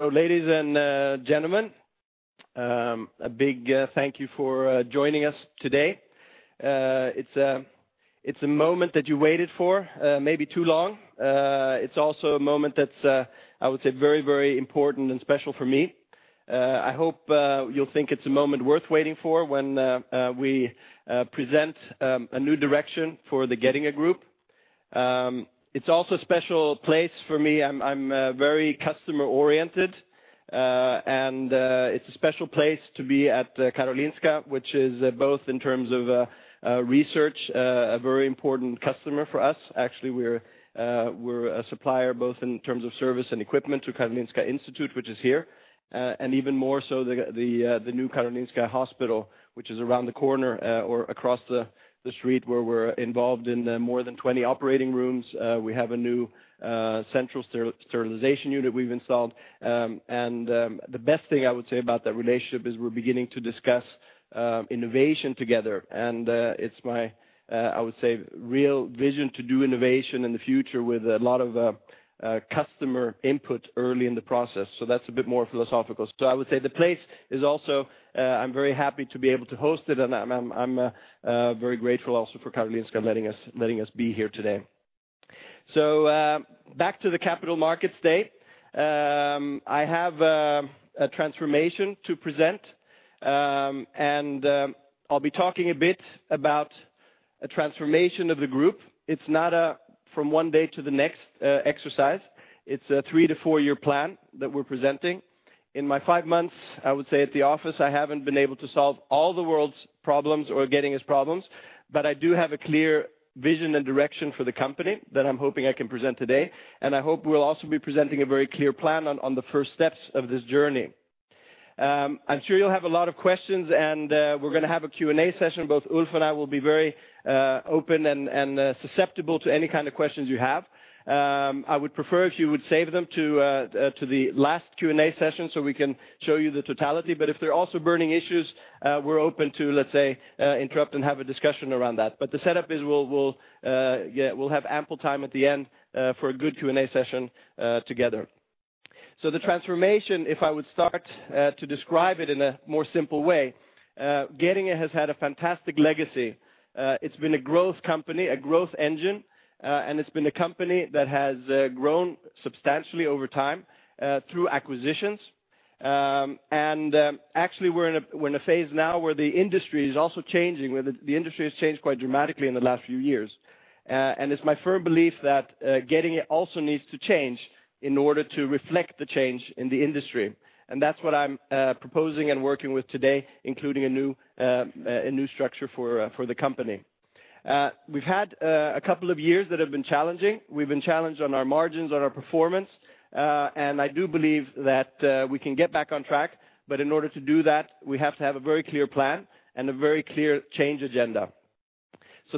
So ladies and gentlemen, a big thank you for joining us today. It's a moment that you waited for, maybe too long. It's also a moment that's, I would say very, very important and special for me. I hope you'll think it's a moment worth waiting for when we present a new direction for the Getinge Group. It's also a special place for me. I'm very customer-oriented, and it's a special place to be at the Karolinska, which is both in terms of research, a very important customer for us. Actually, we're a supplier, both in terms of service and equipment, to Karolinska Institute, which is here. And even more so, the New Karolinska Hospital, which is around the corner, or across the street, where we're involved in more than 20 operating rooms. We have a new central sterilization unit we've installed. And the best thing I would say about that relationship is we're beginning to discuss innovation together, and it's my, I would say, real vision to do innovation in the future with a lot of customer input early in the process. So that's a bit more philosophical. So I would say the place is also, I'm very happy to be able to host it, and I'm very grateful also for Karolinska letting us be here today. So back to the capital market state. I have a transformation to present, and I'll be talking a bit about a transformation of the group. It's not a from one day to the next exercise. It's a 3-4-year plan that we're presenting. In my five months, I would say, at the office, I haven't been able to solve all the world's problems or Getinge's problems, but I do have a clear vision and direction for the company that I'm hoping I can present today, and I hope we'll also be presenting a very clear plan on the first steps of this journey. I'm sure you'll have a lot of questions, and we're gonna have a Q&A session. Both Ulf and I will be very open and susceptible to any kind of questions you have. I would prefer if you would save them to the last Q&A session so we can show you the totality, but if there are also burning issues, we're open to, let's say, interrupt and have a discussion around that. But the setup is we'll have ample time at the end for a good Q&A session together. So the transformation, if I would start to describe it in a more simple way, Getinge has had a fantastic legacy. It's been a growth company, a growth engine, and it's been a company that has grown substantially over time through acquisitions. And actually, we're in a phase now where the industry is also changing, where the industry has changed quite dramatically in the last few years. It's my firm belief that Getinge also needs to change in order to reflect the change in the industry. That's what I'm proposing and working with today, including a new structure for the company. We've had a couple of years that have been challenging. We've been challenged on our margins, on our performance, and I do believe that we can get back on track, but in order to do that, we have to have a very clear plan and a very clear change agenda.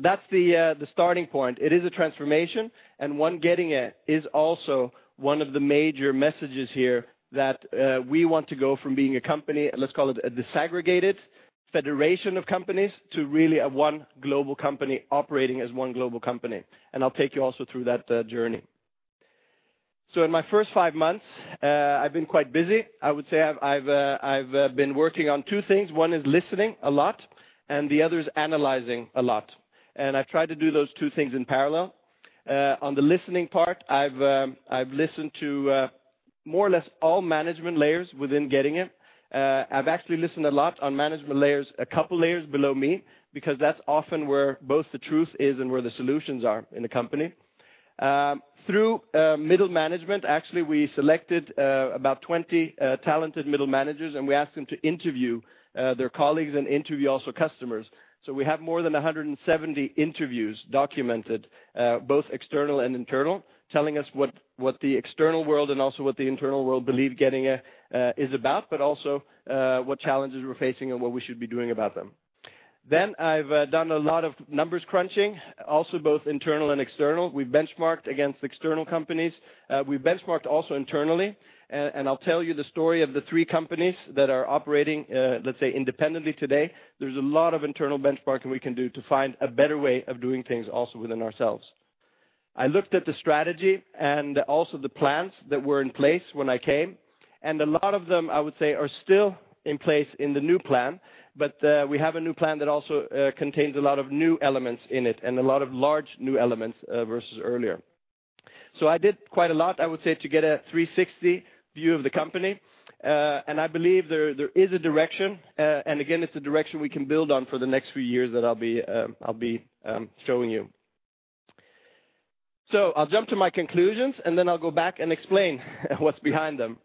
That's the starting point. It is a transformation, and one, Getinge is also one of the major messages here that we want to go from being a company, let's call it a disaggregated federation of companies, to really a one global company operating as one global company, and I'll take you also through that journey. So in my first five months, I've been quite busy. I would say I've been working on two things. One is listening a lot, and the other is analyzing a lot, and I've tried to do those two things in parallel. On the listening part, I've listened to more or less all management layers within Getinge. I've actually listened a lot on management layers, a couple layers below me, because that's often where both the truth is and where the solutions are in the company. Through middle management, actually, we selected about 20 talented middle managers, and we asked them to interview their colleagues and interview also customers. So we have more than 170 interviews documented, both external and internal, telling us what the external world and also what the internal world believe Getinge is about, but also what challenges we're facing and what we should be doing about them. Then, I've done a lot of numbers crunching, also both internal and external. We've benchmarked against external companies. We've benchmarked also internally, and I'll tell you the story of the three companies that are operating, let's say, independently today. There's a lot of internal benchmarking we can do to find a better way of doing things also within ourselves. I looked at the strategy and also the plans that were in place when I came, and a lot of them, I would say, are still in place in the new plan, but we have a new plan that also contains a lot of new elements in it and a lot of large new elements versus earlier. So I did quite a lot, I would say, to get a 360 view of the company. And I believe there is a direction, and again, it's a direction we can build on for the next few years that I'll be showing you. So I'll jump to my conclusions, and then I'll go back and explain what's behind them.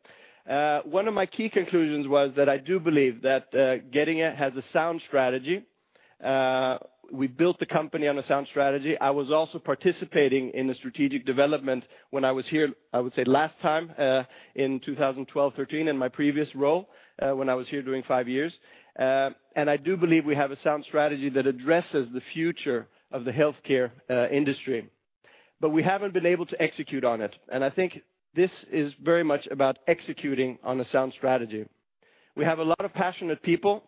One of my key conclusions was that I do believe that Getinge has a sound strategy. We built the company on a sound strategy. I was also participating in the strategic development when I was here, I would say, last time, in 2012, 2013, in my previous role, when I was here during five years. And I do believe we have a sound strategy that addresses the future of the healthcare industry, but we haven't been able to execute on it, and I think this is very much about executing on a sound strategy. We have a lot of passionate people.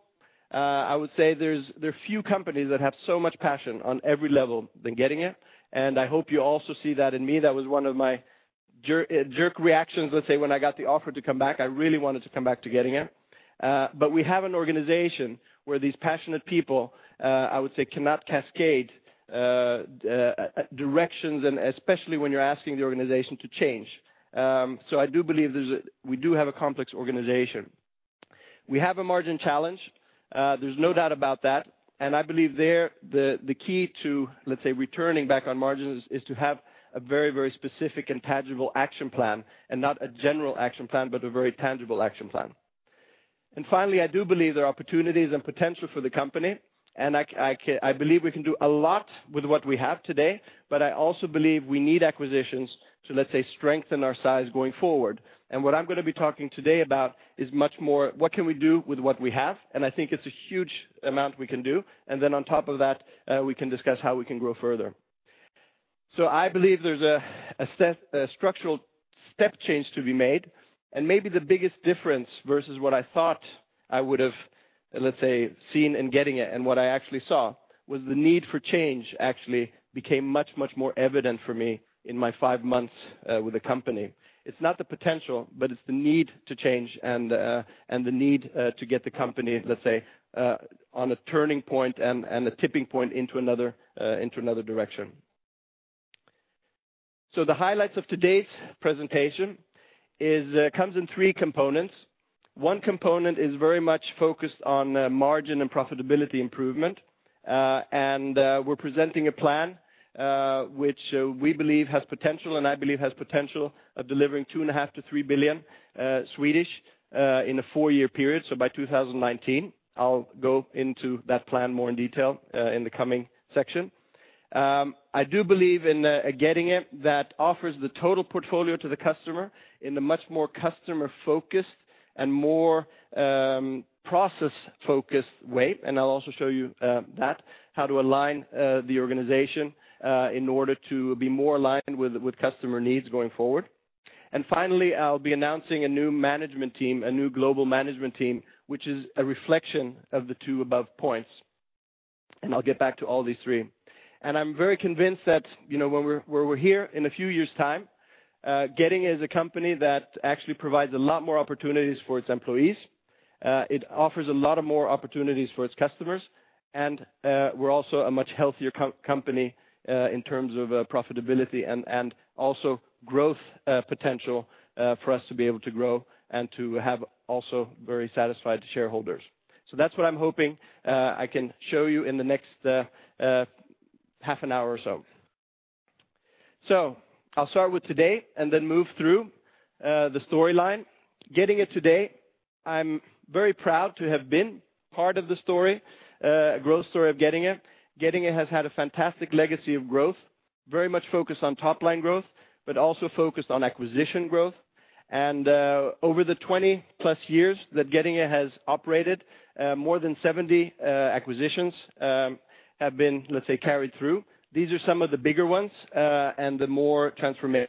I would say there are few companies that have so much passion on every level than Getinge, and I hope you also see that in me. That was one of my jerk reactions, let's say, when I got the offer to come back. I really wanted to come back to Getinge. But we have an organization where these passionate people, I would say, cannot cascade directions, and especially when you're asking the organization to change. So I do believe we do have a complex organization. We have a margin challenge, there's no doubt about that, and I believe the key to, let's say, returning back on margins is to have a very, very specific and tangible action plan, and not a general action plan, but a very tangible action plan. And finally, I do believe there are opportunities and potential for the company, and I believe we can do a lot with what we have today, but I also believe we need acquisitions to, let's say, strengthen our size going forward. What I'm going to be talking today about is much more what can we do with what we have, and I think it's a huge amount we can do. Then on top of that, we can discuss how we can grow further. I believe there's a step, a structural step change to be made, and maybe the biggest difference versus what I thought I would have, let's say, seen in Getinge and what I actually saw, was the need for change actually became much, much more evident for me in my five months with the company. It's not the potential, but it's the need to change and, and the need to get the company, let's say, on a turning point and, and a tipping point into another, into another direction. So the highlights of today's presentation is, comes in three components. One component is very much focused on margin and profitability improvement, and we're presenting a plan which we believe has potential, and I believe has potential of delivering 2.5-3 billion SEK in a four-year period, so by 2019. I'll go into that plan more in detail, in the coming section. I do believe in a Getinge that offers the total portfolio to the customer in a much more customer-focused and more process-focused way. And I'll also show you that, how to align the organization in order to be more aligned with customer needs going forward. And finally, I'll be announcing a new management team, a new global management team, which is a reflection of the two above points, and I'll get back to all these three. And I'm very convinced that, you know, when we're here in a few years' time, Getinge is a company that actually provides a lot more opportunities for its employees, it offers a lot of more opportunities for its customers, and, we're also a much healthier company, in terms of, profitability and also growth, potential, for us to be able to grow and to have also very satisfied shareholders. So that's what I'm hoping, I can show you in the next, half an hour or so. So I'll start with today and then move through, the storyline. Getinge today, I'm very proud to have been part of the story, growth story of Getinge. Getinge has had a fantastic legacy of growth, very much focused on top-line growth, but also focused on acquisition growth. Over the 20-plus years that Getinge has operated, more than 70 acquisitions have been, let's say, carried through. These are some of the bigger ones, and the more transformative.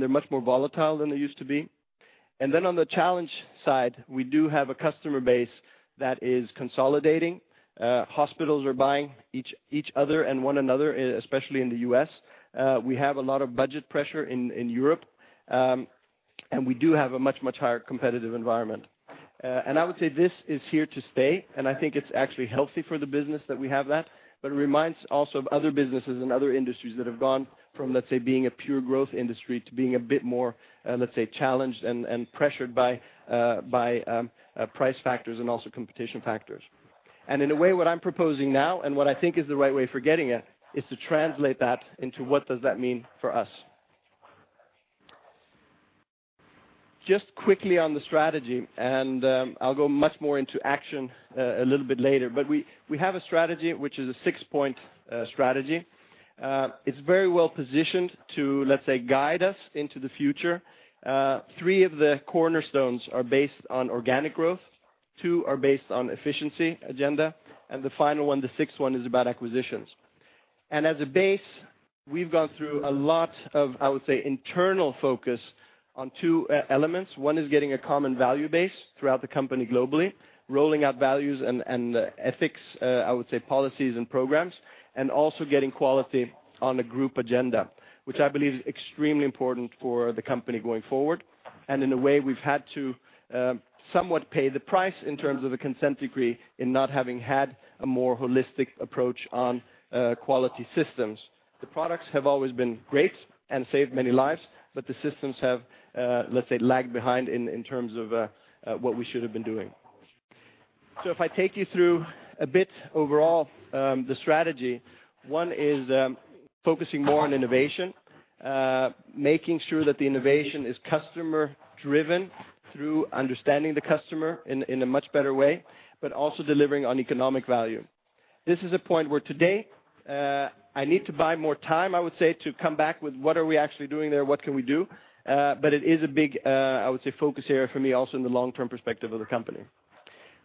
They're much more volatile than they used to be. And then on the challenge side, we do have a customer base that is consolidating. Hospitals are buying each other and one another, especially in the U.S. We have a lot of budget pressure in Europe, and we do have a much, much higher competitive environment. And I would say this is here to stay, and I think it's actually healthy for the business that we have that, but it reminds also of other businesses and other industries that have gone from, let's say, being a pure growth industry to being a bit more, let's say, challenged and pressured by price factors and also competition factors. And in a way, what I'm proposing now, and what I think is the right way for Getinge, is to translate that into what does that mean for us? Just quickly on the strategy, and I'll go much more into action a little bit later, but we have a strategy which is a six-point strategy. It's very well positioned to, let's say, guide us into the future. Three of the cornerstones are based on organic growth, two are based on efficiency agenda, and the final one, the sixth one, is about acquisitions. As a base, we've gone through a lot of, I would say, internal focus on two e-elements. One is getting a common value base throughout the company globally, rolling out values and, and ethics, I would say policies and programs, and also getting quality on a group agenda, which I believe is extremely important for the company going forward. In a way, we've had to, somewhat pay the price in terms of the Consent Decree, in not having had a more holistic approach on, quality systems. The products have always been great and saved many lives, but the systems have, let's say, lagged behind in, in terms of, what we should have been doing. So if I take you through a bit overall, the strategy, one is, focusing more on innovation, making sure that the innovation is customer driven through understanding the customer in a much better way, but also delivering on economic value. This is a point where today, I need to buy more time, I would say, to come back with what are we actually doing there, what can we do? But it is a big, I would say, focus area for me, also in the long-term perspective of the company.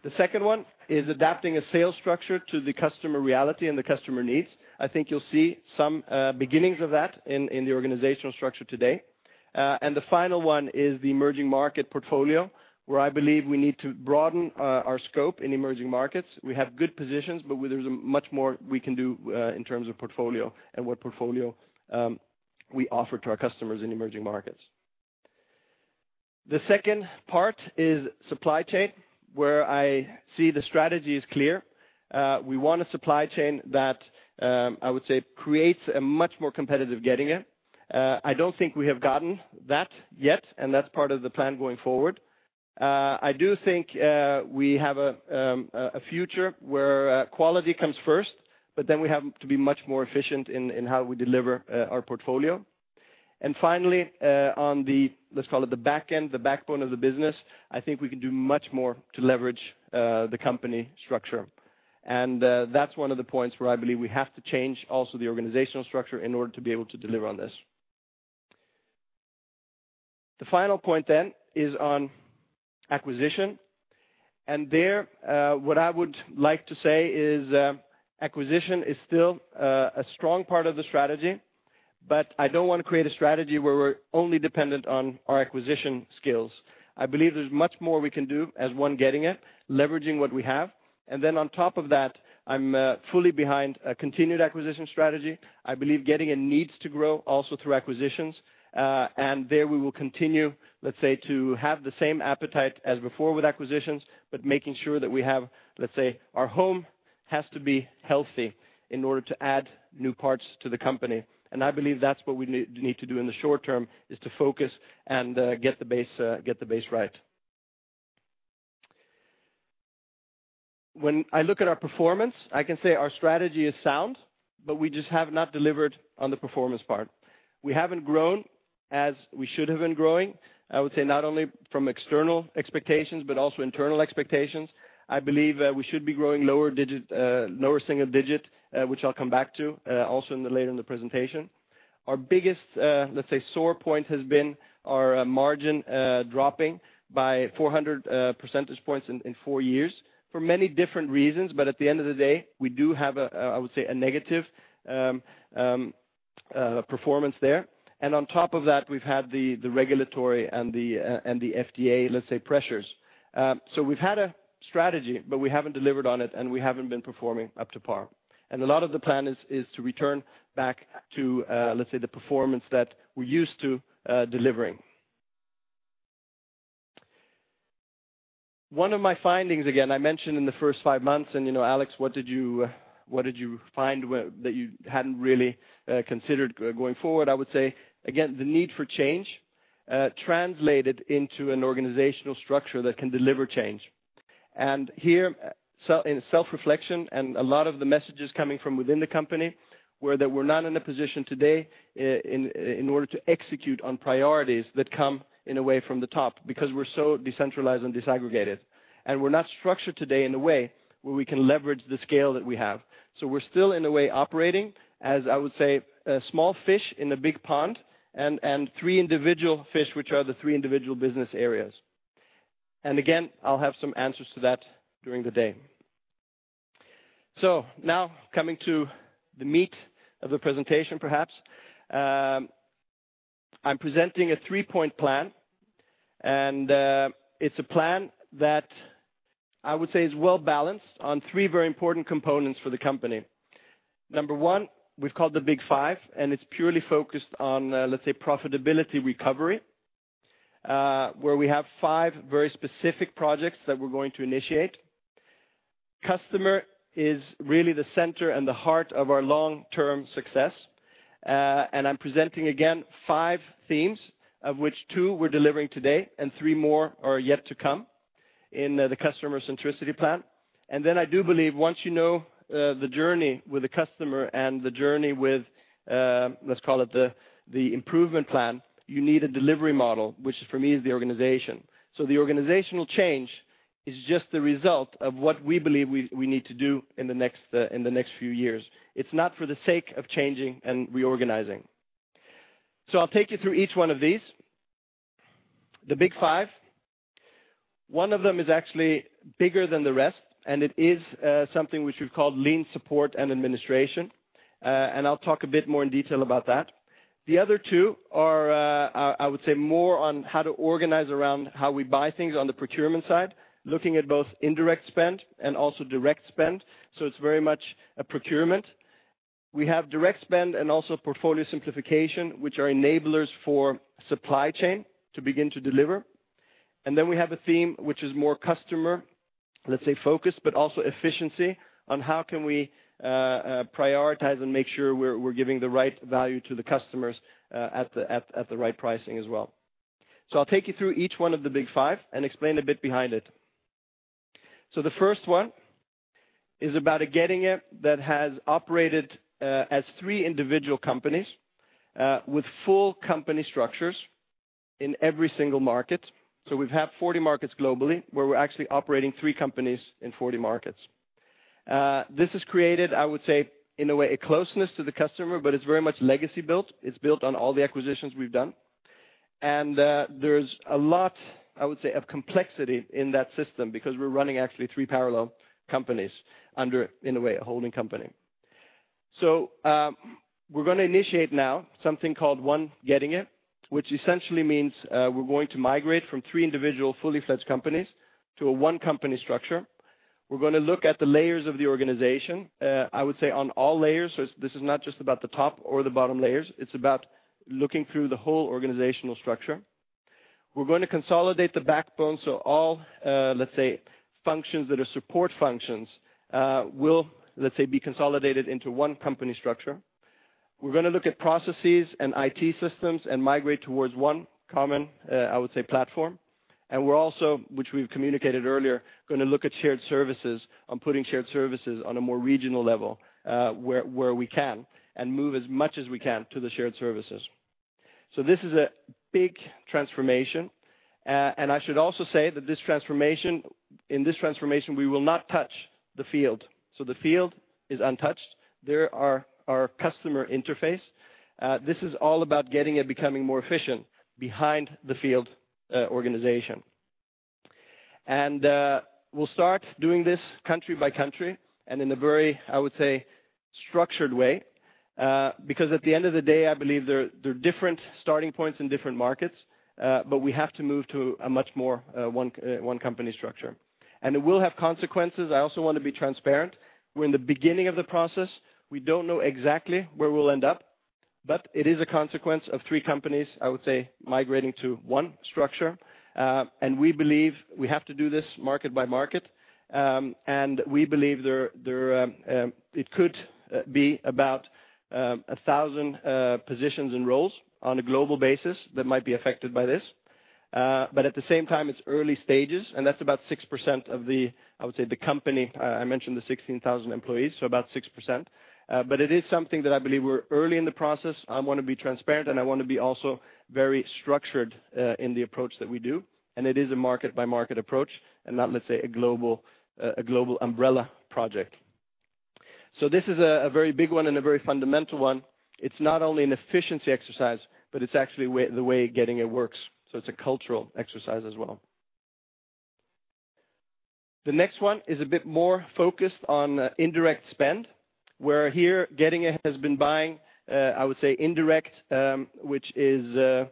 The second one is adapting a sales structure to the customer reality and the customer needs. I think you'll see some, beginnings of that in the organizational structure today. And the final one is the emerging market portfolio, where I believe we need to broaden our scope in emerging markets. We have good positions, but there's much more we can do in terms of portfolio and what portfolio we offer to our customers in emerging markets. The second part is supply chain, where I see the strategy is clear. We want a supply chain that, I would say, creates a much more competitive Getinge. I don't think we have gotten that yet, and that's part of the plan going forward. I do think we have a future where quality comes first, but then we have to be much more efficient in how we deliver our portfolio. And finally, on the, let's call it the back end, the backbone of the business, I think we can do much more to leverage the company structure. That's one of the points where I believe we have to change also the organizational structure in order to be able to deliver on this. The final point then is on acquisition, and there, what I would like to say is, acquisition is still a strong part of the strategy, but I don't want to create a strategy where we're only dependent on our acquisition skills. I believe there's much more we can do as one Getinge, leveraging what we have, and then on top of that, I'm fully behind a continued acquisition strategy. I believe Getinge needs to grow also through acquisitions. And there we will continue, let's say, to have the same appetite as before with acquisitions, but making sure that we have, let's say, our home has to be healthy in order to add new parts to the company. I believe that's what we need to do in the short term, is to focus and get the base right. When I look at our performance, I can say our strategy is sound, but we just have not delivered on the performance part. We haven't grown as we should have been growing, I would say, not only from external expectations, but also internal expectations. I believe we should be growing lower single digit, which I'll come back to also later in the presentation. Our biggest, let's say, sore point has been our margin dropping by 400 percentage points in four years, for many different reasons. But at the end of the day, we do have a, I would say, a negative performance there. And on top of that, we've had the regulatory and the FDA, let's say, pressures. So we've had a strategy, but we haven't delivered on it, and we haven't been performing up to par. And a lot of the plan is to return back to, let's say, the performance that we're used to delivering. One of my findings, again, I mentioned in the first five months, and you know, Alex, what did you find where that you hadn't really considered going forward? I would say again, the need for change translated into an organizational structure that can deliver change. And here, so in self-reflection and a lot of the messages coming from within the company, were that we're not in a position today in order to execute on priorities that come, in a way, from the top, because we're so decentralized and disaggregated. And we're not structured today in a way where we can leverage the scale that we have. So we're still, in a way, operating, as I would say, a small fish in a big pond, and three individual fish, which are the three individual business areas. And again, I'll have some answers to that during the day. So now coming to the meat of the presentation, perhaps. I'm presenting a three-point plan, and it's a plan that I would say is well-balanced on three very important components for the company. Number one, we've called the Big five, and it's purely focused on, let's say, profitability recovery, where we have five very specific projects that we're going to initiate. Customer centricity is really the center and the heart of our long-term success. And I'm presenting again, five themes, of which two we're delivering today, and three more are yet to come in, the customer centricity plan. And then I do believe once you know, the journey with the customer and the journey with, let's call it the, the improvement plan, you need a delivery model, which for me is the organization. So the organizational change is just the result of what we believe we, we need to do in the next, in the next few years. It's not for the sake of changing and reorganizing. So I'll take you through each one of these. The Big five. One of them is actually bigger than the rest, and it is, something which we've called lean support and administration. And I'll talk a bit more in detail about that. The other two are, I, I would say more on how to organize around how we buy things on the procurement side, looking at both indirect spend and also direct spend, so it's very much a procurement. We have direct spend and also portfolio simplification, which are enablers for supply chain to begin to deliver. And then we have a theme which is more customer, let's say, focused, but also efficiency on how can we prioritize and make sure we're giving the right value to the customers at the right pricing as well. So I'll take you through each one of the Big five and explain a bit behind it. So the first one is about a Getinge that has operated as three individual companies with full company structures in every single market. So we've had 40 markets globally, where we're actually operating three companies in 40 markets. This has created, I would say, in a way, a closeness to the customer, but it's very much legacy built. It's built on all the acquisitions we've done. And, there's a lot, I would say, of complexity in that system because we're running actually three parallel companies under, in a way, a holding company. So, we're gonna initiate now something called One Getinge, which essentially means, we're going to migrate from three individual, fully-fledged companies to a one company structure. We're gonna look at the layers of the organization, I would say, on all layers. So this is not just about the top or the bottom layers, it's about looking through the whole organizational structure. We're going to consolidate the backbone, so all, let's say, functions that are support functions, will, let's say, be consolidated into one company structure. We're gonna look at processes and IT systems and migrate towards one common, I would say, platform. And we're also, which we've communicated earlier, gonna look at shared services, on putting shared services on a more regional level, where we can, and move as much as we can to the shared services. So this is a big transformation. And I should also say that this transformation, in this transformation, we will not touch the field. So the field is untouched. They are our customer interface. This is all about Getinge becoming more efficient behind the field organization. And we'll start doing this country by country and in a very, I would say, structured way, because at the end of the day, I believe there are different starting points in different markets, but we have to move to a much more one company structure. And it will have consequences. I also want to be transparent. We're in the beginning of the process. We don't know exactly where we'll end up, but it is a consequence of three companies, I would say, migrating to one structure. We believe we have to do this market by market. We believe there it could be about 1,000 positions and roles on a global basis that might be affected by this. But at the same time, it's early stages, and that's about 6% of the, I would say, the company. I mentioned the 16,000 employees, so about 6%. But it is something that I believe we're early in the process. I want to be transparent, and I want to be also very structured in the approach that we do. And it is a market-by-market approach and not, let's say, a global, a global umbrella project. So this is a very Big one and a very fundamental one. It's not only an efficiency exercise, but it's actually the way Getinge works, so it's a cultural exercise as well. The next one is a bit more focused on indirect spend, where here, Getinge has been buying, I would say indirect, which is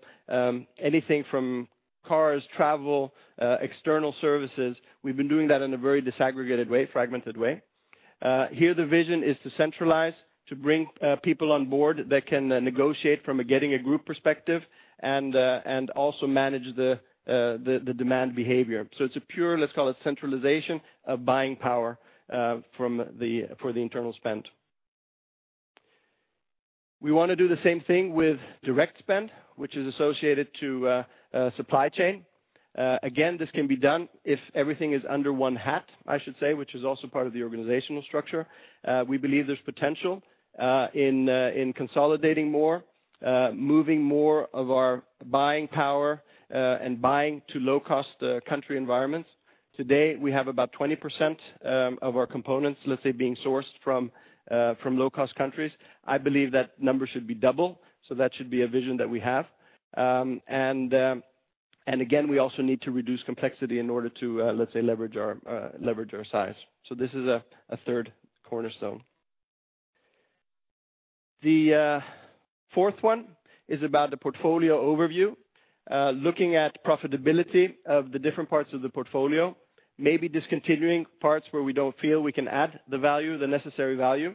anything from cars, travel, external services. We've been doing that in a very disaggregated way, fragmented way. Here, the vision is to centralize, to bring people on board that can negotiate from a Getinge group perspective and also manage the demand behavior. So it's a pure, let's call it, centralization of buying power for the internal spend. We want to do the same thing with direct spend, which is associated to supply chain. Again, this can be done if everything is under one hat, I should say, which is also part of the organizational structure. We believe there's potential in consolidating more, moving more of our buying power, and buying to low-cost country environments. Today, we have about 20% of our components, let's say, being sourced from low-cost countries. I believe that number should be double, so that should be a vision that we have. And again, we also need to reduce complexity in order to, let's say, leverage our size. So this is a third cornerstone. The fourth one is about the portfolio overview. Looking at profitability of the different parts of the portfolio, maybe discontinuing parts where we don't feel we can add the value, the necessary value,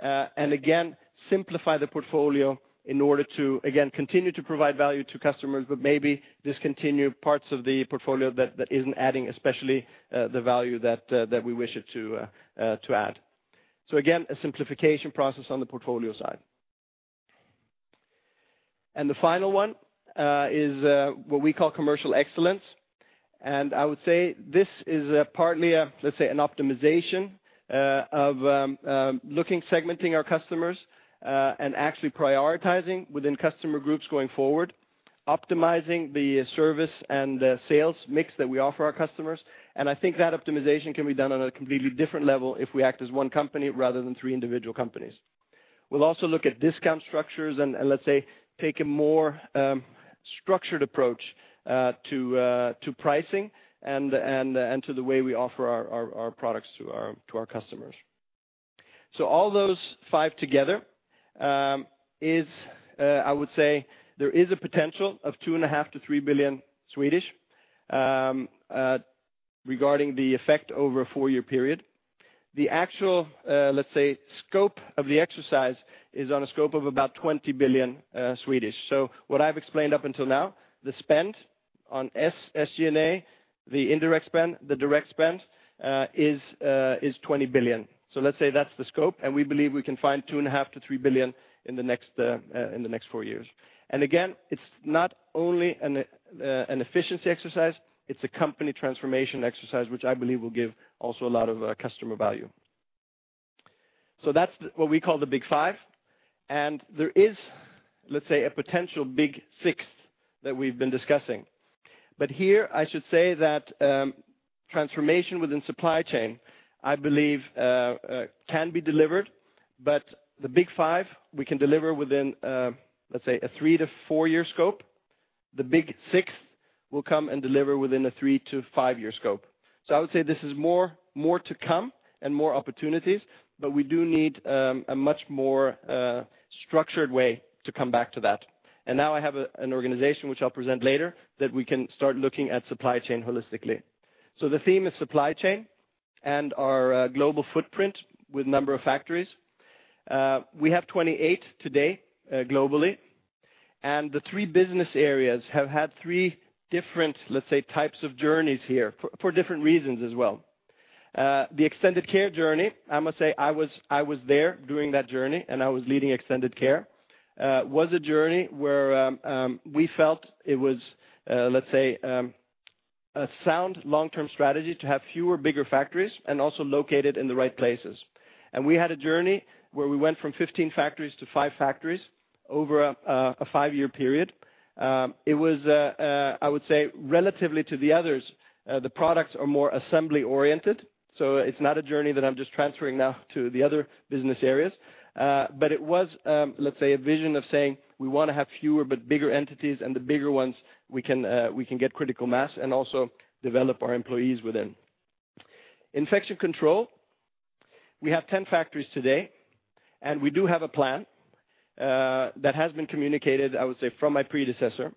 and again, simplify the portfolio in order to, again, continue to provide value to customers, but maybe discontinue parts of the portfolio that, that isn't adding, especially, the value that, that we wish it to, to add. So again, a simplification process on the portfolio side. The final one is what we call commercial excellence. I would say this is partly a, let's say, an optimization of looking, segmenting our customers, and actually prioritizing within customer groups going forward, optimizing the service and the sales mix that we offer our customers. I think that optimization can be done on a completely different level if we act as one company rather than three individual companies. We'll also look at discount structures and let's say take a more structured approach to pricing and to the way we offer our products to our customers. All those five together is, I would say there is a potential of 2.5 billion-3 billion regarding the effect over a 4-year period. The actual, let's say, scope of the exercise is on a scope of about 20 billion. What I've explained up until now, the spend on SG&A, the indirect spend, the direct spend is 20 billion. So let's say that's the scope, and we believe we can find 2.5 billion-3 billion in the next four years. And again, it's not only an efficiency exercise, it's a company transformation exercise, which I believe will give also a lot of customer value. So that's what we call the Big five, and there is, let's say, a potential Big sixth that we've been discussing. But here I should say that transformation within supply chain, I believe, can be delivered, but the Big five we can deliver within, let's say, a three-to-four-year scope. The Big sixth will come and deliver within a three-to-five-year scope. So I would say this is more, more to come and more opportunities, but we do need a much more structured way to come back to that. And now I have an organization, which I'll present later, that we can start looking at supply chain holistically. So the theme is supply chain and our global footprint with number of factories. We have 28 today, globally, and the three business areas have had three different, let's say, types of journeys here for different reasons as well. The extended care journey, I must say I was there during that journey, and I was leading extended care, was a journey where we felt it was, let's say, a sound long-term strategy to have fewer, bigger factories and also located in the right places. We had a journey where we went from 15 factories to five factories over a five-year period. It was, I would say, relatively to the others, the products are more assembly-oriented, so it's not a journey that I'm just transferring now to the other business areas. But it was, let's say, a vision of saying, we want to have fewer but bigger entities, and the bigger ones we can, we can get critical mass and also develop our employees within. Infection Control, we have 10 factories today, and we do have a plan that has been communicated, I would say, from my predecessor.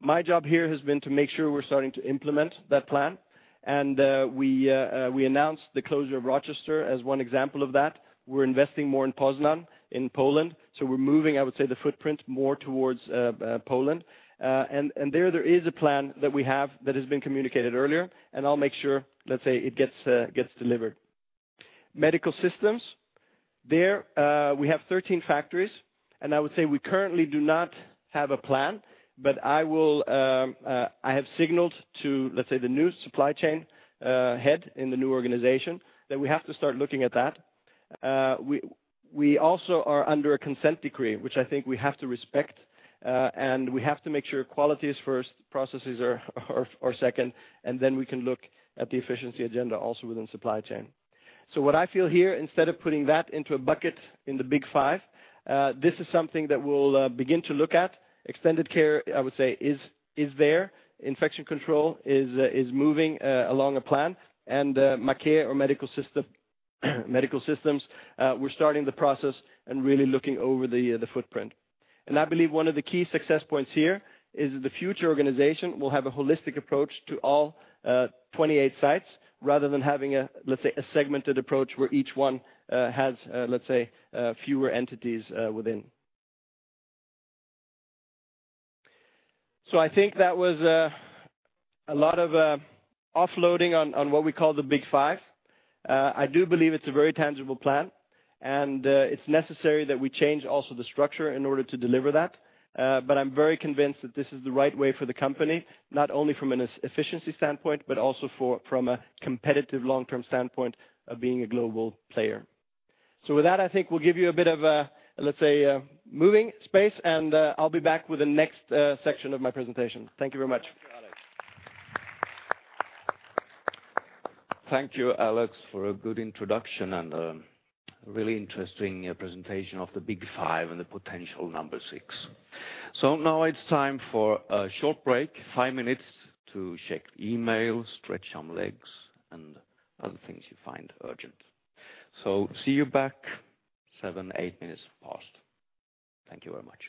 My job here has been to make sure we're starting to implement that plan, and we announced the closure of Rochester as one example of that. We're investing more in Poznań, in Poland, so we're moving, I would say, the footprint more towards Poland. And there is a plan that we have that has been communicated earlier, and I'll make sure, let's say, it gets delivered. Medical systems, there, we have 13 factories, and I would say we currently do not have a plan, but I will. I have signaled to, let's say, the new supply chain head in the new organization that we have to start looking at that. We also are under a consent decree, which I think we have to respect, and we have to make sure quality is first, processes are second, and then we can look at the efficiency agenda also within supply chain. So what I feel here, instead of putting that into a bucket in the Big five, this is something that we'll begin to look at. Extended Care, I would say, is there. Infection Control is moving along a plan, and Maquet Medical Systems, we're starting the process and really looking over the footprint. And I believe one of the key success points here is that the future organization will have a holistic approach to all 28 sites, rather than having a, let's say, a segmented approach, where each one has, let's say, fewer entities within. So I think that was a lot of offloading on what we call the Big five. I do believe it's a very tangible plan, and it's necessary that we change also the structure in order to deliver that. But I'm very convinced that this is the right way for the company, not only from an efficiency standpoint, but also from a competitive long-term standpoint of being a global player. So with that, I think we'll give you a bit of a, let's say, a moving space, and I'll be back with the next section of my presentation. Thank you very much. Thank you, Alex, for a good introduction and really interesting presentation of the Big five and the potential number six. So now it's time for a short break, five minutes to check email, stretch some legs and other things you find urgent. So see you back, seven, eight minutes past. Thank you very much.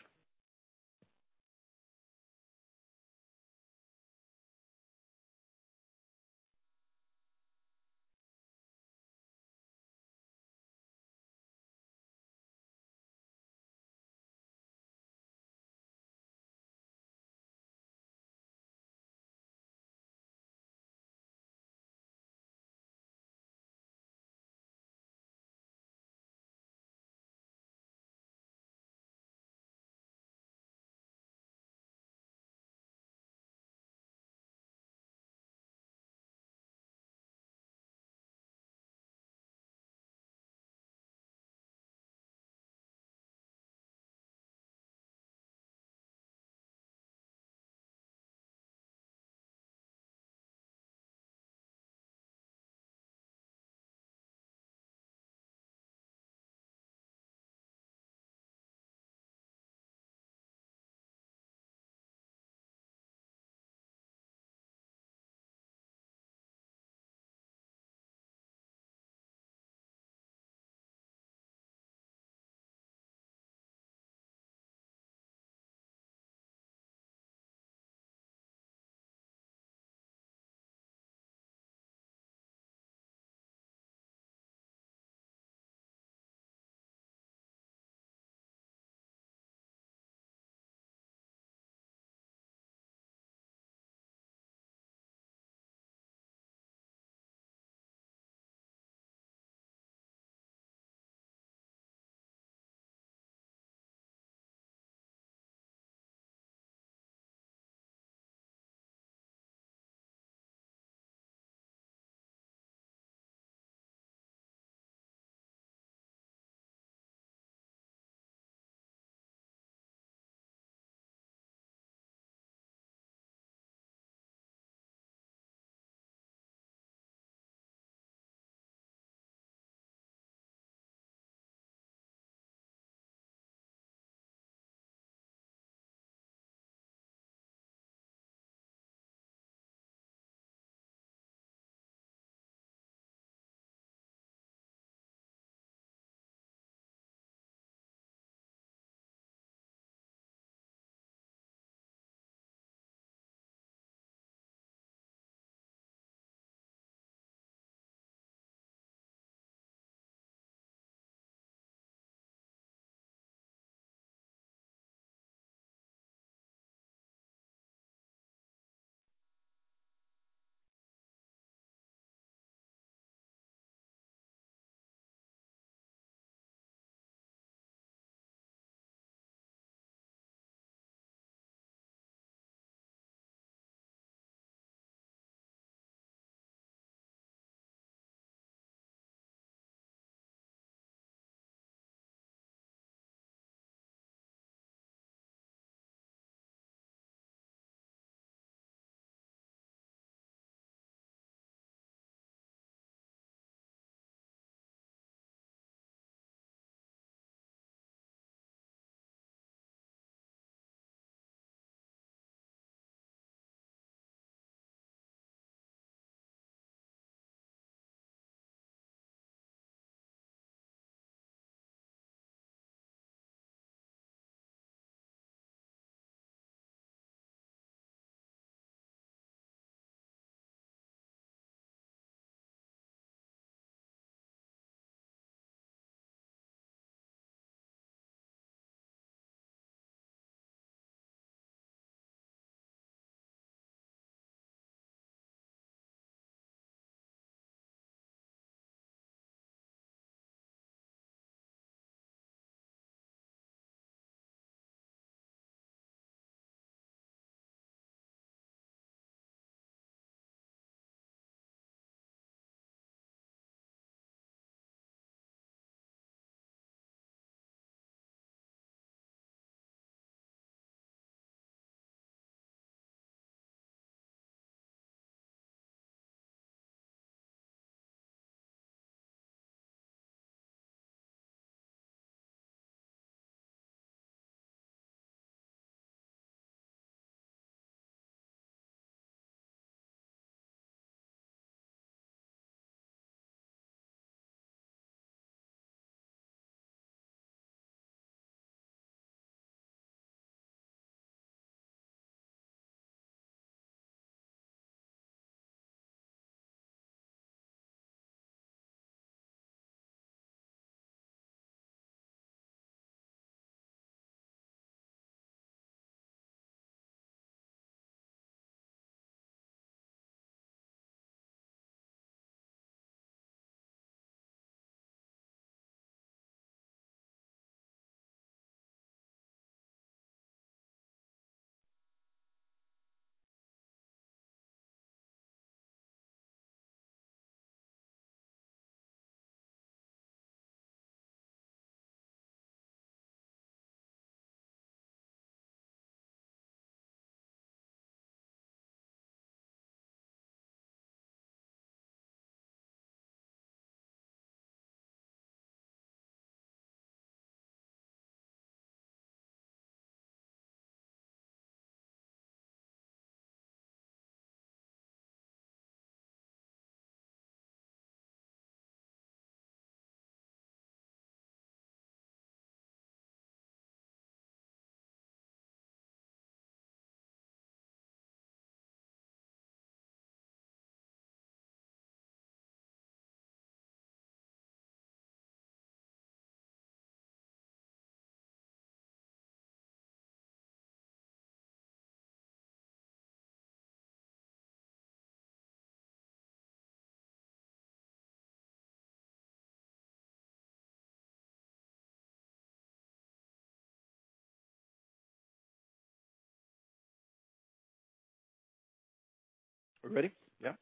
We're ready? Yeah.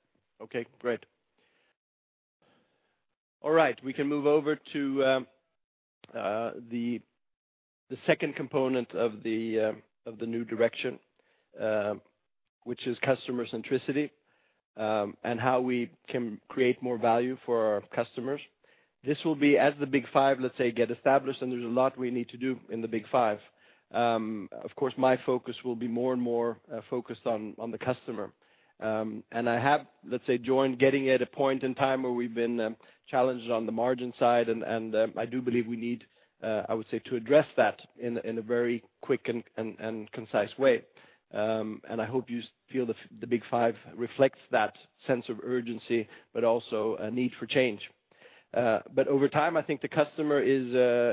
Okay, great. All right, we can move over to the second component of the new direction, which is customer centricity, and how we can create more value for our customers. This will be as the Big five, let's say, get established, and there's a lot we need to do in the Big five. Of course, my focus will be more and more focused on the customer. And I have, let's say, joined Getinge at a point in time where we've been challenged on the margin side, and I do believe we need, I would say, to address that in a very quick and concise way. I hope you feel the Big five reflects that sense of urgency, but also a need for change. Over time, I think the customer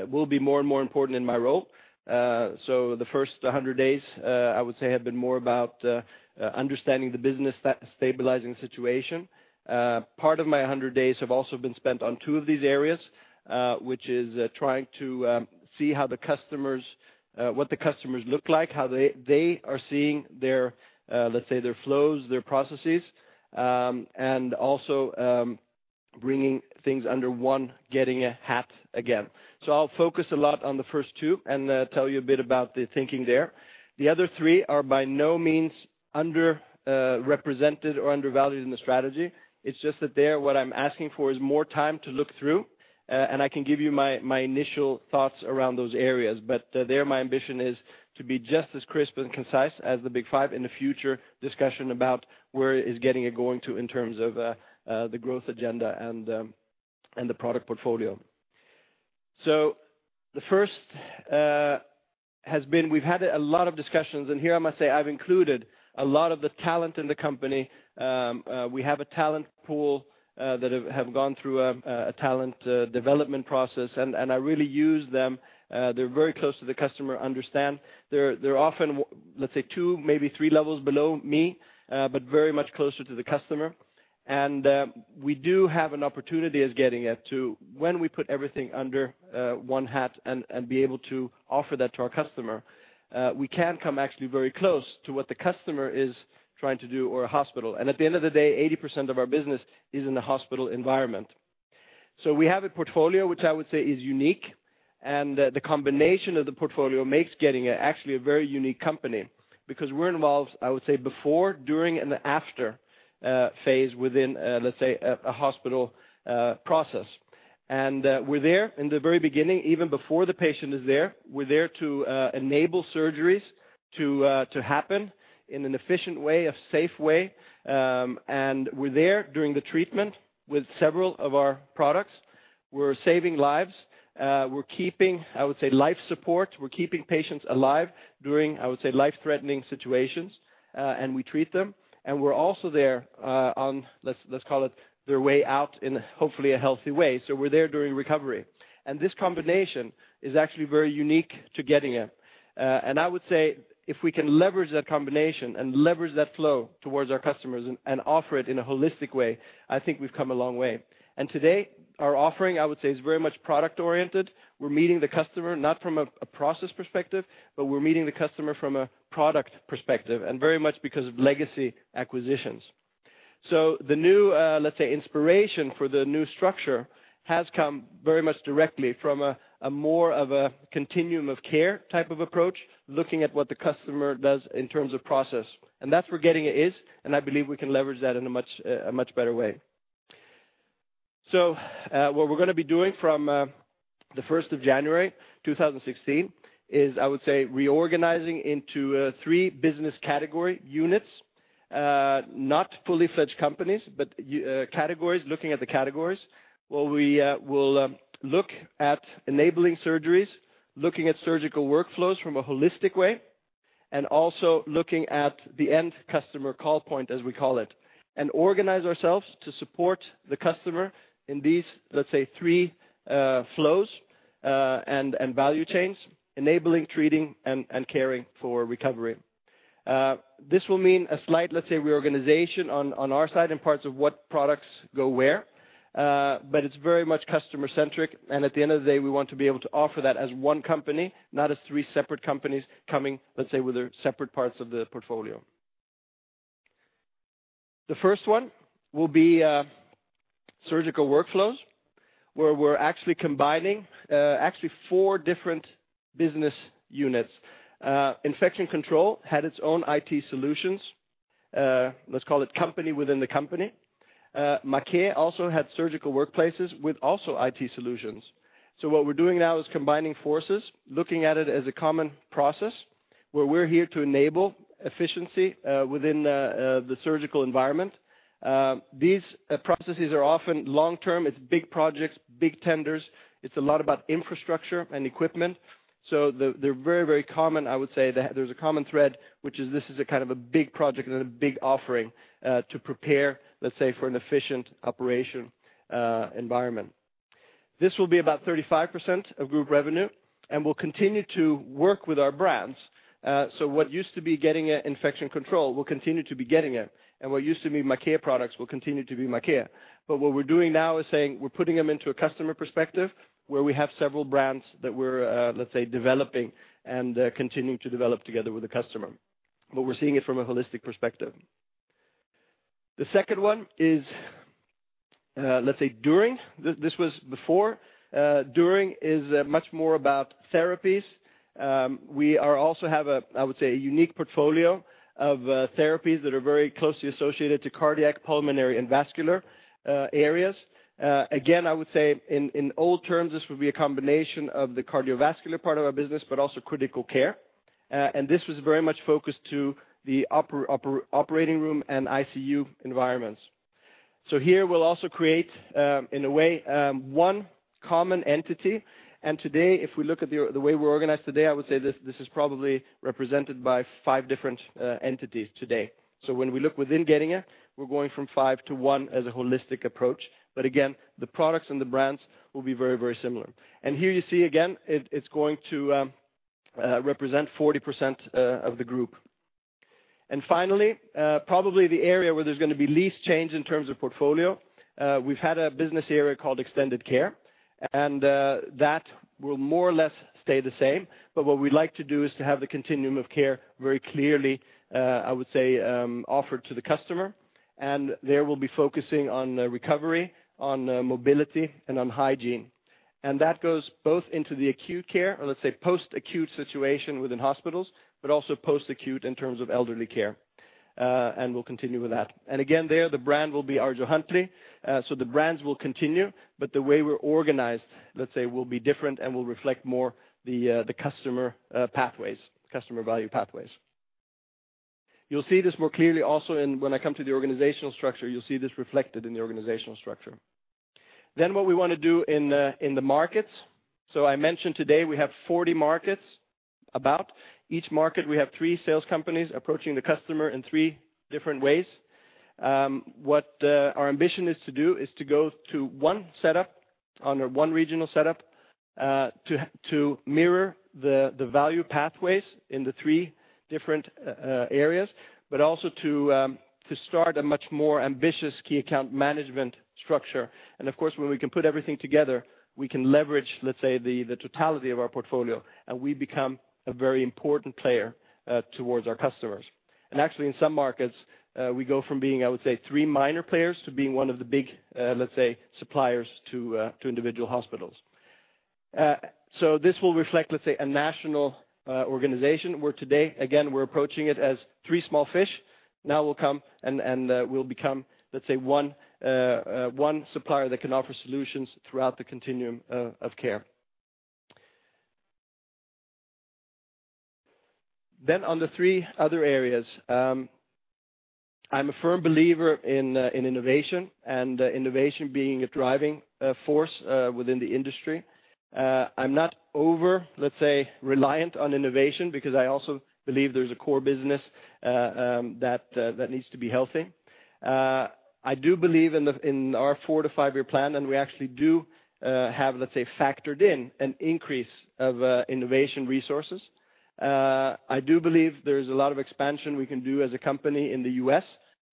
will be more and more important in my role. So the first 100 days, I would say, have been more about understanding the business stabilizing situation. Part of my 100 days have also been spent on two of these areas, which is trying to see how the customers, what the customers look like, how they are seeing their, let's say, their flows, their processes, and also bringing things under one Getinge hat again. So I'll focus a lot on the first two and tell you a bit about the thinking there. The other three are by no means under represented or undervalued in the strategy. It's just that there, what I'm asking for is more time to look through, and I can give you my, my initial thoughts around those areas. But, there, my ambition is to be just as crisp and concise as the Big five in the future discussion about where is Getinge going to in terms of, the growth agenda and, and the product portfolio. So the first, has been we've had a lot of discussions, and here I must say I've included a lot of the talent in the company. We have a talent pool, that have gone through a, a talent, development process, and, and I really use them. They're very close to the customer, understand. They're often, let's say, two, maybe three levels below me, but very much closer to the customer. And, we do have an opportunity as Getinge to when we put everything under one hat and, and be able to offer that to our customer, we can come actually very close to what the customer is trying to do, or a hospital. And at the end of the day, 80% of our business is in the hospital environment. So we have a portfolio, which I would say is unique, and, the combination of the portfolio makes Getinge actually a very unique company. Because we're involved, I would say, before, during, and after phase within, let's say, a hospital process. And, we're there in the very beginning, even before the patient is there. We're there to enable surgeries to happen in an efficient way, a safe way, and we're there during the treatment with several of our products. We're saving lives, we're keeping, I would say, life support. We're keeping patients alive during, I would say, life-threatening situations, and we treat them. And we're also there on, let's call it, their way out in hopefully a healthy way, so we're there during recovery. And this combination is actually very unique to Getinge. And I would say if we can leverage that combination and leverage that flow towards our customers and offer it in a holistic way, I think we've come a long way. And today, our offering, I would say, is very much product-oriented. We're meeting the customer, not from a process perspective, but we're meeting the customer from a product perspective, and very much because of legacy acquisitions. So the new, let's say, inspiration for the new structure has come very much directly from a more of a continuum of care type of approach, looking at what the customer does in terms of process. And that's where Getinge is, and I believe we can leverage that in a much better way. So, what we're going to be doing from the first of January 2016, is, I would say, reorganizing into three business category units. Not full-fledged companies, but categories, looking at the categories, where we will look at enabling surgeries, looking at surgical workflows from a holistic way, and also looking at the end customer call point, as we call it. And organize ourselves to support the customer in these, let's say, three flows, and value chains, enabling, treating, and caring for recovery. This will mean a slight, let's say, reorganization on our side and parts of what products go where, but it's very much customer-centric, and at the end of the day, we want to be able to offer that as one company, not as three separate companies coming, let's say, with their separate parts of the portfolio. The first one will be surgical workflows, where we're actually combining actually four different business units. Infection Control had its own IT solutions, let's call it company within the company. Maquet also had surgical workflows with also IT solutions. So what we're doing now is combining forces, looking at it as a common process, where we're here to enable efficiency within the surgical environment. These processes are often long-term. It's big projects, big tenders. It's a lot about infrastructure and equipment. So they're very, very common, I would say. There's a common thread, which is this is a kind of a big project and a big offering to prepare, let's say, for an efficient operation environment. This will be about 35% of group revenue, and we'll continue to work with our brands. So what used to be Getinge Infection Control will continue to be Getinge, and what used to be Maquet products will continue to be Maquet. But what we're doing now is saying we're putting them into a customer perspective, where we have several brands that we're, let's say, developing and continuing to develop together with the customer. But we're seeing it from a holistic perspective. The second one is, let's say, during, this was before. During is much more about therapies. We are also have a, I would say, a unique portfolio of therapies that are very closely associated to cardiac, pulmonary, and vascular areas. Again, I would say in old terms, this would be a combination of the cardiovascular part of our business, but also critical care. And this was very much focused to the operating room and ICU environments. So here, we'll also create, in a way, one common entity. And today, if we look at the way we're organized today, I would say this is probably represented by five different entities today. So when we look within Getinge, we're going from five to one as a holistic approach. But again, the products and the brands will be very, very similar. And here you see again, it's going to represent 40% of the group. And finally, probably the area where there's going to be least change in terms of portfolio, we've had a business area called Extended Care, and that will more or less stay the same. But what we'd like to do is to have the continuum of care very clearly, I would say, offered to the customer. And there, we'll be focusing on, recovery, on, mobility, and on hygiene. And that goes both into the acute care, or let's say, post-acute situation within hospitals, but also post-acute in terms of elderly care, and we'll continue with that. And again, there, the brand will be ArjoHuntleigh. So the brands will continue, but the way we're organized, let's say, will be different and will reflect more the, the customer, pathways, customer value pathways. You'll see this more clearly also in, when I come to the organizational structure, you'll see this reflected in the organizational structure. Then what we want to do in the, in the markets, so I mentioned today we have 40 markets, about. Each market, we have three sales companies approaching the customer in three different ways. What our ambition is to do is to go to one setup, under one regional setup, to mirror the, the value pathways in the three different, areas, but also to start a much more ambitious key account management structure. And of course, when we can put everything together, we can leverage, let's say, the, the totality of our portfolio, and we become a very important player, towards our customers. And actually, in some markets, we go from being, I would say, three minor players to being one of the big, let's say, suppliers to, to individual hospitals. So this will reflect, let's say, a national, organization, where today, again, we're approaching it as three small fish. Now we'll come and we'll become, let's say, one supplier that can offer solutions throughout the continuum of care. Then on the three other areas, I'm a firm believer in innovation, and innovation being a driving force within the industry. I'm not over, let's say, reliant on innovation, because I also believe there's a core business that needs to be healthy. I do believe in our 4-5-year plan, and we actually do have, let's say, factored in an increase of innovation resources. I do believe there is a lot of expansion we can do as a company in the U.S.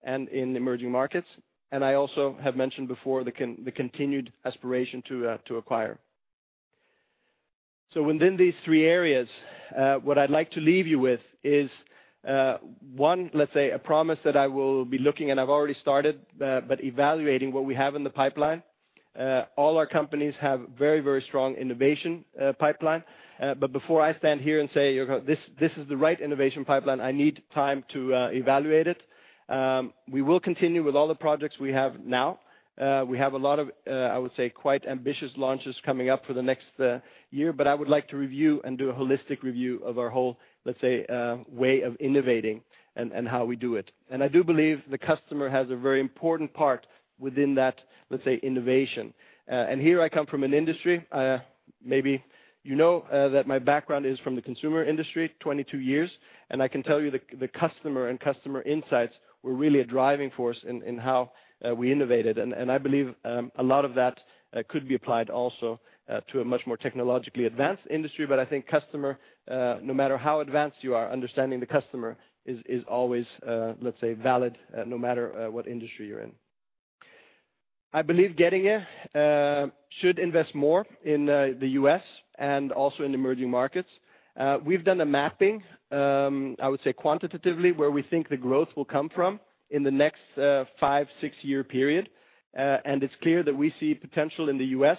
and in emerging markets. And I also have mentioned before, the continued aspiration to acquire. So within these three areas, what I'd like to leave you with is, one, let's say, a promise that I will be looking, and I've already started, but evaluating what we have in the pipeline. All our companies have very, very strong innovation pipeline. But before I stand here and say, "This, this is the right innovation pipeline," I need time to evaluate it. We will continue with all the projects we have now. We have a lot of, I would say, quite ambitious launches coming up for the next year, but I would like to review and do a holistic review of our whole, let's say, way of innovating and, and how we do it. And I do believe the customer has a very important part within that, let's say, innovation. And here I come from an industry, maybe you know, that my background is from the consumer industry, 22 years, and I can tell you the, the customer and customer insights were really a driving force in, in how, we innovated. And, and I believe, a lot of that, could be applied also, to a much more technologically advanced industry. But I think customer, no matter how advanced you are, understanding the customer is, is always, let's say, valid, no matter, what industry you're in. I believe Getinge, should invest more in, the U.S. and also in emerging markets. We've done a mapping, I would say, quantitatively, where we think the growth will come from in the next, 5-6-year period. And it's clear that we see potential in the U.S.,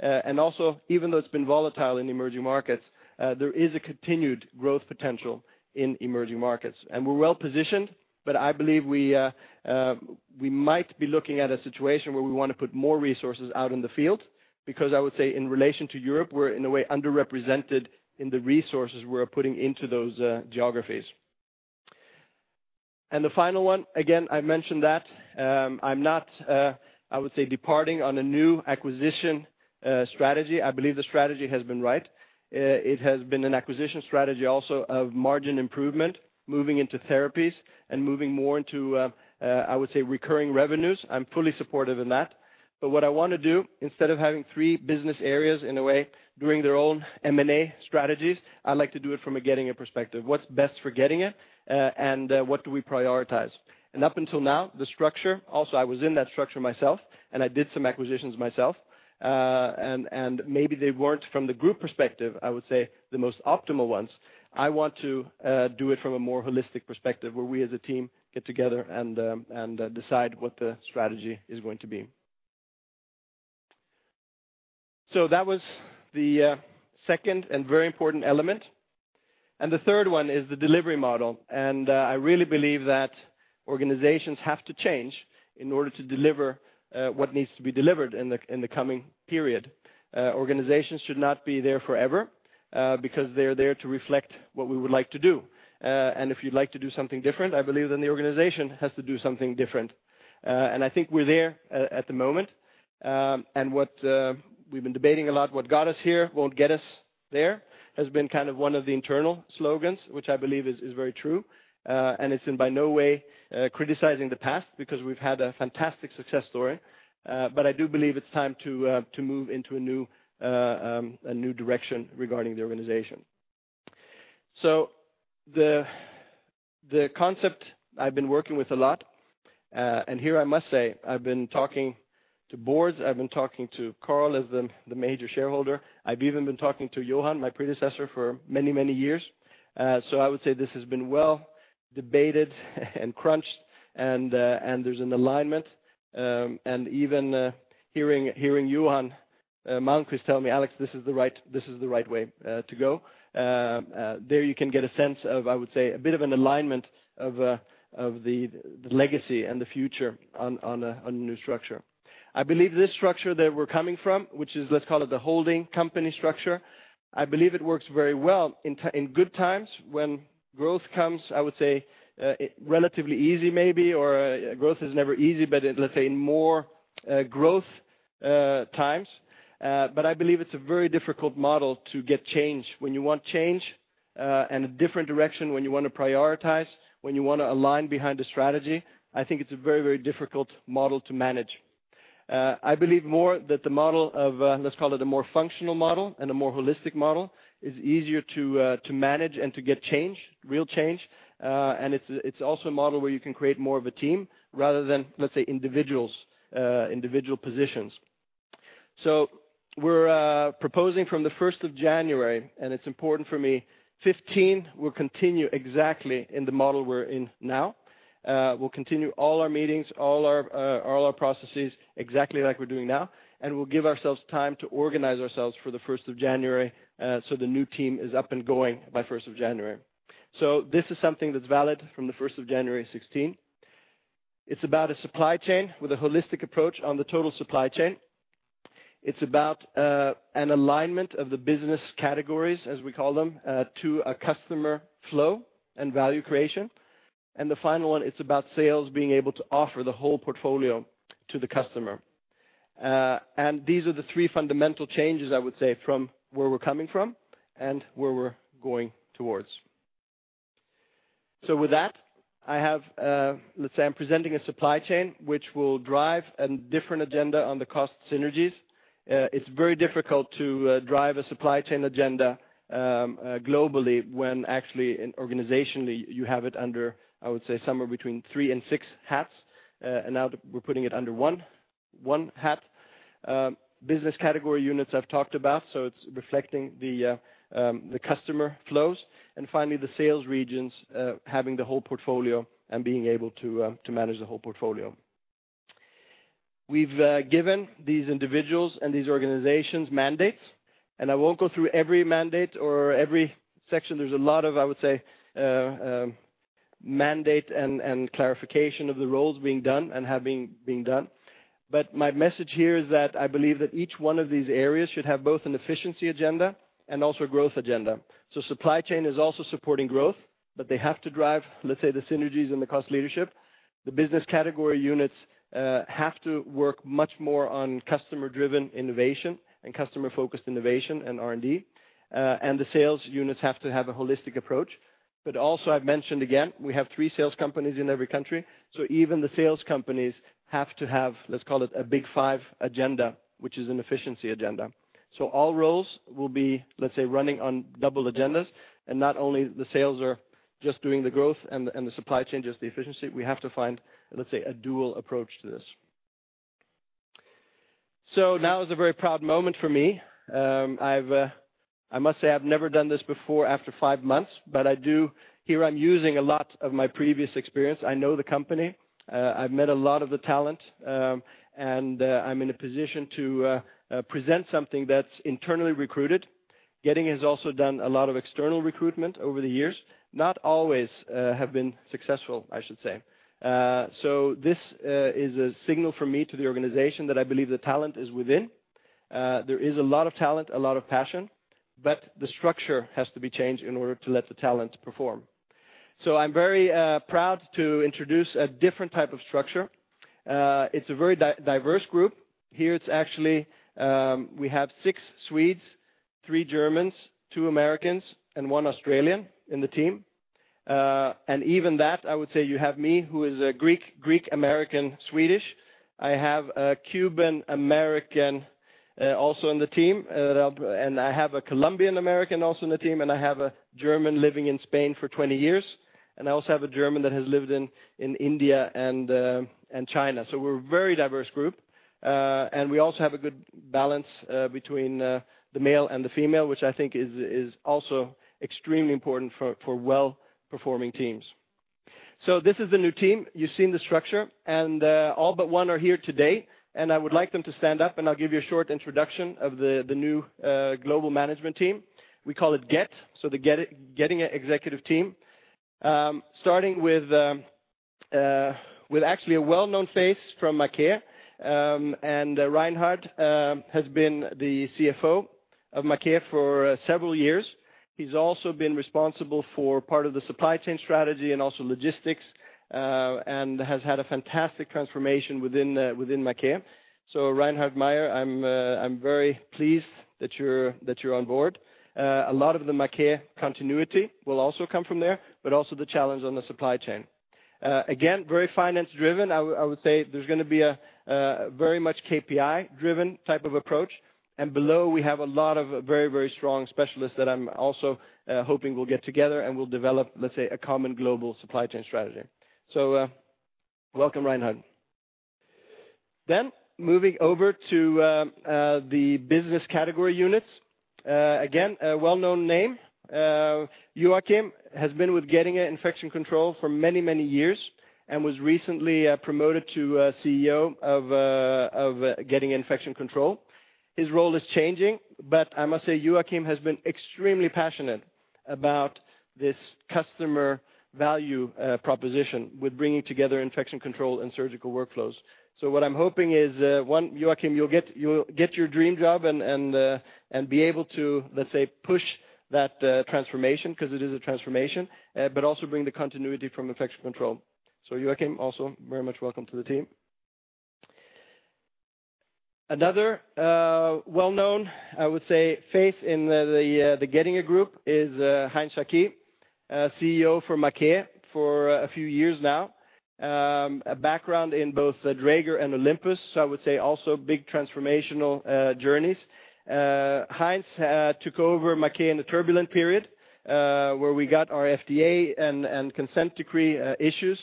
and also, even though it's been volatile in emerging markets, there is a continued growth potential in emerging markets. And we're well positioned, but I believe we, we might be looking at a situation where we want to put more resources out in the field, because I would say in relation to Europe, we're in a way, underrepresented in the resources we're putting into those, geographies. And the final one, again, I mentioned that, I'm not, I would say, departing on a new acquisition, strategy. I believe the strategy has been right. It has been an acquisition strategy also of margin improvement, moving into therapies, and moving more into, I would say, recurring revenues. I'm fully supportive in that. But what I want to do, instead of having three business areas in a way, doing their own M&A strategies, I'd like to do it from a Getinge perspective. What's best for Getinge, and what do we prioritize? Up until now, the structure, also, I was in that structure myself, and I did some acquisitions myself. And maybe they weren't from the group perspective, I would say, the most optimal ones. I want to do it from a more holistic perspective, where we as a team get together and decide what the strategy is going to be. So that was the second and very important element. And the third one is the delivery model, and I really believe that organizations have to change in order to deliver what needs to be delivered in the coming period. Organizations should not be there forever, because they're there to reflect what we would like to do. If you'd like to do something different, I believe, then the organization has to do something different. I think we're there at the moment. What we've been debating a lot, what got us here, won't get us there, has been kind of one of the internal slogans, which I believe is very true. It's in no way criticizing the past, because we've had a fantastic success story. But I do believe it's time to move into a new, a new direction regarding the organization. So the concept I've been working with a lot, and here I must say, I've been talking to boards, I've been talking to Carl as the major shareholder. I've even been talking to Johan, my predecessor, for many, many years. So I would say this has been well debated and crunched and, and there's an alignment. And even hearing Johan Malmquist tell me, "Alex, this is the right, this is the right way to go." There you can get a sense of, I would say, a bit of an alignment of the legacy and the future on a new structure. I believe this structure that we're coming from, which is, let's call it the holding company structure. I believe it works very well in good times when growth comes, I would say, relatively easy, maybe, or growth is never easy, but let's say in more growth times. But I believe it's a very difficult model to get change. When you want change, and a different direction, when you want to prioritize, when you want to align behind a strategy, I think it's a very, very difficult model to manage. I believe more that the model of, let's call it a more functional model and a more holistic model, is easier to manage and to get change, real change. And it's also a model where you can create more of a team rather than, let's say, individuals, individual positions. So we're proposing from the 1st of January, and it's important for me, 2015, we'll continue exactly in the model we're in now. We'll continue all our meetings, all our processes, exactly like we're doing now, and we'll give ourselves time to organize ourselves for the 1st of January, so the new team is up and going by 1st of January. So this is something that's valid from the 1st of January 2016. It's about a supply chain with a holistic approach on the total supply chain. It's about an alignment of the business categories, as we call them, to a customer flow and value creation. And the final one, it's about sales being able to offer the whole portfolio to the customer. And these are the three fundamental changes, I would say, from where we're coming from and where we're going towards. So with that, I have, let's say I'm presenting a supply chain, which will drive a different agenda on the cost synergies. It's very difficult to drive a supply chain agenda, globally, when actually organizationally, you have it under, I would say, somewhere between three and six hats, and now we're putting it under one, one hat. Business category units I've talked about, so it's reflecting the, the customer flows. And finally, the sales regions, having the whole portfolio and being able to, to manage the whole portfolio. We've given these individuals and these organizations mandates, and I won't go through every mandate or every section. There's a lot of, I would say, mandate and clarification of the roles being done and have been done. But my message here is that I believe that each one of these areas should have both an efficiency agenda and also a growth agenda. So supply chain is also supporting growth, but they have to drive, let's say, the synergies and the cost leadership. The business category units have to work much more on customer-driven innovation and customer-focused innovation in R&D. And the sales units have to have a holistic approach. But also, I've mentioned again, we have three sales companies in every country, so even the sales units have to have, let's call it, a Big five agenda, which is an efficiency agenda. So all roles will be, let's say, running on double agendas, and not only the sales are just doing the growth and the supply chain, just the efficiency. We have to find, let's say, a dual approach to this. So now is a very proud moment for me. I must say I've never done this before after five months, but I do. Here I'm using a lot of my previous experience. I know the company. I've met a lot of the talent, and I'm in a position to present something that's internally recruited. Getinge has also done a lot of external recruitment over the years. Not always have been successful, I should say. So this is a signal from me to the organization that I believe the talent is within. There is a lot of talent, a lot of passion, but the structure has to be changed in order to let the talent perform. So I'm very proud to introduce a different type of structure. It's a very diverse group. Here, it's actually we have 6 Swedes, 3 Germans, 2 Americans, and 1 Australian in the team. And even that, I would say you have me, who is a Greek, Greek American Swedish. I have a Cuban American also on the team, and I have a Colombian American also on the team, and I have a German living in Spain for 20 years. And I also have a German that has lived in India and China. So we're a very diverse group, and we also have a good balance between the male and the female, which I think is also extremely important for well-performing teams. So this is the new team. You've seen the structure, and all but one are here today, and I would like them to stand up, and I'll give you a short introduction of the new global management team. We call it GET, so the Getinge Executive Team. Starting with actually a well-known face from Maquet. And Reinhard has been the CFO of Maquet for several years. He's also been responsible for part of the supply chain strategy and also logistics, and has had a fantastic transformation within Maquet. So Reinhard Mayer, I'm very pleased that you're on board. A lot of the Maquet continuity will also come from there, but also the challenge on the supply chain. Again, very finance driven. I would say there's gonna be a very much KPI-driven type of approach, and below, we have a lot of very, very strong specialists that I'm also hoping will get together and will develop, let's say, a common global supply chain strategy. So, welcome, Reinhard. Then, moving over to the business category units, again, a well-known name. Joacim has been with Getinge Infection Control for many, many years and was recently promoted to CEO of Getinge Infection Control. His role is changing, but I must say, Joacim has been extremely passionate about this customer value proposition with bringing together Infection control and surgical workflows. So what I'm hoping is, one, Joacim, you'll get your dream job and be able to, let's say, push that transformation, 'cause it is a transformation, but also bring the continuity from Infection control. So, Joacim, also very much welcome to the team. Another, well-known, I would say, face in the Getinge Group is Heinz Jacqui, CEO for Maquet for a few years now. A background in both Dräger and Olympus, so I would say also big transformational journeys. Heinz took over Maquet in a turbulent period, where we got our FDA and consent decree issues.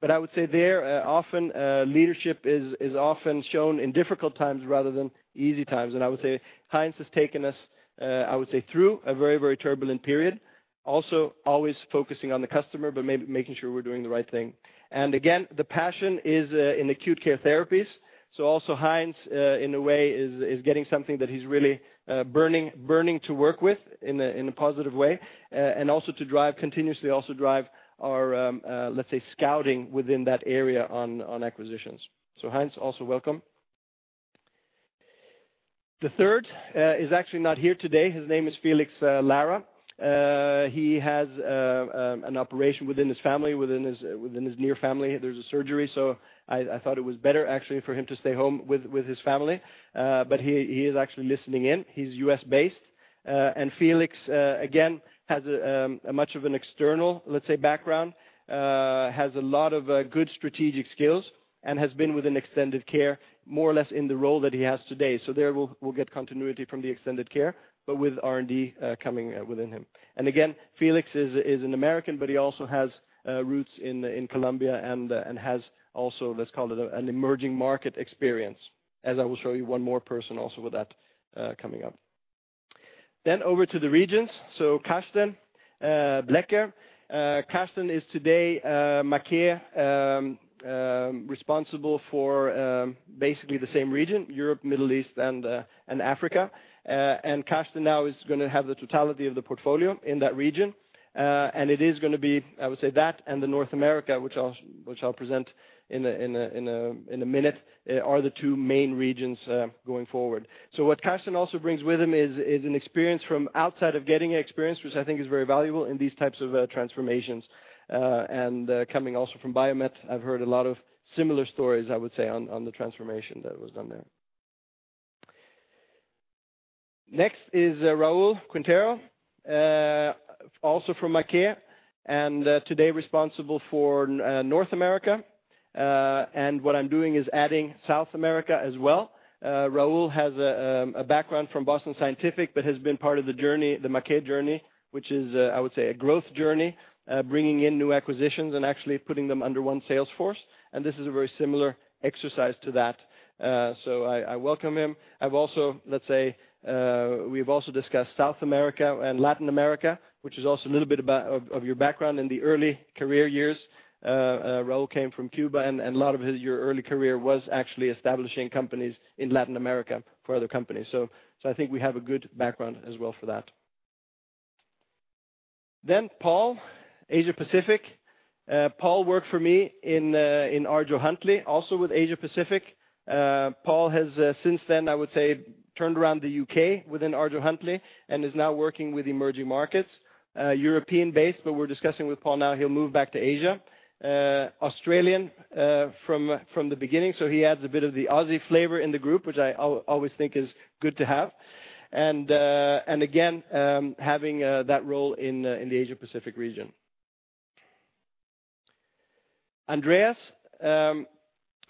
But I would say there, often leadership is often shown in difficult times rather than easy times. I would say Heinz has taken us, I would say, through a very, very turbulent period. Also, always focusing on the customer, but making sure we're doing the right thing. Again, the passion is in acute care therapies, so also Heinz, in a way, is getting something that he's really burning to work with in a positive way, and also to drive continuously, also drive our, let's say, scouting within that area on acquisitions. So, Heinz, also welcome. The third is actually not here today. His name is Felix Lara. He has an operation within his family, within his near family. There's a surgery, so I thought it was better, actually, for him to stay home with his family. But he is actually listening in. He's US-based, and Felix again has much of an external, let's say, background. Has a lot of good strategic skills and has been with extended care, more or less in the role that he has today. So there we'll get continuity from the extended care, but with R&D coming within him. And again, Felix is an American, but he also has roots in Colombia and has also, let's call it, an emerging market experience, as I will show you one more person also with that coming up. Then over to the regions, so Carsten Blecker. Carsten is today Maquet responsible for basically the same region, Europe, Middle East, and Africa. And Carsten now is gonna have the totality of the portfolio in that region, and it is gonna be, I would say, that and the North America, which I'll present in a minute, are the two main regions going forward. So what Carsten also brings with him is an experience from outside of Getinge experience, which I think is very valuable in these types of transformations. And coming also from Biomet, I've heard a lot of similar stories, I would say, on the transformation that was done there. Next is Raul Quintero, also from Maquet, and today responsible for North America. And what I'm doing is adding South America as well. Raul has a background from Boston Scientific, but has been part of the journey, the Maquet journey, which is, I would say, a growth journey, bringing in new acquisitions and actually putting them under one sales force, and this is a very similar exercise to that. So I welcome him. I've also, let's say, we've also discussed South America and Latin America, which is also a little bit of your background. In the early career years, Raul came from Cuba, and a lot of his, your early career was actually establishing companies in Latin America for other companies. So I think we have a good background as well for that. Then Paul, Asia Pacific. Paul worked for me in ArjoHuntleigh, also with Asia Pacific. Paul has, since then, I would say, turned around the UK within ArjoHuntleigh and is now working with emerging markets. European-based, but we're discussing with Paul now, he'll move back to Asia. Australian, from the beginning, so he adds a bit of the Aussie flavor in the group, which I always think is good to have. And again, having that role in the Asia Pacific region. Andreas,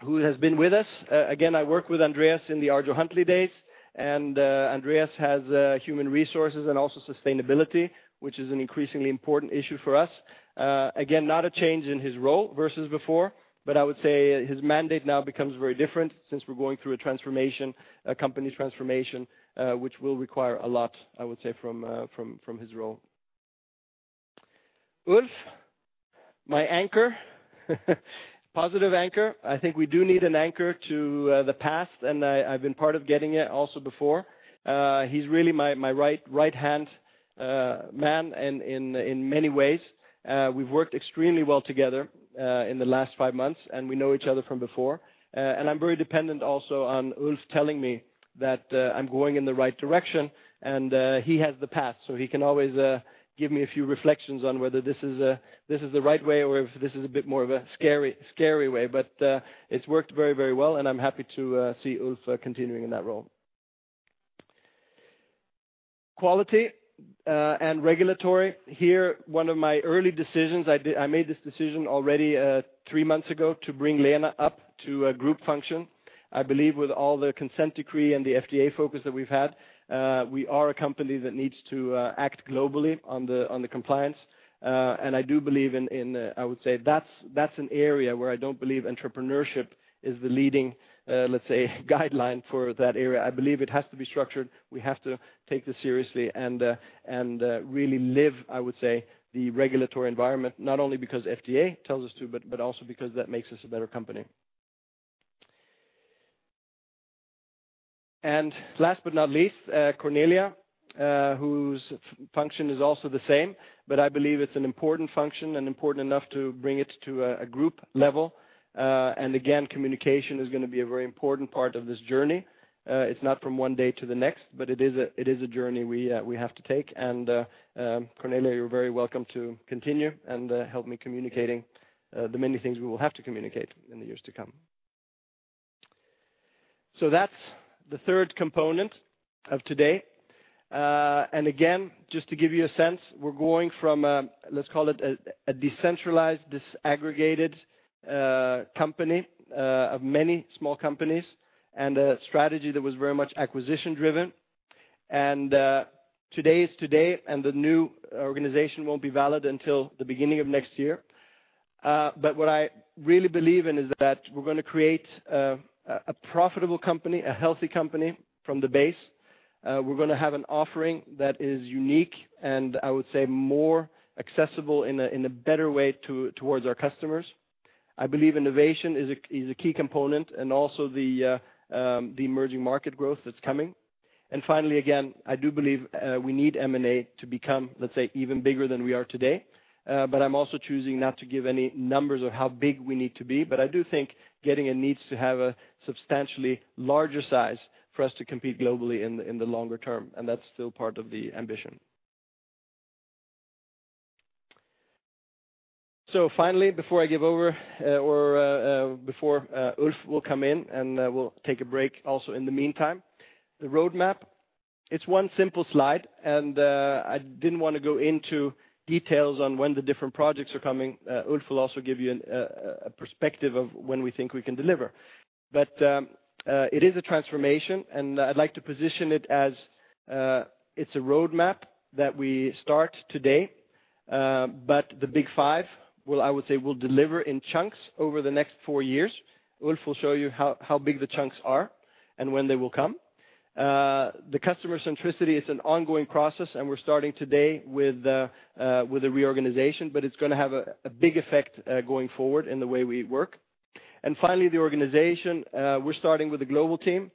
who has been with us. Again, I worked with Andreas in the ArjoHuntleigh days, and Andreas has human resources and also sustainability, which is an increasingly important issue for us. Again, not a change in his role versus before, but I would say his mandate now becomes very different since we're going through a transformation, a company transformation, which will require a lot, I would say, from, from, from his role. Ulf, my anchor. Positive anchor. I think we do need an anchor to the past, and I, I've been part of getting it also before. He's really my, my right, right-hand man in, in, in many ways. We've worked extremely well together in the last five months, and we know each other from before. I'm very dependent also on Ulf telling me that I'm going in the right direction, and he has the past, so he can always give me a few reflections on whether this is this is the right way or if this is a bit more of a scary, scary way. But it's worked very, very well, and I'm happy to see Ulf continuing in that role. Quality and regulatory. Here, one of my early decisions, I made this decision already three months ago to bring Lena up to a group function. I believe with all the Consent Decree and the FDA focus that we've had, we are a company that needs to act globally on the on the compliance. And I do believe in in I would say that's, that's an area where I don't believe entrepreneurship is the leading, let's say, guideline for that area. I believe it has to be structured. We have to take this seriously and, and, really live, I would say, the regulatory environment, not only because FDA tells us to, but, but also because that makes us a better company. And last but not least, Kornelia, whose function is also the same, but I believe it's an important function and important enough to bring it to a, a group level. And again, communication is gonna be a very important part of this journey. It's not from one day to the next, but it is a, it is a journey we, we have to take. Kornelia, you're very welcome to continue and help me communicating the many things we will have to communicate in the years to come. So that's the third component of today. And again, just to give you a sense, we're going from a, let's call it a decentralized, disaggregated company of many small companies, and a strategy that was very much acquisition-driven. Today is today, and the new organization won't be valid until the beginning of next year. But what I really believe in is that we're gonna create a profitable company, a healthy company from the base. We're gonna have an offering that is unique and I would say more accessible in a better way towards our customers. I believe innovation is a key component and also the emerging market growth that's coming. And finally, again, I do believe we need M&A to become, let's say, even bigger than we are today. But I'm also choosing not to give any numbers of how big we need to be, but I do think Getinge needs to have a substantially larger size for us to compete globally in the longer term, and that's still part of the ambition. So finally, before I give over, or before Ulf will come in, and we'll take a break also in the meantime. The roadmap, it's one simple slide, and I didn't want to go into details on when the different projects are coming. Ulf will also give you an a perspective of when we think we can deliver. But it is a transformation, and I'd like to position it as it's a roadmap that we start today, but the Big five will, I would say, will deliver in chunks over the next four years. Ulf will show you how, how big the chunks are and when they will come. The customer centricity is an ongoing process, and we're starting today with a reorganization, but it's gonna have a big effect going forward in the way we work. And finally, the organization. We're starting with a global team.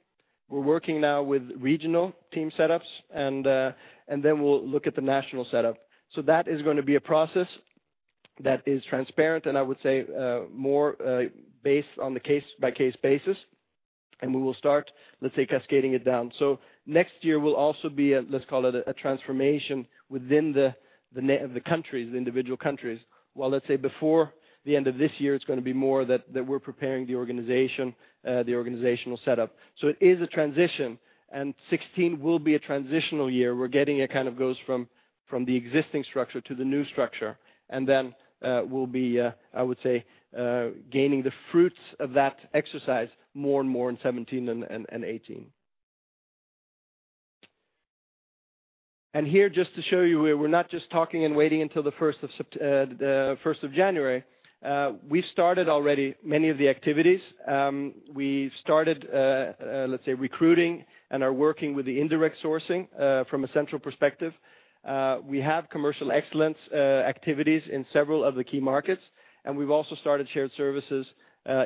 We're working now with regional team setups, and then we'll look at the national setup. So that is gonna be a process that is transparent, and I would say, more based on the case-by-case basis, and we will start, let's say, cascading it down. So next year will also be a, let's call it a transformation within the countries, the individual countries. While, let's say, before the end of this year, it's gonna be more that we're preparing the organization, the organizational setup. So it is a transition, and 2016 will be a transitional year. We're getting a kind of goes from the existing structure to the new structure, and then, we'll be, I would say, gaining the fruits of that exercise more and more in 2017 and 2018. And here, just to show you, we're not just talking and waiting until the first of January. We started already many of the activities. We started, let's say, recruiting and are working with the indirect sourcing from a central perspective. We have commercial excellence activities in several of the key markets, and we've also started shared services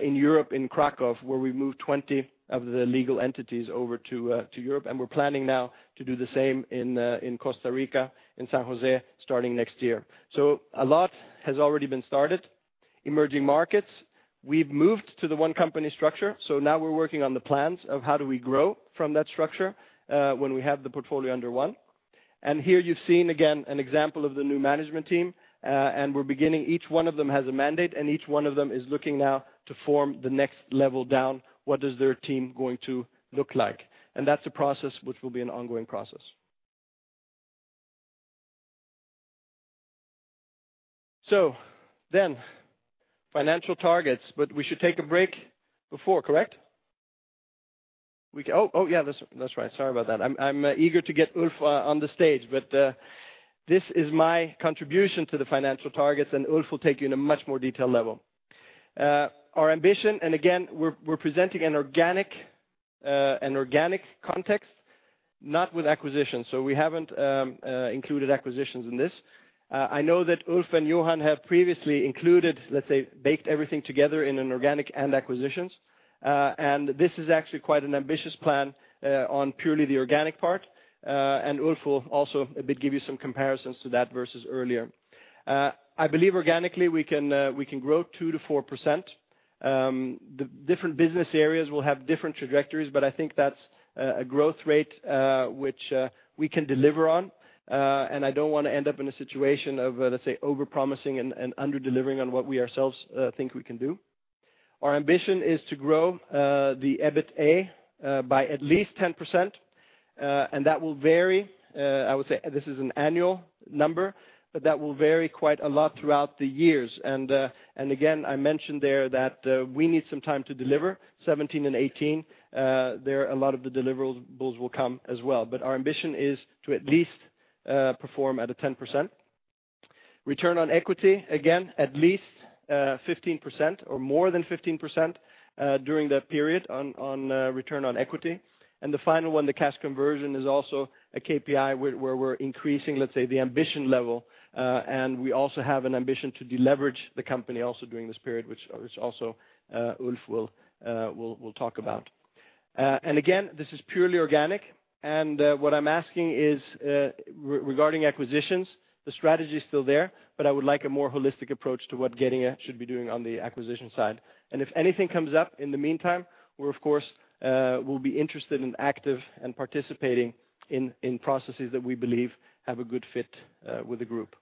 in Europe, in Kraków, where we moved 20 of the legal entities over to Europe, and we're planning now to do the same in Costa Rica, in San José, starting next year. So a lot has already been started. Emerging markets, we've moved to the one company structure, so now we're working on the plans of how do we grow from that structure, when we have the portfolio under one. And here you've seen again, an example of the new management team, and we're beginning Each one of them has a mandate, and each one of them is looking now to form the next level down, what is their team going to look like? And that's a process which will be an ongoing process. So then financial targets, but we should take a break before, correct? We can. Oh, oh, yeah, that's, that's right. Sorry about that. I'm, I'm, eager to get Ulf on the stage, but, this is my contribution to the financial targets, and Ulf will take you in a much more detailed level. Our ambition, and again, we're, we're presenting an organic, an organic context, not with acquisitions, so we haven't included acquisitions in this. I know that Ulf and Johan have previously included, let's say, baked everything together in an organic and acquisitions. And this is actually quite an ambitious plan on purely the organic part. And Ulf will also a bit give you some comparisons to that versus earlier. I believe organically we can grow 2%-4%. The different business areas will have different trajectories, but I think that's a growth rate which we can deliver on. And I don't want to end up in a situation of, let's say, overpromising and under-delivering on what we ourselves think we can do. Our ambition is to grow the EBITA by at least 10%, and that will vary. I would say this is an annual number, but that will vary quite a lot throughout the years. And again, I mentioned there that we need some time to deliver 2017 and 2018. There are a lot of the deliverables will come as well, but our ambition is to at least perform at a 10% return on equity, again, at least 15% or more than 15%, during that period on return on equity. And the final one, the cash conversion, is also a KPI, where we're increasing, let's say, the ambition level. And we also have an ambition to deleverage the company also during this period, which also Ulf will talk about. And again, this is purely organic, and what I'm asking is regarding acquisitions, the strategy is still there, but I would like a more holistic approach to what Getinge should be doing on the acquisition side. And if anything comes up in the meantime, we're of course, we'll be interested and active in participating in processes that we believe have a good fit with the group.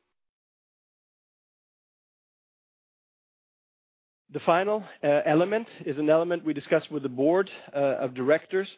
The final element is an element we discussed with the board of directors,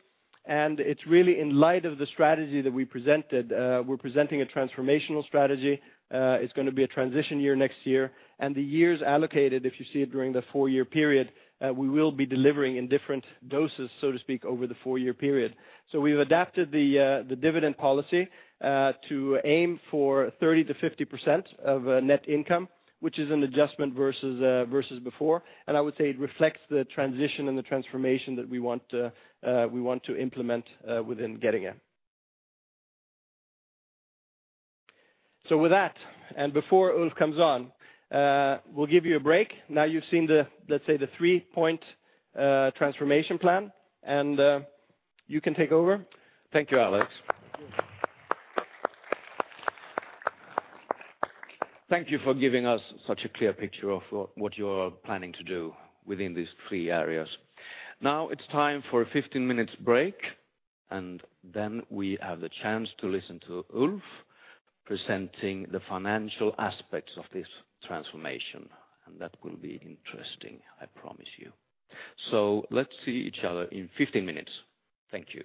and it's really in light of the strategy that we presented. We're presenting a transformational strategy. It's gonna be a transition year next year, and the years allocated, if you see it during the four-year period, we will be delivering in different doses, so to speak, over the four-year period. So we've adapted the dividend policy to aim for 30%-50% of net income, which is an adjustment versus before. And I would say it reflects the transition and the transformation that we want to implement within Getinge. So with that, and before Ulf comes on, we'll give you a break. Now you've seen the, let's say, 3-point transformation plan, and you can take over. Thank you, Alex. Thank you for giving us such a clear picture of what you're planning to do within these three areas. Now it's time for a 15 minutes break, and then we have the chance to listen to Ulf presenting the financial aspects of this transformation, and that will be interesting, I promise you. So let's see each other in 15 minutes. Thank you.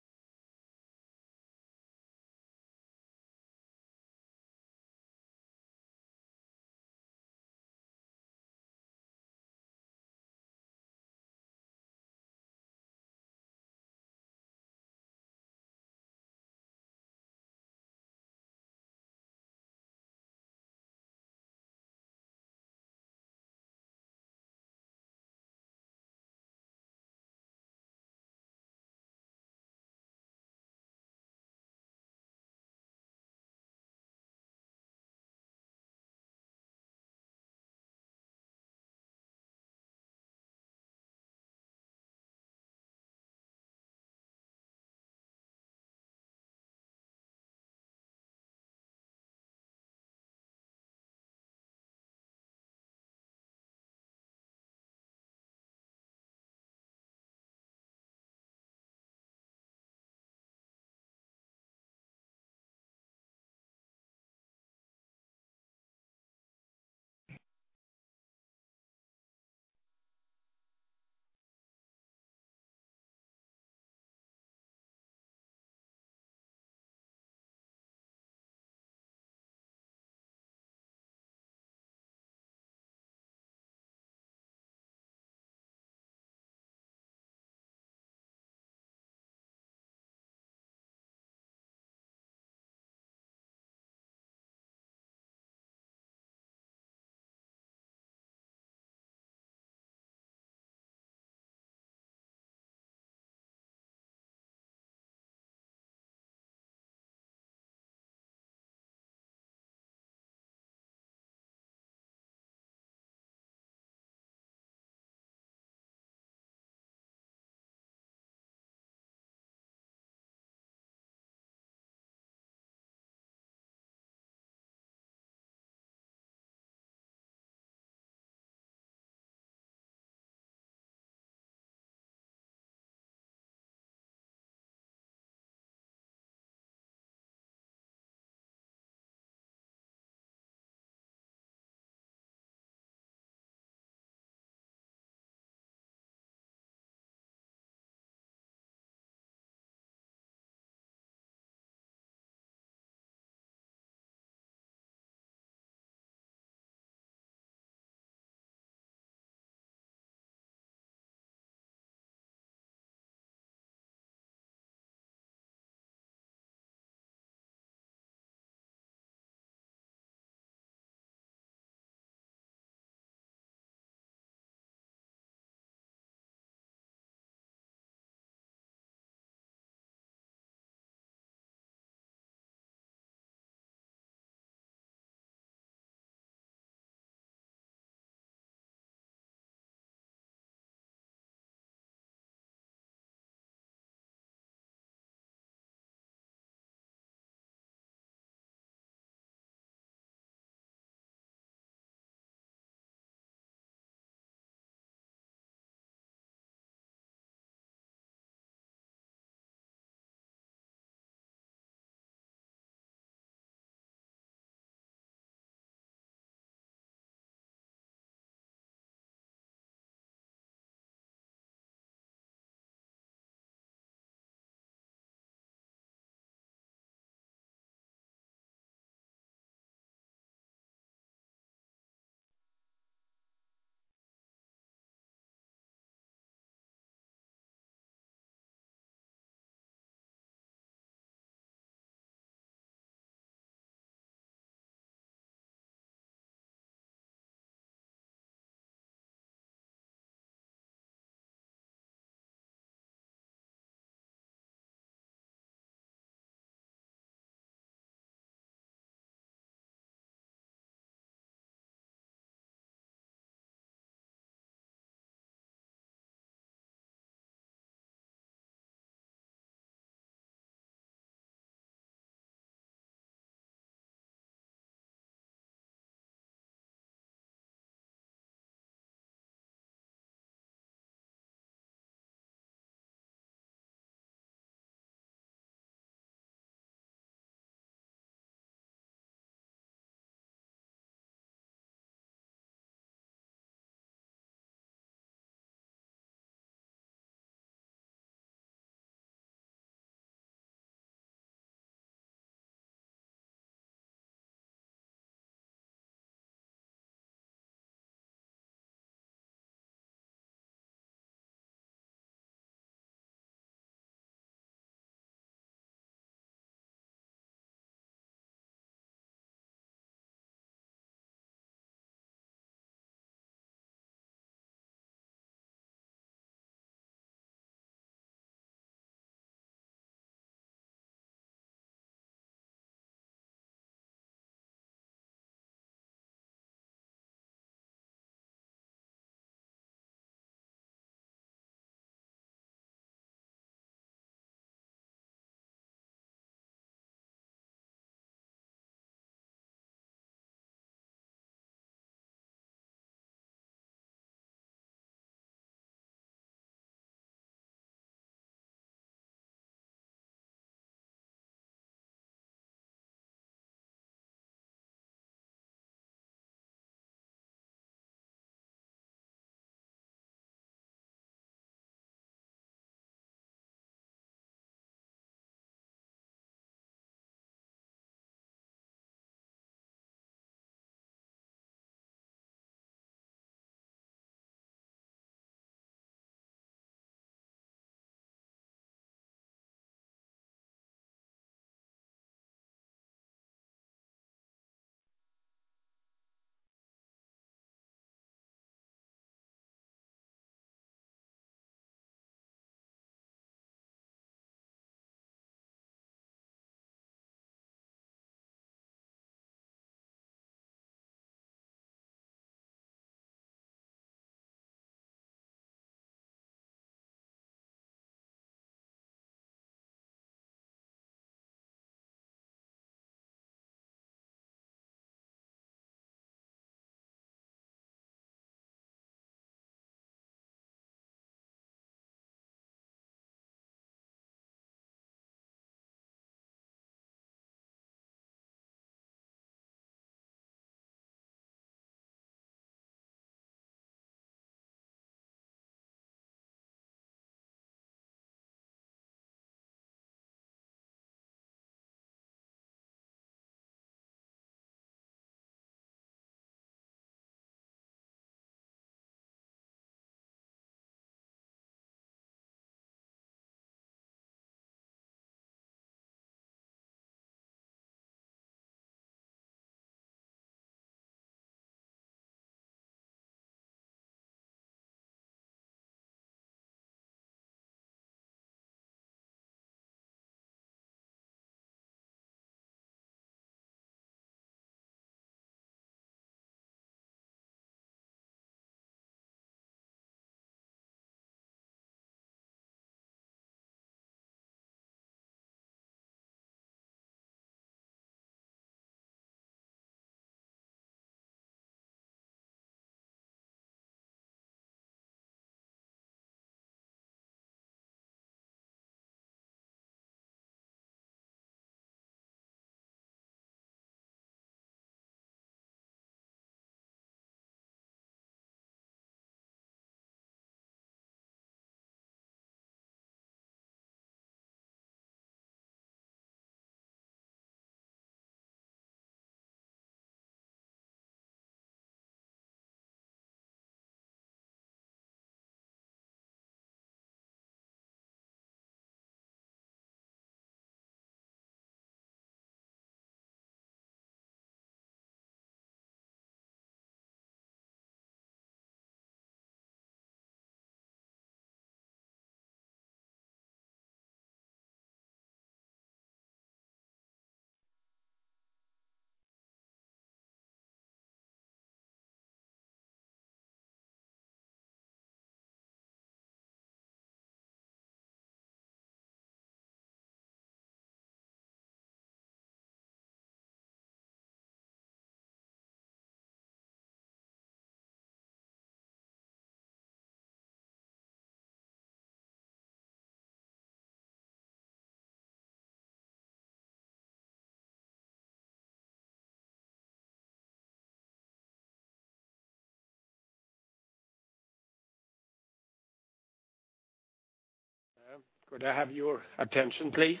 Could I have your attention, please?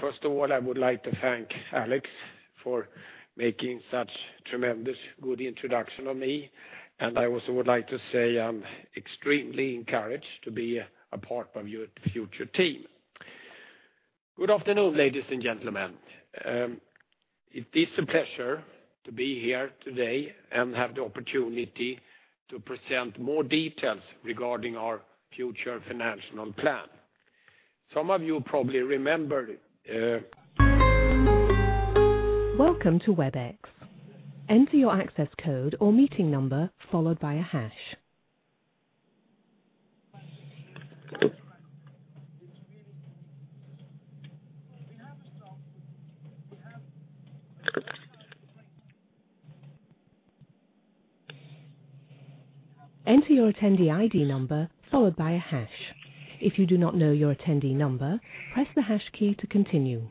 First of all, I would like to thank Alex for making such tremendous good introduction of me, and I also would like to say I'm extremely encouraged to be a part of your future team. Good afternoon, ladies and gentlemen. It is a pleasure to be here today and have the opportunity to present more details regarding our future financial plan. Some of you probably remember, Welcome to WebEx. Enter your access code or meeting number, followed by a hash. Enter your attendee ID number followed by a hash. If you do not know your attendee number, press the hash key to continue.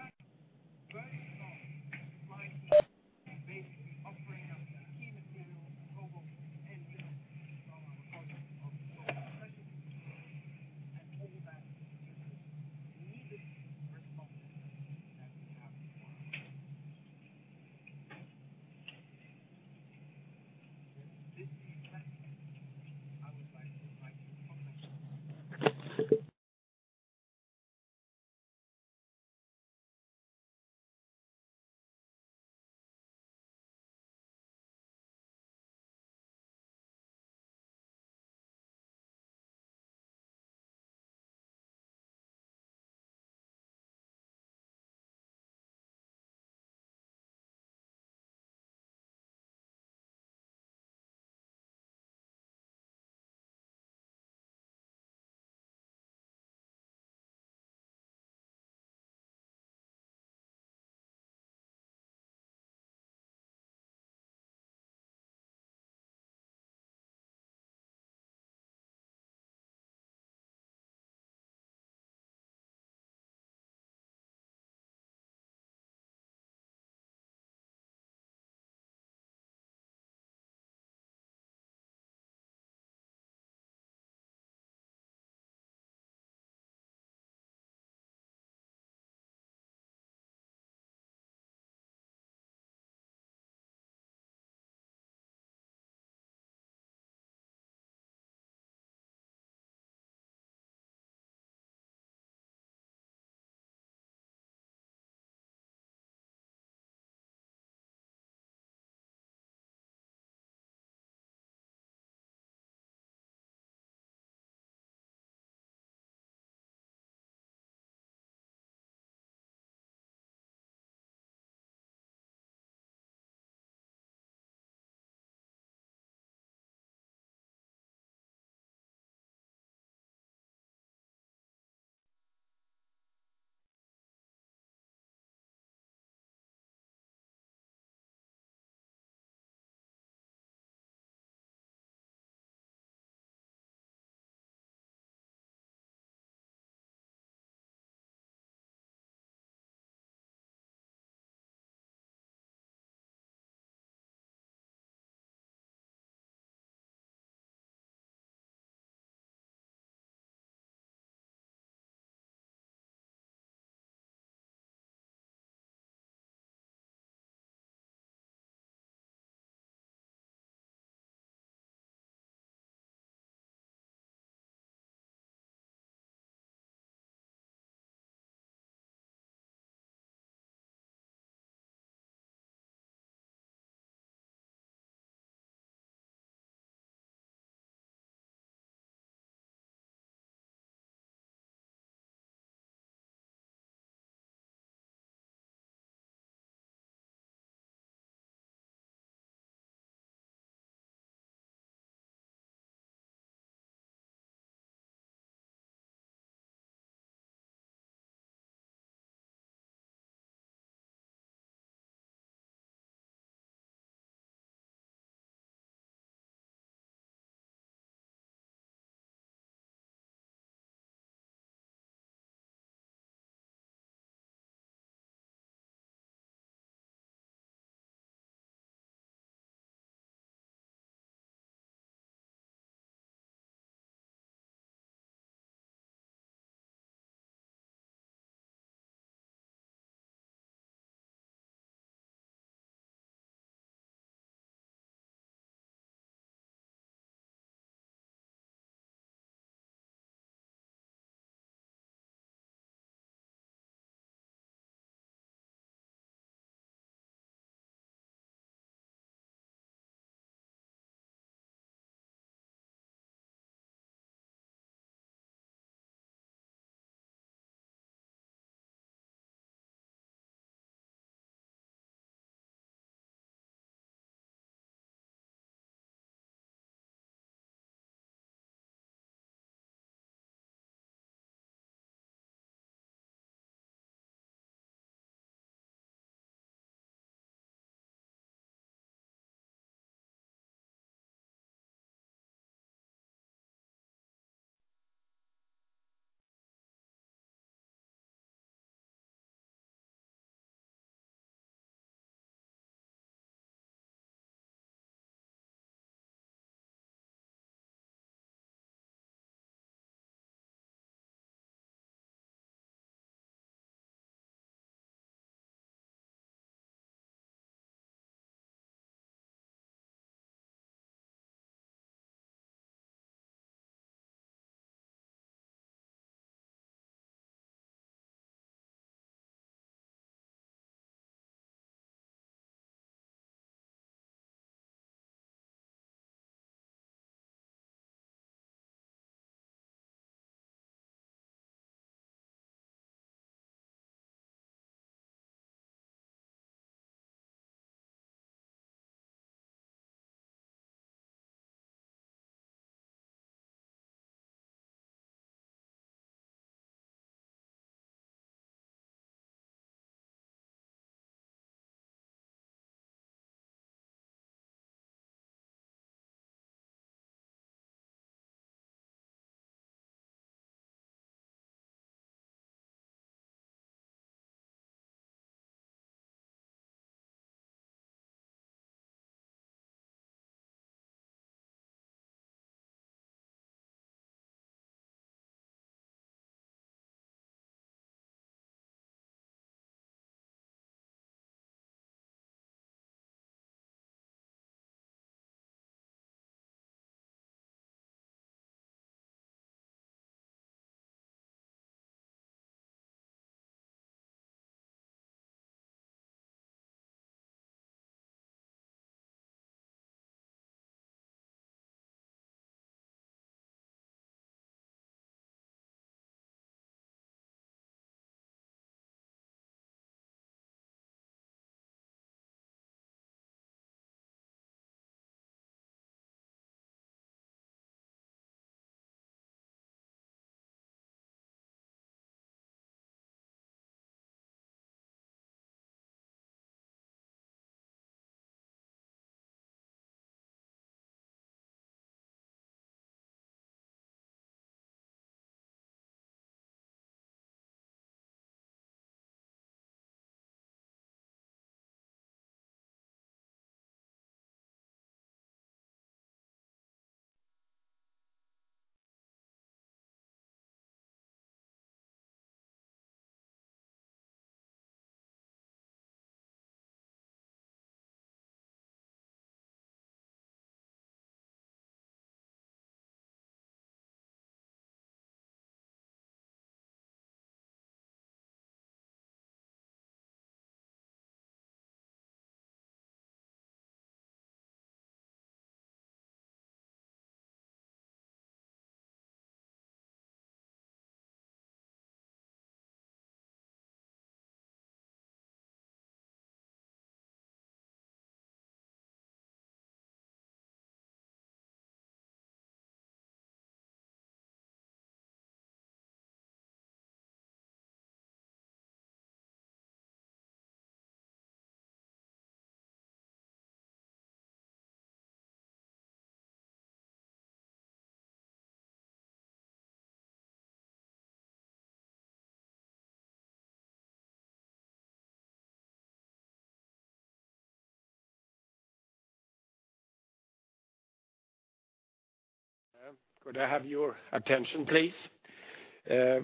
Could I have your attention, please?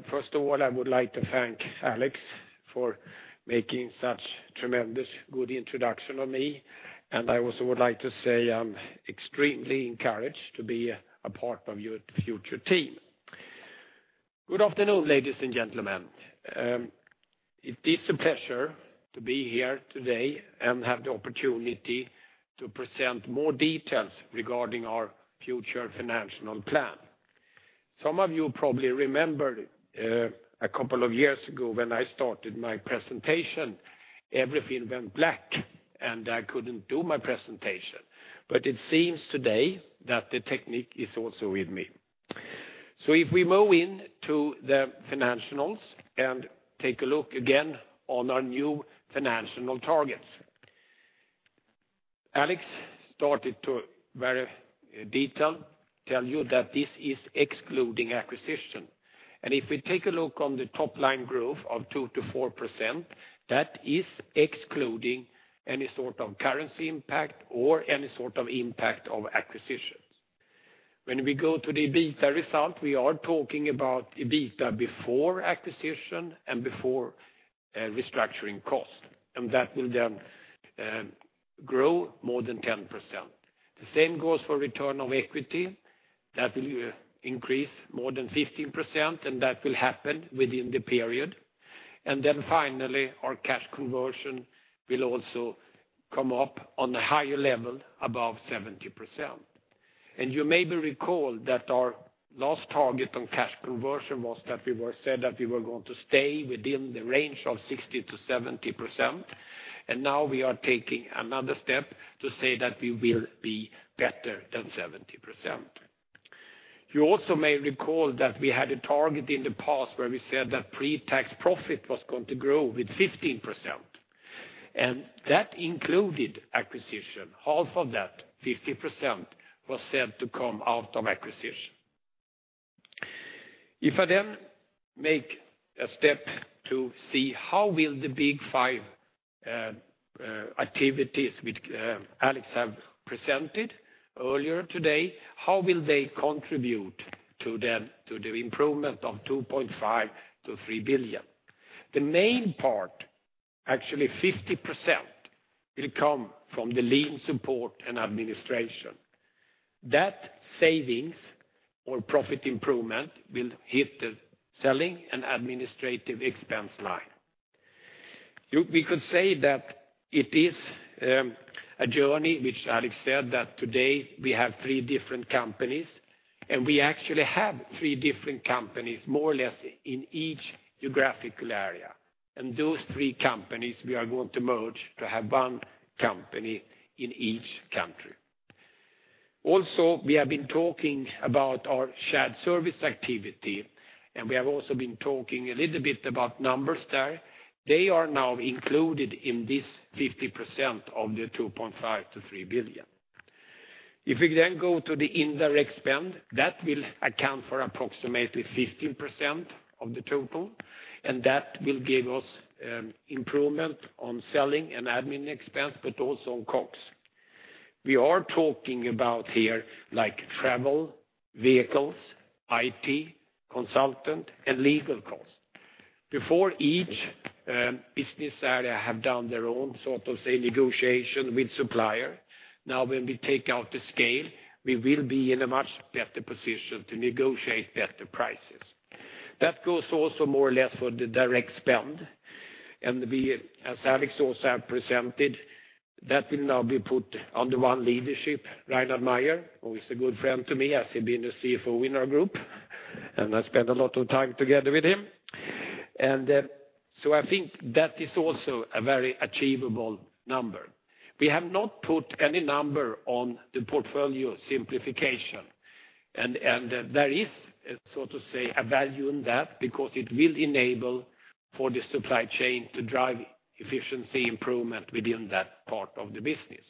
First of all, I would like to thank Alex for making such tremendous good introduction of me, and I also would like to say I'm extremely encouraged to be a part of your future team. Good afternoon, ladies and gentlemen. It is a pleasure to be here today and have the opportunity to present more details regarding our future financial plan. Some of you probably remember, a couple of years ago when I started my presentation, everything went black, and I couldn't do my presentation, but it seems today that the technology is also with me. So if we move in to the financials and take a look again on our new financial targets. Alex started to very detail tell you that this is excluding acquisition. If we take a look on the top line growth of 2%-4%, that is excluding any sort of currency impact or any sort of impact of acquisitions. When we go to the EBITDA result, we are talking about EBITDA before acquisition and before restructuring cost, and that will then grow more than 10%. The same goes for return of equity. That will increase more than 15%, and that will happen within the period. And then finally, our cash conversion will also come up on a higher level, above 70%. And you maybe recall that our last target on cash conversion was that we were said that we were going to stay within the range of 60%-70%, and now we are taking another step to say that we will be better than 70%. You also may recall that we had a target in the past where we said that pre-tax profit was going to grow with 15%, and that included acquisition. Half of that, 50%, was said to come out of acquisition. If I then make a step to see how will the Big five activities, which Alex have presented earlier today, how will they contribute to the improvement of 2.5 billion-3 billion? The main part, actually 50%, will come from the lean support and administration. That savings or profit improvement will hit the selling and administrative expense line. You—we could say that it is a journey, which Alex said, that today we have three different companies, and we actually have three different companies, more or less, in each geographical area. Those three companies, we are going to merge to have one company in each country. Also, we have been talking about our shared service activity, and we have also been talking a little bit about numbers there. They are now included in this 50% of the 2.5 billion-3 billion. If we then go to the indirect spend, that will account for approximately 15% of the total, and that will give us improvement on selling and admin expense, but also on COGS. We are talking about here, like travel, vehicles, IT, consultant, and legal costs. Before each business area have done their own sort of, say, negotiation with supplier. Now, when we take out the scale, we will be in a much better position to negotiate better prices. That goes also more or less for the direct spend, and we, as Alex also have presented, that will now be put under one leadership, Reinhard Mayer, who is a good friend to me, as he's been the CFO in our group, and I spent a lot of time together with him. And, so I think that is also a very achievable number. We have not put any number on the portfolio simplification, and there is so to say, a value in that because it will enable for the supply chain to drive efficiency improvement within that part of the business.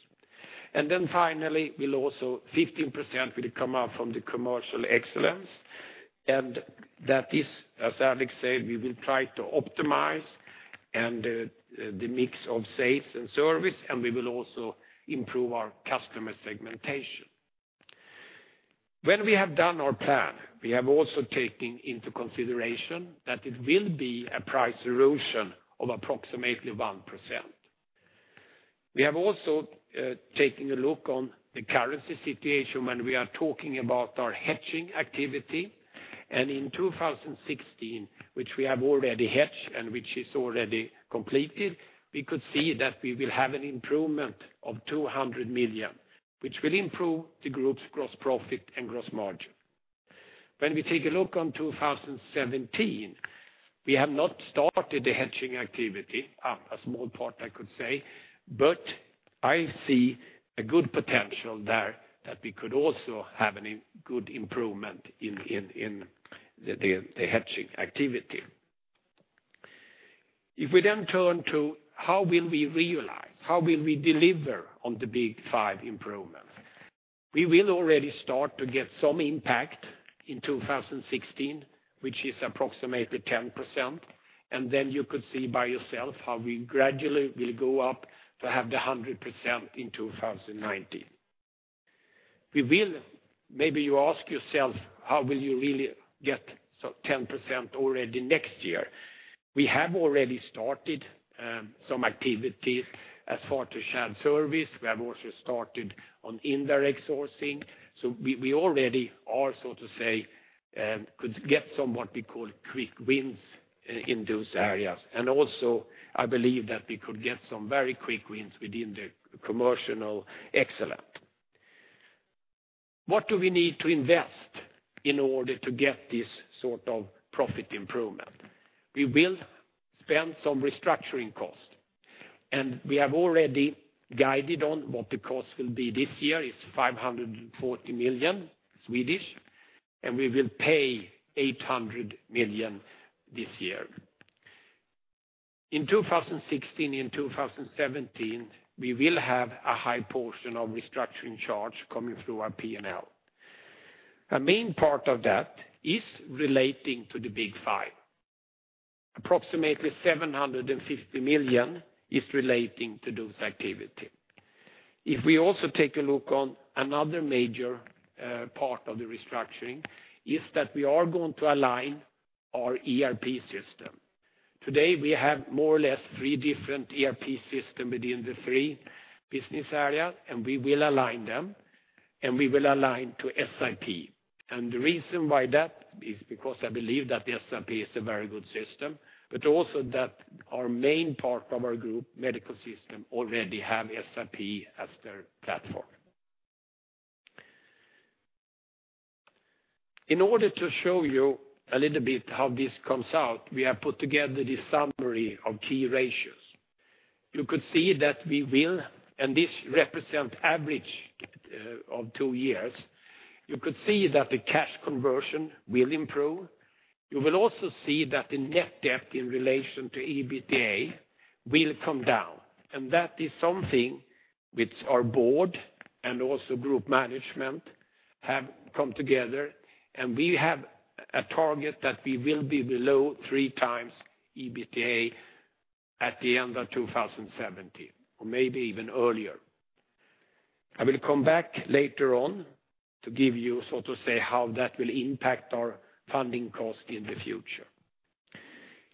And then finally, we'll also 15% will come out from the commercial excellence. And that is, as Alex said, we will try to optimize and the mix of sales and service, and we will also improve our customer segmentation. When we have done our plan, we have also taken into consideration that it will be a price erosion of approximately 1%. We have also taken a look on the currency situation when we are talking about our hedging activity, and in 2016, which we have already hedged, and which is already completed, we could see that we will have an improvement of 200 million, which will improve the group's gross profit and gross margin. When we take a look on 2017, we have not started the hedging activity, a small part I could say, but I see a good potential there that we could also have a good improvement in the hedging activity. If we then turn to how will we realize, how will we deliver on the Big five improvements? We will already start to get some impact in 2016, which is approximately 10%, and then you could see by yourself how we gradually will go up to have the 100% in 2019. Maybe you ask yourself, how will you really get so 10% already next year? We have already started some activities as far to shared service. We have also started on indirect sourcing, so we, we already are, so to say, could get some what we call quick wins in those areas. And also, I believe that we could get some very quick wins within the commercial excellence. What do we need to invest in order to get this sort of profit improvement? We will spend some restructuring costs, and we have already guided on what the cost will be this year, it's 540 million, and we will pay 800 million this year. In 2016 and 2017, we will have a high portion of restructuring charge coming through our P&L. A main part of that is relating to the Big five. Approximately 750 million is relating to those activity. If we also take a look on another major part of the restructuring, is that we are going to align our ERP system. Today, we have more or less three different ERP system within the three business areas, and we will align them, and we will align to SAP. The reason why that, is because I believe that the SAP is a very good system, but also that our main part of our group, Medical Systems, already have SAP as their platform. In order to show you a little bit how this comes out, we have put together this summary of key ratios. You could see that we will, and this represent average of two years, you could see that the cash conversion will improve. You will also see that the net debt in relation to EBITDA will come down, and that is something which our board and also group management have come together, and we have a target that we will be below three times EBITDA at the end of 2017, or maybe even earlier. I will come back later on to give you, so to say, how that will impact our funding cost in the future.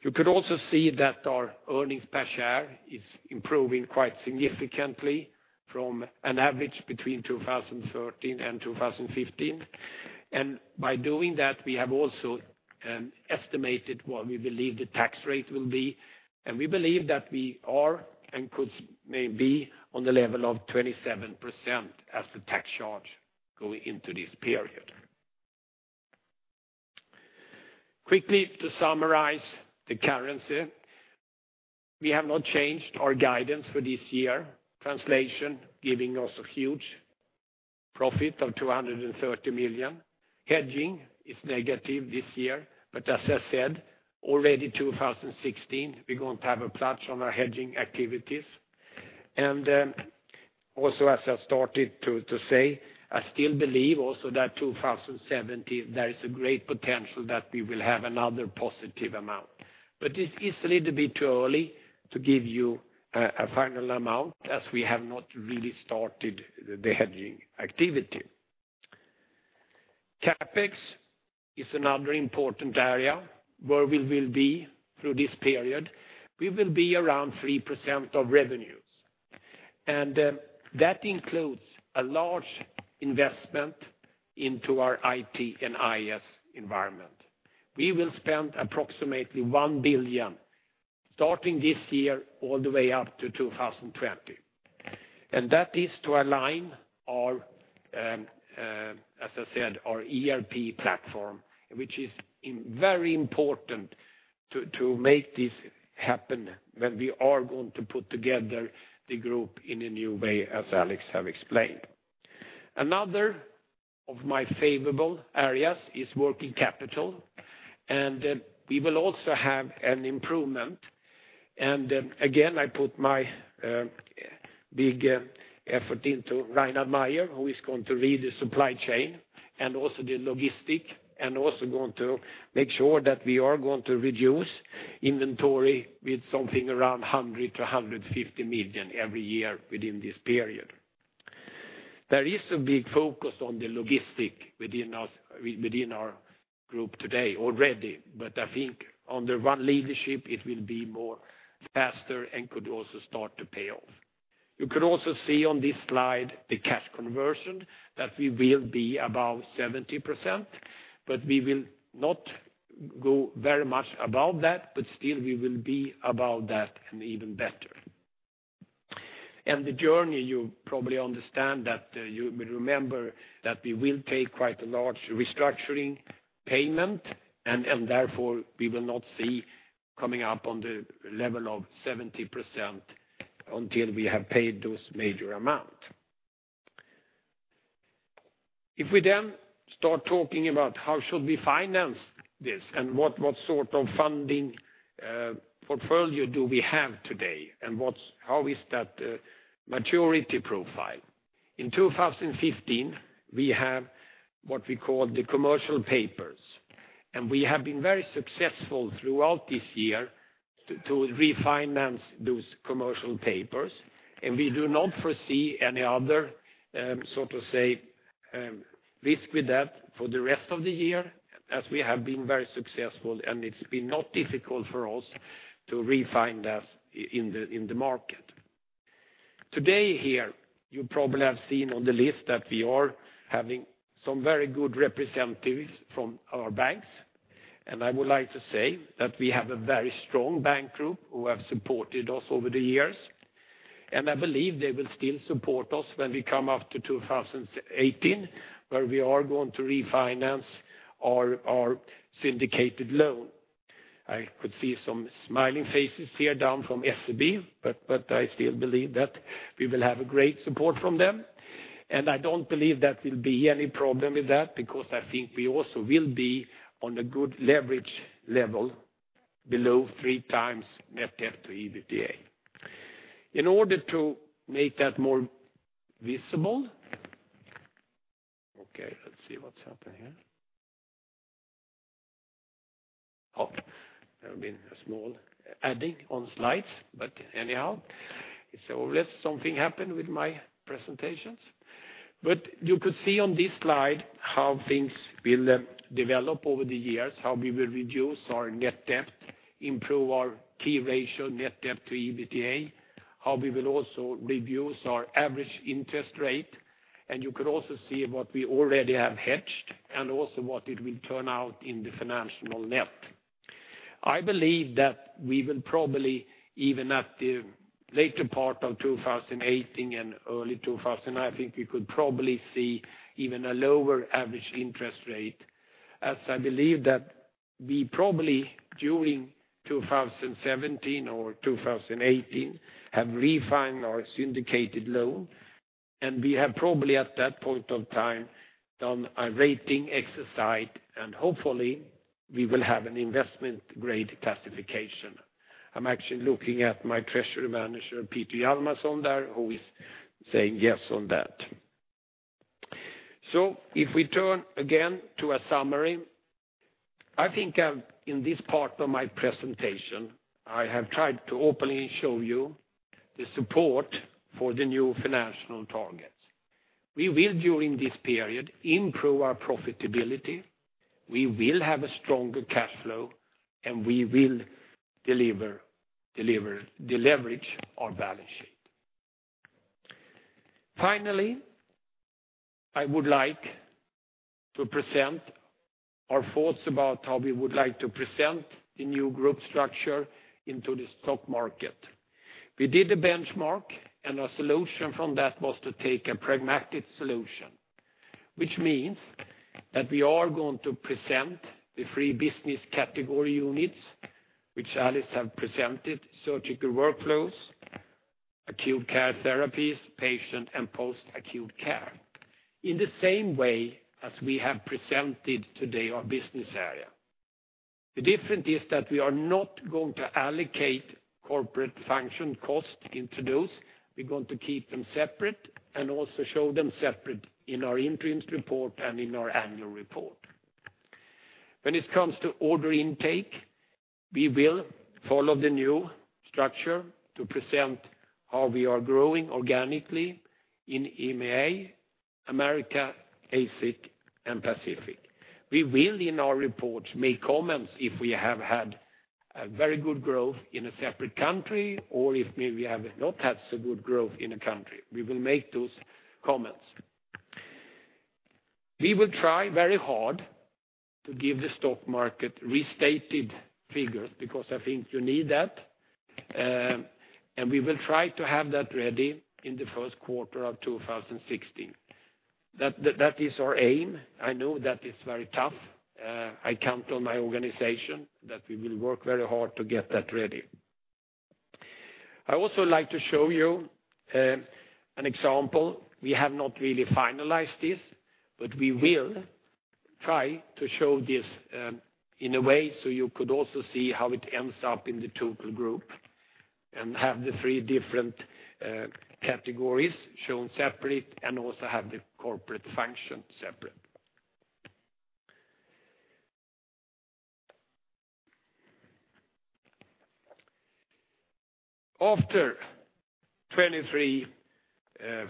You could also see that our earnings per share is improving quite significantly from an average between 2013 and 2015. And by doing that, we have also estimated what we believe the tax rate will be, and we believe that we are, and could maybe, on the level of 27% as the tax charge going into this period. Quickly to summarize the currency, we have not changed our guidance for this year. Translation, giving us a huge profit of 230 million. Hedging is negative this year, but as I said, already 2016, we're going to have a pledge on our hedging activities. Also, as I started to say, I still believe also that 2017, there is a great potential that we will have another positive amount. But it's a little bit too early to give you a final amount, as we have not really started the hedging activity. CapEx is another important area where we will be through this period. We will be around 3% of revenues, and that includes a large investment into our IT and IS environment. We will spend approximately 1 billion, starting this year, all the way up to 2020. And that is to align our, as I said, our ERP platform, which is in very important to make this happen when we are going to put together the group in a new way, as Alex have explained. Another of my favorable areas is working capital. Then we will also have an improvement, and then again, I put my big effort into Reinhard Mayer, who is going to lead the supply chain and also the logistics, and also going to make sure that we are going to reduce inventory with something around 100-150 million every year within this period. There is a big focus on the logistics within our group today already, but I think under one leadership, it will be more faster and could also start to pay off. You could also see on this slide the cash conversion, that we will be above 70%, but we will not go very much above that, but still we will be above that and even better. The journey, you probably understand that, you will remember that we will take quite a large restructuring payment, and therefore, we will not see coming up on the level of 70% until we have paid those major amount. If we then start talking about how should we finance this, and what sort of funding portfolio do we have today, and how is that maturity profile? In 2015, we have what we call the commercial papers, and we have been very successful throughout this year to refinance those commercial papers, and we do not foresee any other, so to say, risk with that for the rest of the year, as we have been very successful, and it's been not difficult for us to refinance that in the market. Today here, you probably have seen on the list that we are having some very good representatives from our banks, and I would like to say that we have a very strong bank group who have supported us over the years. I believe they will still support us when we come up to 2018, where we are going to refinance our syndicated loan. I could see some smiling faces here down from SEB, but I still believe that we will have a great support from them, and I don't believe that will be any problem with that, because I think we also will be on a good leverage level below three times net debt to EBITDA. In order to make that more visible Okay, let's see what's happening here. Oh, there have been a small addition on slides, but anyhow, it's always something happened with my presentations. But you could see on this slide how things will develop over the years, how we will reduce our net debt, improve our key ratio, net debt to EBITDA, how we will also reduce our average interest rate, and you could also see what we already have hedged, and also what it will turn out in the financial net. I believe that we will probably, even at the later part of 2018 and early 2019, I think we could probably see even a lower average interest rate, as I believe that we probably, during 2017 or 2018, have refined our syndicated loan, and we have probably, at that point of time, done a rating exercise, and hopefully, we will have an investment-grade classification. I'm actually looking at my treasury manager, Peter Hjalmarsson there, who is saying yes on that. So if we turn again to a summary, I think I've, in this part of my presentation, I have tried to openly show you the support for the new financial targets. We will, during this period, improve our profitability, we will have a stronger cash flow, and we will deliver, deliver, deleverage our balance sheet. Finally, I would like to present our thoughts about how we would like to present the new group structure into the stock market. We did a benchmark, and our solution from that was to take a pragmatic solution, which means that we are going to present the three business category units, which Alex have presented, surgical workflows, Acute Care Therapies, Patient and Post-Acute Care, in the same way as we have presented today our business area. The difference is that we are not going to allocate corporate function cost into those. We're going to keep them separate and also show them separate in our interim report and in our annual report. When it comes to order intake, we will follow the new structure to present how we are growing organically in EMEA, Americas, APAC, and Pacific. We will, in our report, make comments if we have had a very good growth in a separate country or if maybe we have not had so good growth in a country. We will make those comments. We will try very hard to give the stock market restated figures, because I think you need that, and we will try to have that ready in the first quarter of 2016. That, that is our aim. I know that it's very tough. I count on my organization that we will work very hard to get that ready. I also like to show you an example. We have not really finalized this, but we will try to show this in a way so you could also see how it ends up in the total group, and have the three different categories shown separately, and also have the corporate function separate. After 23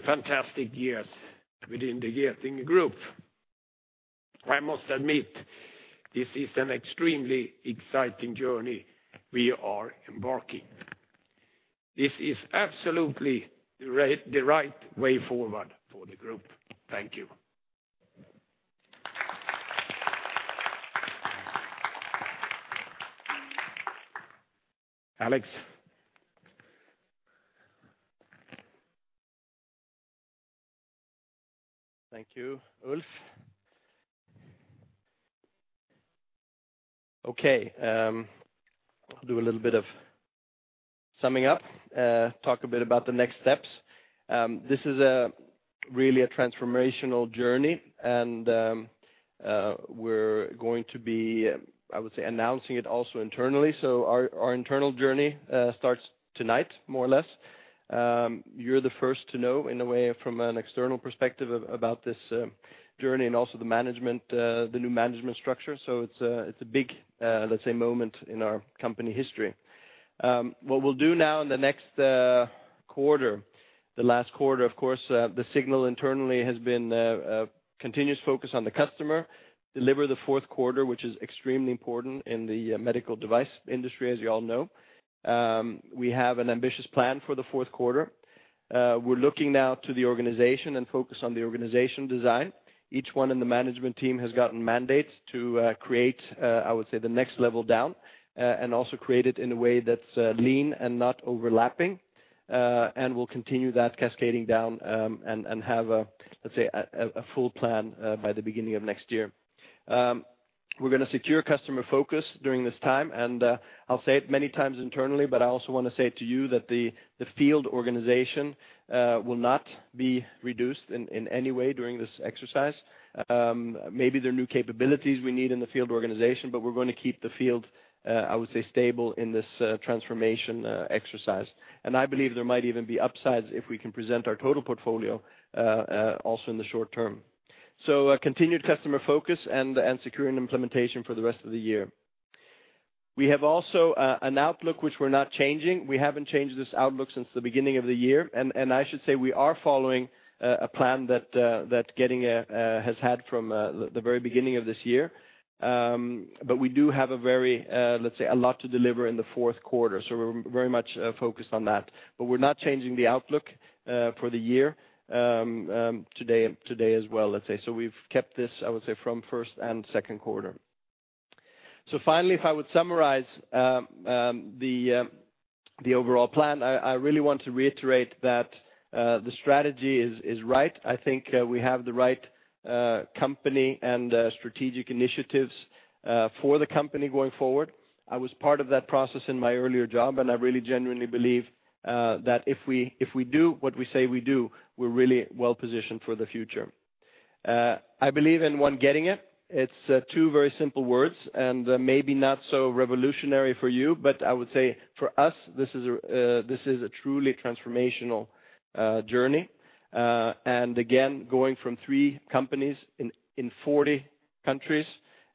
fantastic years within the Getinge Group, I must admit, this is an extremely exciting journey we are embarking. This is absolutely the right, the right way forward for the group. Thank you. Alex? Thank you, Ulf. Okay, I'll do a little bit of summing up, talk a bit about the next steps. This is a really a transformational journey, and we're going to be, I would say, announcing it also internally. So our, our internal journey starts tonight, more or less. You're the first to know, in a way, from an external perspective about this journey and also the management, the new management structure. So it's a, it's a big, let's say, moment in our company history. What we'll do now in the next quarter, the last quarter, of course, the signal internally has been a continuous focus on the customer, deliver the fourth quarter, which is extremely important in the medical device industry, as you all know. We have an ambitious plan for the fourth quarter. We're looking now to the organization and focus on the organization design. Each one in the management team has gotten mandates to create, I would say, the next level down, and also create it in a way that's lean and not overlapping. We'll continue that cascading down, and have a, let's say, a full plan by the beginning of next year. We're gonna secure customer focus during this time, and I'll say it many times internally, but I also want to say it to you, that the field organization will not be reduced in any way during this exercise. Maybe there are new capabilities we need in the field organization, but we're going to keep the field, I would say, stable in this transformation exercise. I believe there might even be upsides if we can present our total portfolio, also in the short term. So a continued customer focus and securing implementation for the rest of the year. We have also an outlook which we're not changing. We haven't changed this outlook since the beginning of the year, and I should say we are following a plan that Getinge has had from the very beginning of this year. But we do have a very, let's say, a lot to deliver in the fourth quarter, so we're very much focused on that. But we're not changing the outlook for the year, today as well, let's say. So we've kept this, I would say, from first and second quarter. So finally, if I would summarize the overall plan, I really want to reiterate that the strategy is right. I think we have the right company and strategic initiatives for the company going forward. I was part of that process in my earlier job, and I really genuinely believe that if we do what we say we do, we're really well positioned for the future. I believe in One Getinge. It's two very simple words, and maybe not so revolutionary for you, but I would say for us, this is a truly transformational journey. And again, going from three companies in 40 countries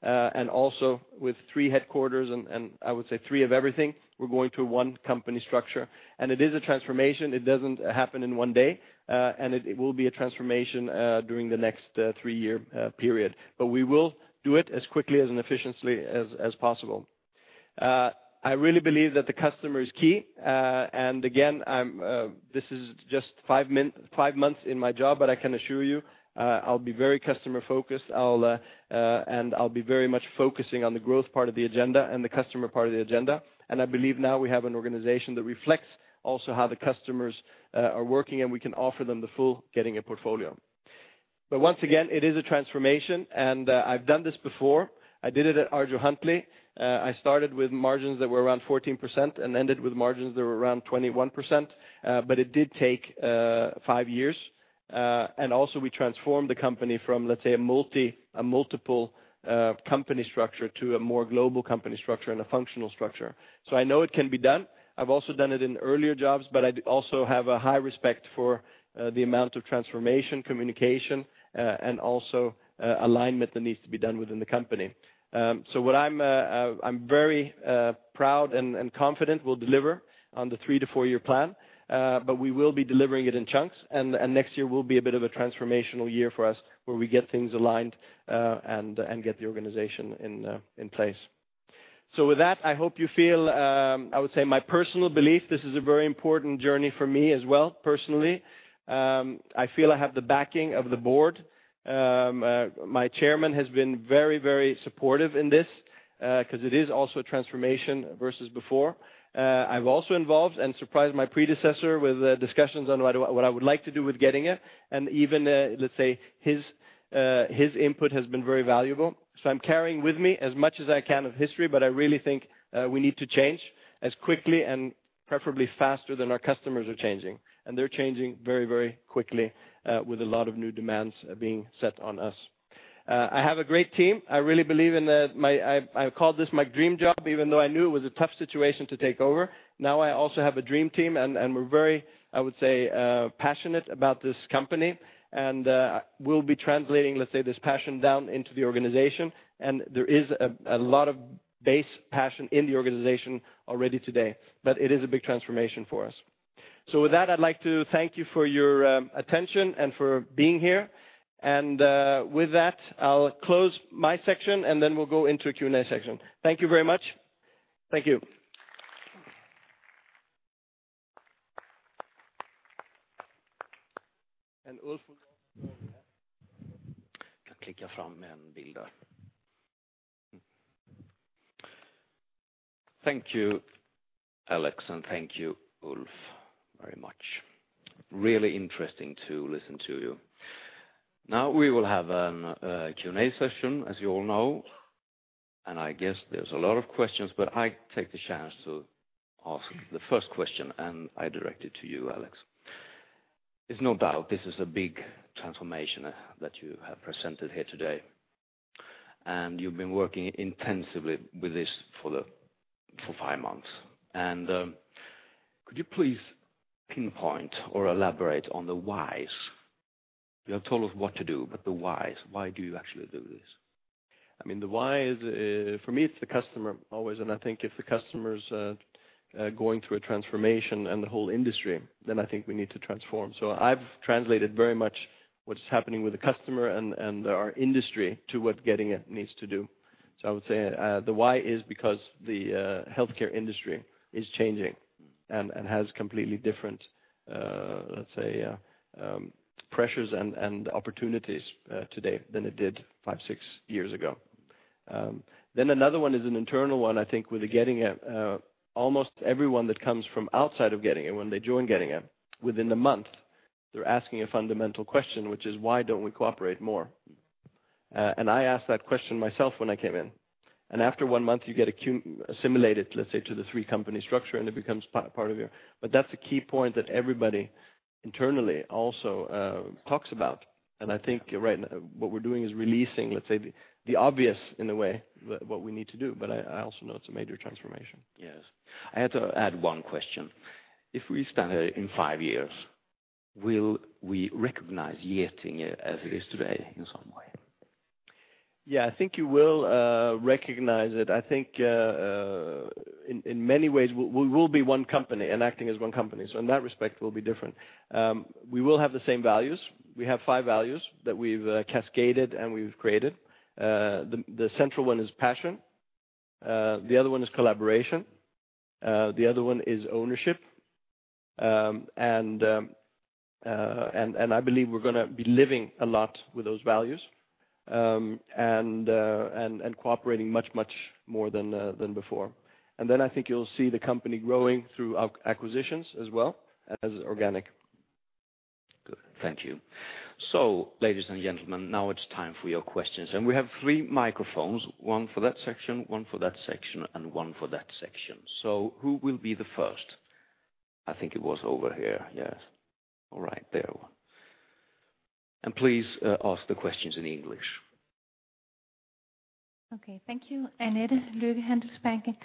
and also with three headquarters and I would say three of everything, we're going to one company structure. It is a transformation. It doesn't happen in one day, and it will be a transformation during the next three-year period. But we will do it as quickly and efficiently as possible. I really believe that the customer is key, and again, this is just five months in my job, but I can assure you, I'll be very customer-focused. I'll and I'll be very much focusing on the growth part of the agenda and the customer part of the agenda. I believe now we have an organization that reflects also how the customers are working, and we can offer them the full Getinge portfolio. But once again, it is a transformation, and I've done this before. I did it at ArjoHuntleigh. I started with margins that were around 14% and ended with margins that were around 21%. But it did take 5 years. And also we transformed the company from, let's say, a multiple company structure to a more global company structure and a functional structure. So I know it can be done. I've also done it in earlier jobs, but I also have a high respect for the amount of transformation, communication, and also alignment that needs to be done within the company. So what I'm very proud and confident we'll deliver on the 3-4-year plan, but we will be delivering it in chunks, and next year will be a bit of a transformational year for us, where we get things aligned, and get the organization in place. So with that, I hope you feel, I would say my personal belief, this is a very important journey for me as well, personally. I feel I have the backing of the board. My chairman has been very, very supportive in this, 'cause it is also a transformation versus before. I've also involved and surprised my predecessor with discussions on what I would like to do with Getinge, and even, let's say, his input has been very valuable. So I'm carrying with me as much as I can of history, but I really think we need to change as quickly and preferably faster than our customers are changing. And they're changing very, very quickly, with a lot of new demands being set on us. I have a great team. I really believe in it. I call this my dream job, even though I knew it was a tough situation to take over. Now, I also have a dream team, and we're very, I would say, passionate about this company, and we'll be translating, let's say, this passion down into the organization, and there is a lot of base passion in the organization already today. But it is a big transformation for us. So with that, I'd like to thank you for your attention and for being here, and with that, I'll close my section, and then we'll go into Q&A section. Thank you very much. Thank you. Thank you, Alex, and thank you, Ulf, very much. Really interesting to listen to you. Now, we will have a Q&A session, as you all know, and I guess there's a lot of questions, but I take the chance to ask the first question, and I direct it to you, Alex. There's no doubt this is a big transformation that you have presented here today, and you've been working intensively with this for five months. Could you please pinpoint or elaborate on the whys? You have told us what to do, but the whys. Why do you actually do this? I mean, the why is, for me, it's the customer always, and I think if the customer's, going through a transformation and the whole industry, then I think we need to transform. So I've translated very much what is happening with the customer and, and our industry to what Getinge needs to do. So I would say, the why is because the healthcare industry is changing and, and has completely different, let's say, pressures and, and opportunities, today than it did 5, 6 years ago. Then another one is an internal one, I think, with the Getinge, almost everyone that comes from outside of Getinge, when they join Getinge, within the month, they're asking a fundamental question, which is: Why don't we cooperate more? And I asked that question myself when I came in, and after one month, you get assimilated, let's say, to the three company structure, and it becomes part of you. But that's a key point that everybody internally also talks about. And I think right now what we're doing is releasing, let's say, the obvious in a way, what we need to do, but I also know it's a major transformation. Yes. I had to add one question: If we stand here in five years, will we recognize Getinge as it is today in some way? Yeah, I think you will recognize it. I think, in many ways, we will be one company and acting as one company, so in that respect, we'll be different. We will have the same values. We have five values that we've cascaded and we've created. The central one is passion, the other one is collaboration, the other one is ownership. And I believe we're gonna be living a lot with those values, and cooperating much more than before. And then I think you'll see the company growing through acquisitions as well as organic. Good. Thank you. So, ladies and gentlemen, now it's time for your questions, and we have three microphones, one for that section, one for that section, and one for that section. So who will be the first? I think it was over here. Yes. All right, there one. And please, ask the questions in English. Okay. Thank you. Annette, Lübecke Handelsbanken.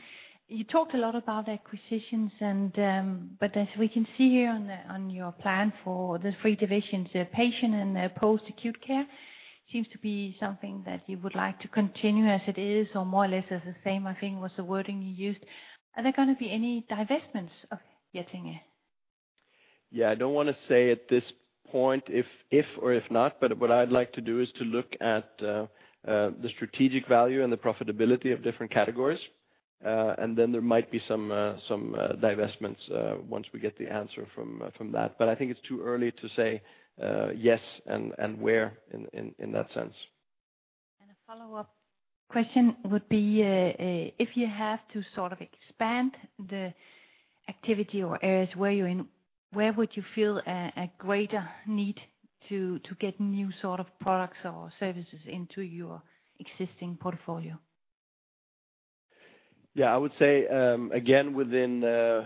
You talked a lot about acquisitions and, but as we can see here on the, on your plan for the three divisions, the patient and the post-acute care seems to be something that you would like to continue as it is or more or less as the same, I think, was the wording you used. Are there gonna be any divestments of Getinge? Yeah, I don't wanna say at this point if or if not, but what I'd like to do is to look at the strategic value and the profitability of different categories, and then there might be some some divestments once we get the answer from from that. But I think it's too early to say yes, and and where in in in that sense. A follow-up question would be, if you have to sort of expand the activity or areas where you're in, where would you feel a greater need to get new sort of products or services into your existing portfolio? Yeah, I would say, again, within the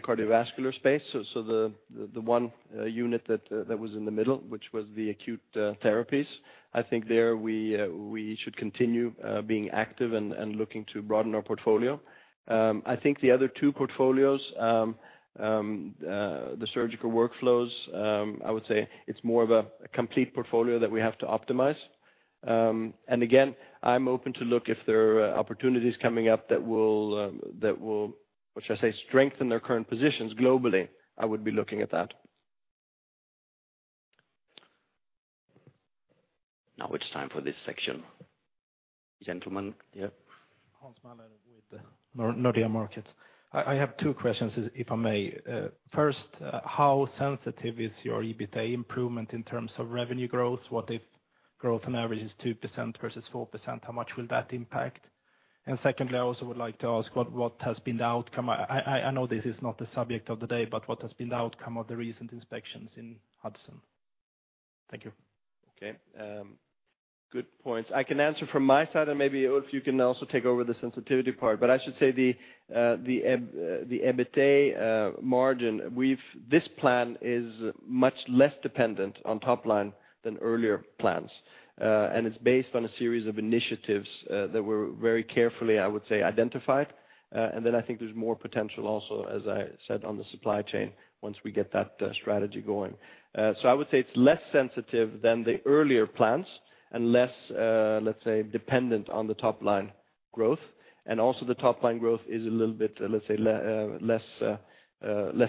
cardiovascular space, so the one unit that was in the middle, which was the acute therapies, I think there we should continue being active and looking to broaden our portfolio. I think the other two portfolios, the surgical workflows, I would say it's more of a complete portfolio that we have to optimize. And again, I'm open to look if there are opportunities coming up that will, what should I say? Strengthen their current positions globally, I would be looking at that. Now it's time for this section. gentleman, yeah. Hans Mahler with Nordea Markets. I have two questions, if I may. First, how sensitive is your EBITA improvement in terms of revenue growth? What if growth on average is 2% versus 4%, how much will that impact? And secondly, I also would like to ask what has been the outcome? I know this is not the subject of the day, but what has been the outcome of the recent inspections in Hudson? Thank you. Okay, good points. I can answer from my side, and maybe, Ulf, you can also take over the sensitivity part. But I should say the EBITA margin. This plan is much less dependent on top line than earlier plans. And it's based on a series of initiatives that were very carefully, I would say, identified. And then I think there's more potential also, as I said, on the supply chain, once we get that strategy going. So I would say it's less sensitive than the earlier plans and less, let's say, dependent on the top line growth. And also, the top line growth is a little bit, let's say, less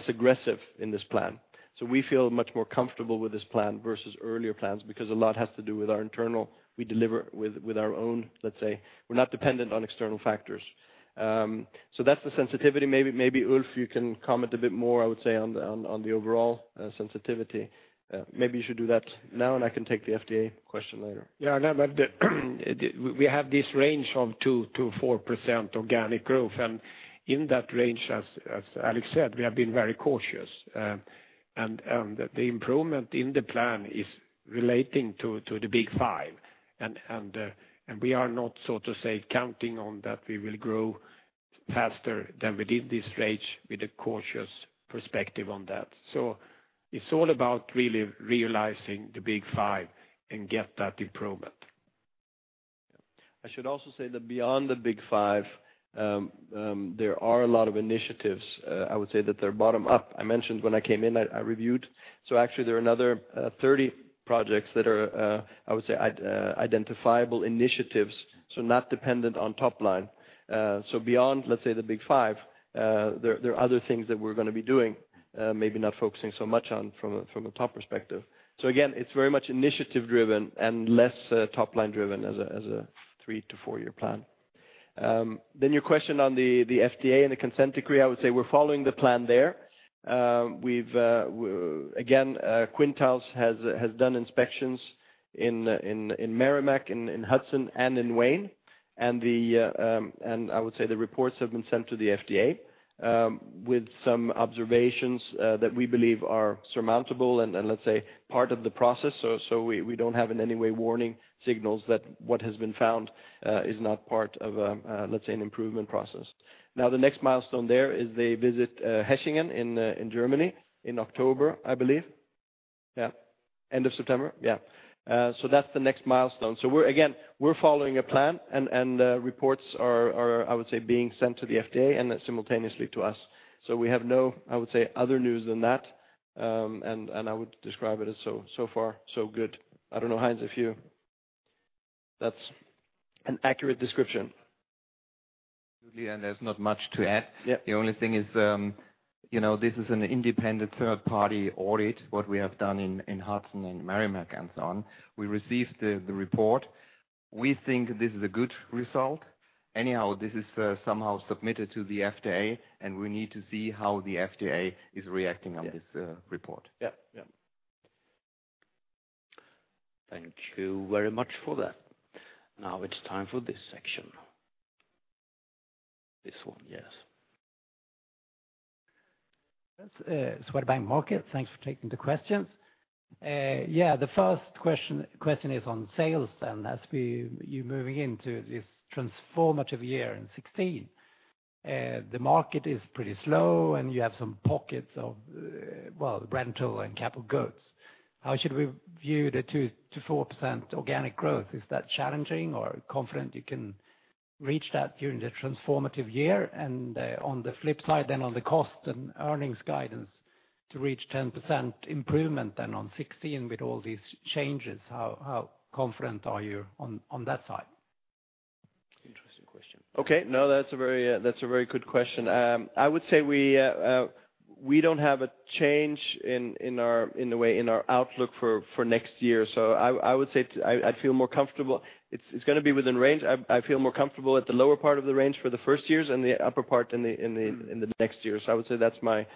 aggressive in this plan. So we feel much more comfortable with this plan versus earlier plans, because a lot has to do with our internal We deliver with our own, let's say, we're not dependent on external factors. So that's the sensitivity. Maybe Ulf, you can comment a bit more, I would say, on the overall sensitivity. Maybe you should do that now, and I can take the FDA question later. Yeah, no, but we have this range of 2%-4% organic growth, and in that range, as Alex said, we have been very cautious. And the improvement in the plan is relating to the Big five. And we are not, so to say, counting on that we will grow faster than within this range, with a cautious perspective on that. So it's all about really realizing the Big five and get that improvement. I should also say that beyond the Big five, there are a lot of initiatives, I would say, that they're bottom up. I mentioned when I came in, I, I reviewed. So actually, there are another, 30 projects that are, I would say, identifiable initiatives, so not dependent on top line. So beyond, let's say, the Big five, there, there are other things that we're going to be doing, maybe not focusing so much on from a, from a top perspective. So again, it's very much initiative-driven and less, top line-driven as a, as a three- to four-year plan. Then your question on the, the FDA and the Consent Decree, I would say we're following the plan there. We've again, Quintiles has done inspections in Merrimack, in Hudson and in Wayne. And I would say the reports have been sent to the FDA with some observations that we believe are surmountable and, let's say, part of the process. So we don't have, in any way, warning signals that what has been found is not part of, let's say, an improvement process. Now, the next milestone there is they visit Hechingen in Germany, in October, I believe. Yeah. End of September? Yeah. So that's the next milestone. We're again following a plan and reports are, I would say, being sent to the FDA and then simultaneously to us. So we have no, I would say, other news than that, and I would describe it as so far, so good. I don't know, Heinz, if you That's an accurate description. Absolutely, and there's not much to add. Yeah. The only thing is, you know, this is an independent third-party audit, what we have done in Hudson and Merrimack and so on. We received the report. We think this is a good result. Anyhow, this is somehow submitted to the FDA, and we need to see how the FDA is reacting on- Yes this, report. Yeah. Yeah. Thank you very much for that. Now it's time for this section. This one, yes. Swedbank Markets. Thanks for taking the questions. Yeah, the first question is on sales, then, as you're moving into this transformative year in 2016. The market is pretty slow, and you have some pockets of, well, rental and capital goods. How should we view the 2%-4% organic growth? Is that challenging or confident you can reach that during the transformative year? And, on the flip side, then, on the cost and earnings guidance to reach 10% improvement, then, on 2016 with all these changes, how confident are you on that side? Interesting question. Okay. No, that's a very, that's a very good question. I would say we don't have a change in our outlook for next year. So I would say I feel more comfortable. It's gonna be within range. I feel more comfortable at the lower part of the range for the first years and the upper part in the next year. So I would say that's my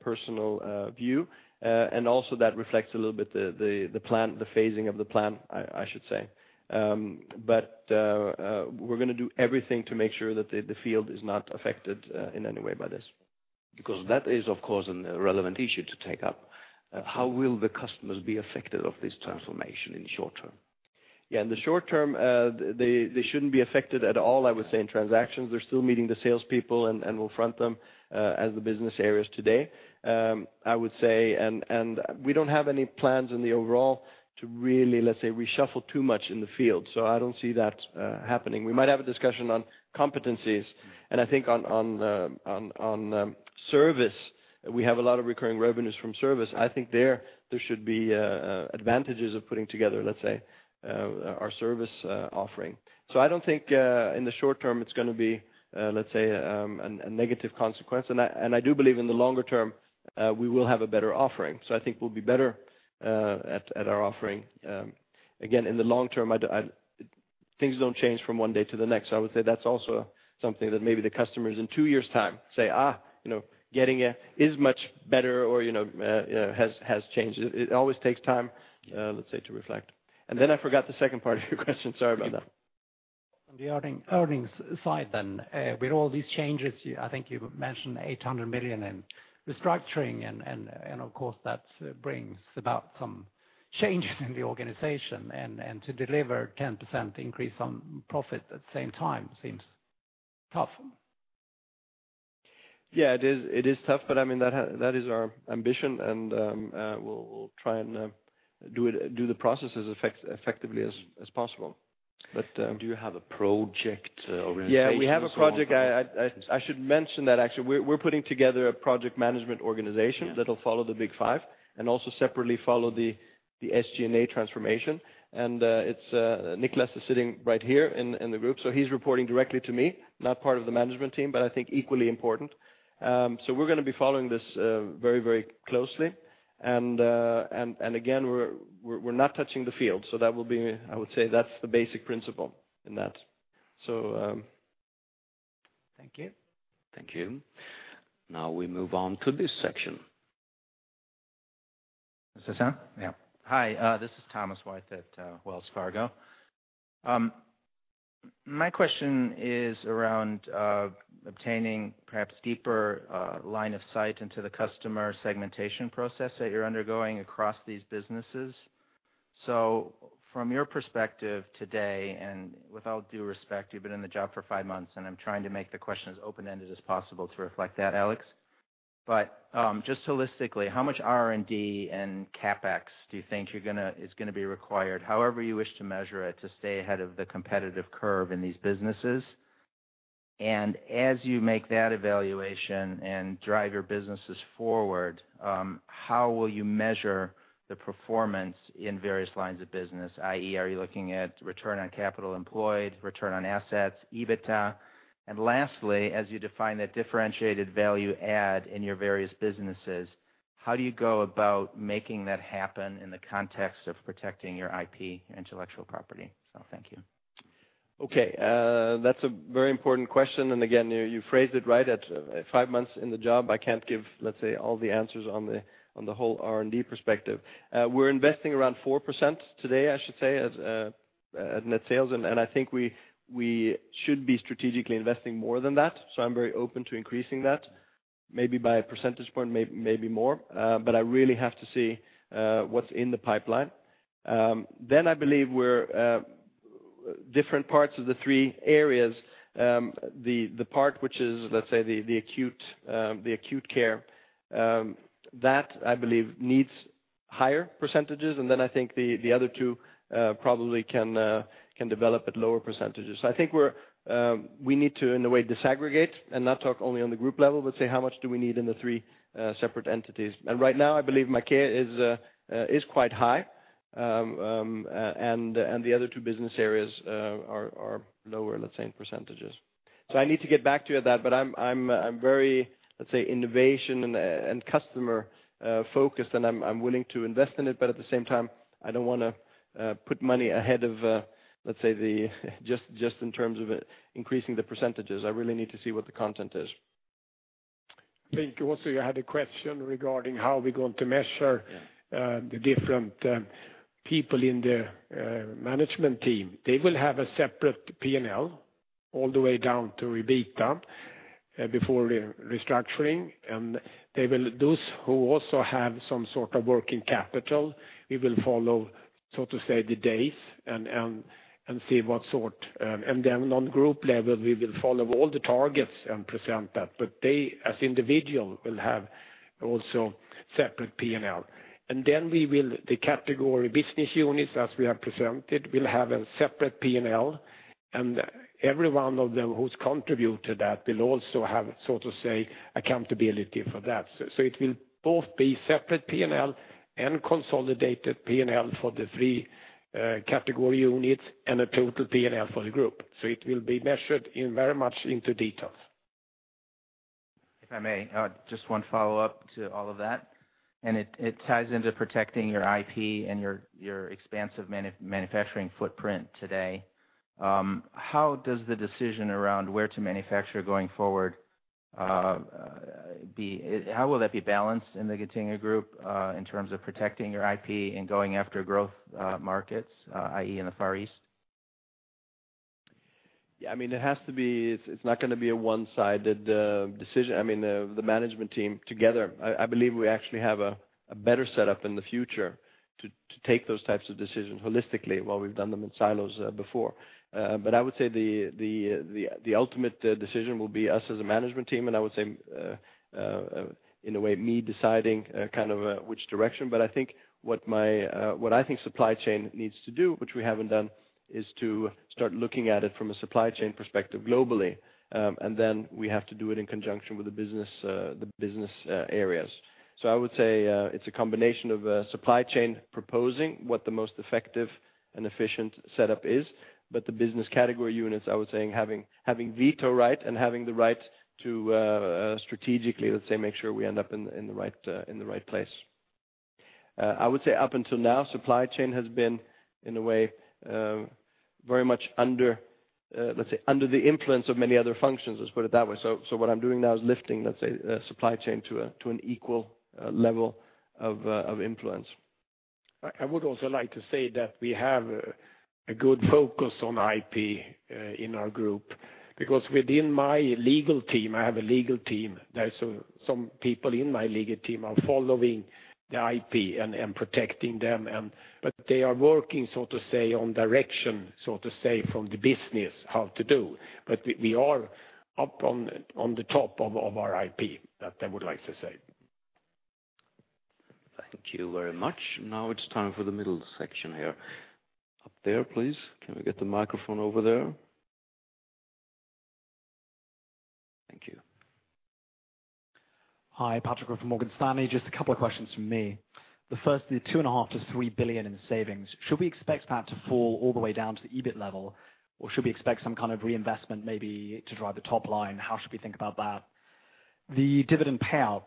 personal view. And also that reflects a little bit the plan, the phasing of the plan, I should say. But we're gonna do everything to make sure that the field is not affected in any way by this. Because that is, of course, a relevant issue to take up. How will the customers be affected of this transformation in the short term? Yeah, in the short term, they shouldn't be affected at all, I would say, in transactions. They're still meeting the salespeople and we'll front them as the business areas today. I would say, and we don't have any plans in the overall to really, let's say, reshuffle too much in the field, so I don't see that happening. We might have a discussion on competencies, and I think on the service, we have a lot of recurring revenues from service. I think there should be advantages of putting together, let's say, our service offering. So I don't think in the short term, it's gonna be, let's say, a negative consequence. I do believe in the longer term we will have a better offering, so I think we'll be better at our offering. Again, in the long term, things don't change from one day to the next. I would say that's also something that maybe the customers in two years' time say, "Ah, you know, Getinge is much better or, you know, has changed." It always takes time, let's say, to reflect. And then I forgot the second part of your question. Sorry about that. On the earnings side then, with all these changes, you, I think you mentioned 800 million in restructuring and, of course, that brings about some changes in the organization, and to deliver 10% increase on profit at the same time seems tough. Yeah, it is tough, but I mean, that is our ambition, and we'll try and do the processes effectively as possible. But- Do you have a project organization? Yeah, we have a project. I should mention that actually, we're putting together a project management organization- Yeah that'll follow The Big five, and also separately follow the SG&A transformation. And it's Nicolas is sitting right here in the group, so he's reporting directly to me, not part of the management team, but I think equally important. So we're going to be following this very, very closely. And again, we're not touching the field, so that will be I would say that's the basic principle in that. So- Thank you. Thank you. Now we move on to this section. Is this on? Yeah. Hi, this is Thomas White at Wells Fargo. My question is around obtaining perhaps deeper line of sight into the customer segmentation process that you're undergoing across these businesses. So from your perspective today, and with all due respect, you've been in the job for five months, and I'm trying to make the question as open-ended as possible to reflect that, Alex. But just holistically, how much R&D and CapEx do you think you're gonna--is gonna be required, however you wish to measure it, to stay ahead of the competitive curve in these businesses? And as you make that evaluation and drive your businesses forward, how will you measure the performance in various lines of business, i.e., are you looking at return on capital employed, return on assets, EBITDA? Lastly, as you define that differentiated value add in your various businesses, how do you go about making that happen in the context of protecting your IP, your intellectual property? Thank you. Okay, that's a very important question, and again, you phrased it right. At five months in the job, I can't give, let's say, all the answers on the whole R&D perspective. We're investing around 4% today, I should say, as at net sales, and I think we should be strategically investing more than that. So I'm very open to increasing that, maybe by a percentage point, maybe more, but I really have to see what's in the pipeline. Then I believe we're different parts of the three areas, the part which is, let's say, the acute care, that I believe needs higher percentages, and then I think the other two probably can develop at lower percentages. I think we're, we need to, in a way, disaggregate and not talk only on the group level, but say, how much do we need in the three separate entities? And right now, I believe Maquet is quite high. And the other two business areas are lower, let's say, in percentages. So I need to get back to you at that, but I'm very, let's say, innovation and customer focused, and I'm willing to invest in it. But at the same time, I don't want to put money ahead of, let's say, the Just in terms of increasing the percentages. I really need to see what the content is. I think also you had a question regarding how we're going to measure- Yeah the different people in the management team. They will have a separate P&L all the way down to EBITA, before restructuring, and they will. Those who also have some sort of working capital, we will follow, so to say, the days and see what sort. And then on group level, we will follow all the targets and present that, but they, as individual, will have also separate P&L. And then, the category business units, as we have presented, will have a separate P&L, and every one of them who's contributed to that will also have, so to say, accountability for that. So it will both be separate P&L and consolidated P&L for the three category units and a total P&L for the group. So it will be measured in very much into details. If I may, just one follow-up to all of that, and it, it ties into protecting your IP and your, your expansive manufacturing footprint today. How will that be balanced in the Getinge Group, in terms of protecting your IP and going after growth markets, i.e., in the Far East? Yeah, I mean, it has to be—it's not going to be a one-sided decision. I mean, the management team together, I believe we actually have a better setup in the future to take those types of decisions holistically, while we've done them in silos before. But I would say the ultimate decision will be us as a management team, and I would say, in a way, me deciding kind of which direction. But I think what I think supply chain needs to do, which we haven't done, is to start looking at it from a supply chain perspective globally. And then we have to do it in conjunction with the business, the business areas. So I would say, it's a combination of a supply chain proposing what the most effective and efficient setup is, but the business category units, I would say, having veto right and having the right to, strategically, let's say, make sure we end up in the right place. I would say up until now, supply chain has been, in a way, very much under, let's say, under the influence of many other functions, let's put it that way. So what I'm doing now is lifting, let's say, the supply chain to a, to an equal, level of influence. I would also like to say that we have a good focus on IP in our group, because within my legal team, I have a legal team, there are some people in my legal team who are following the IP and protecting them. But they are working, so to say, on direction, so to say, from the business, how to do. But we are up on the top of our IP, that I would like to say. Thank you very much. Now it's time for the middle section here. Up there, please. Can we get the microphone over there? Thank you. Hi, Patrick from Morgan Stanley. Just a couple of questions from me. The first is 2.5 billion-3 billion in savings. Should we expect that to fall all the way down to the EBIT level, or should we expect some kind of reinvestment maybe to drive the top line? How should we think about that? The dividend payout,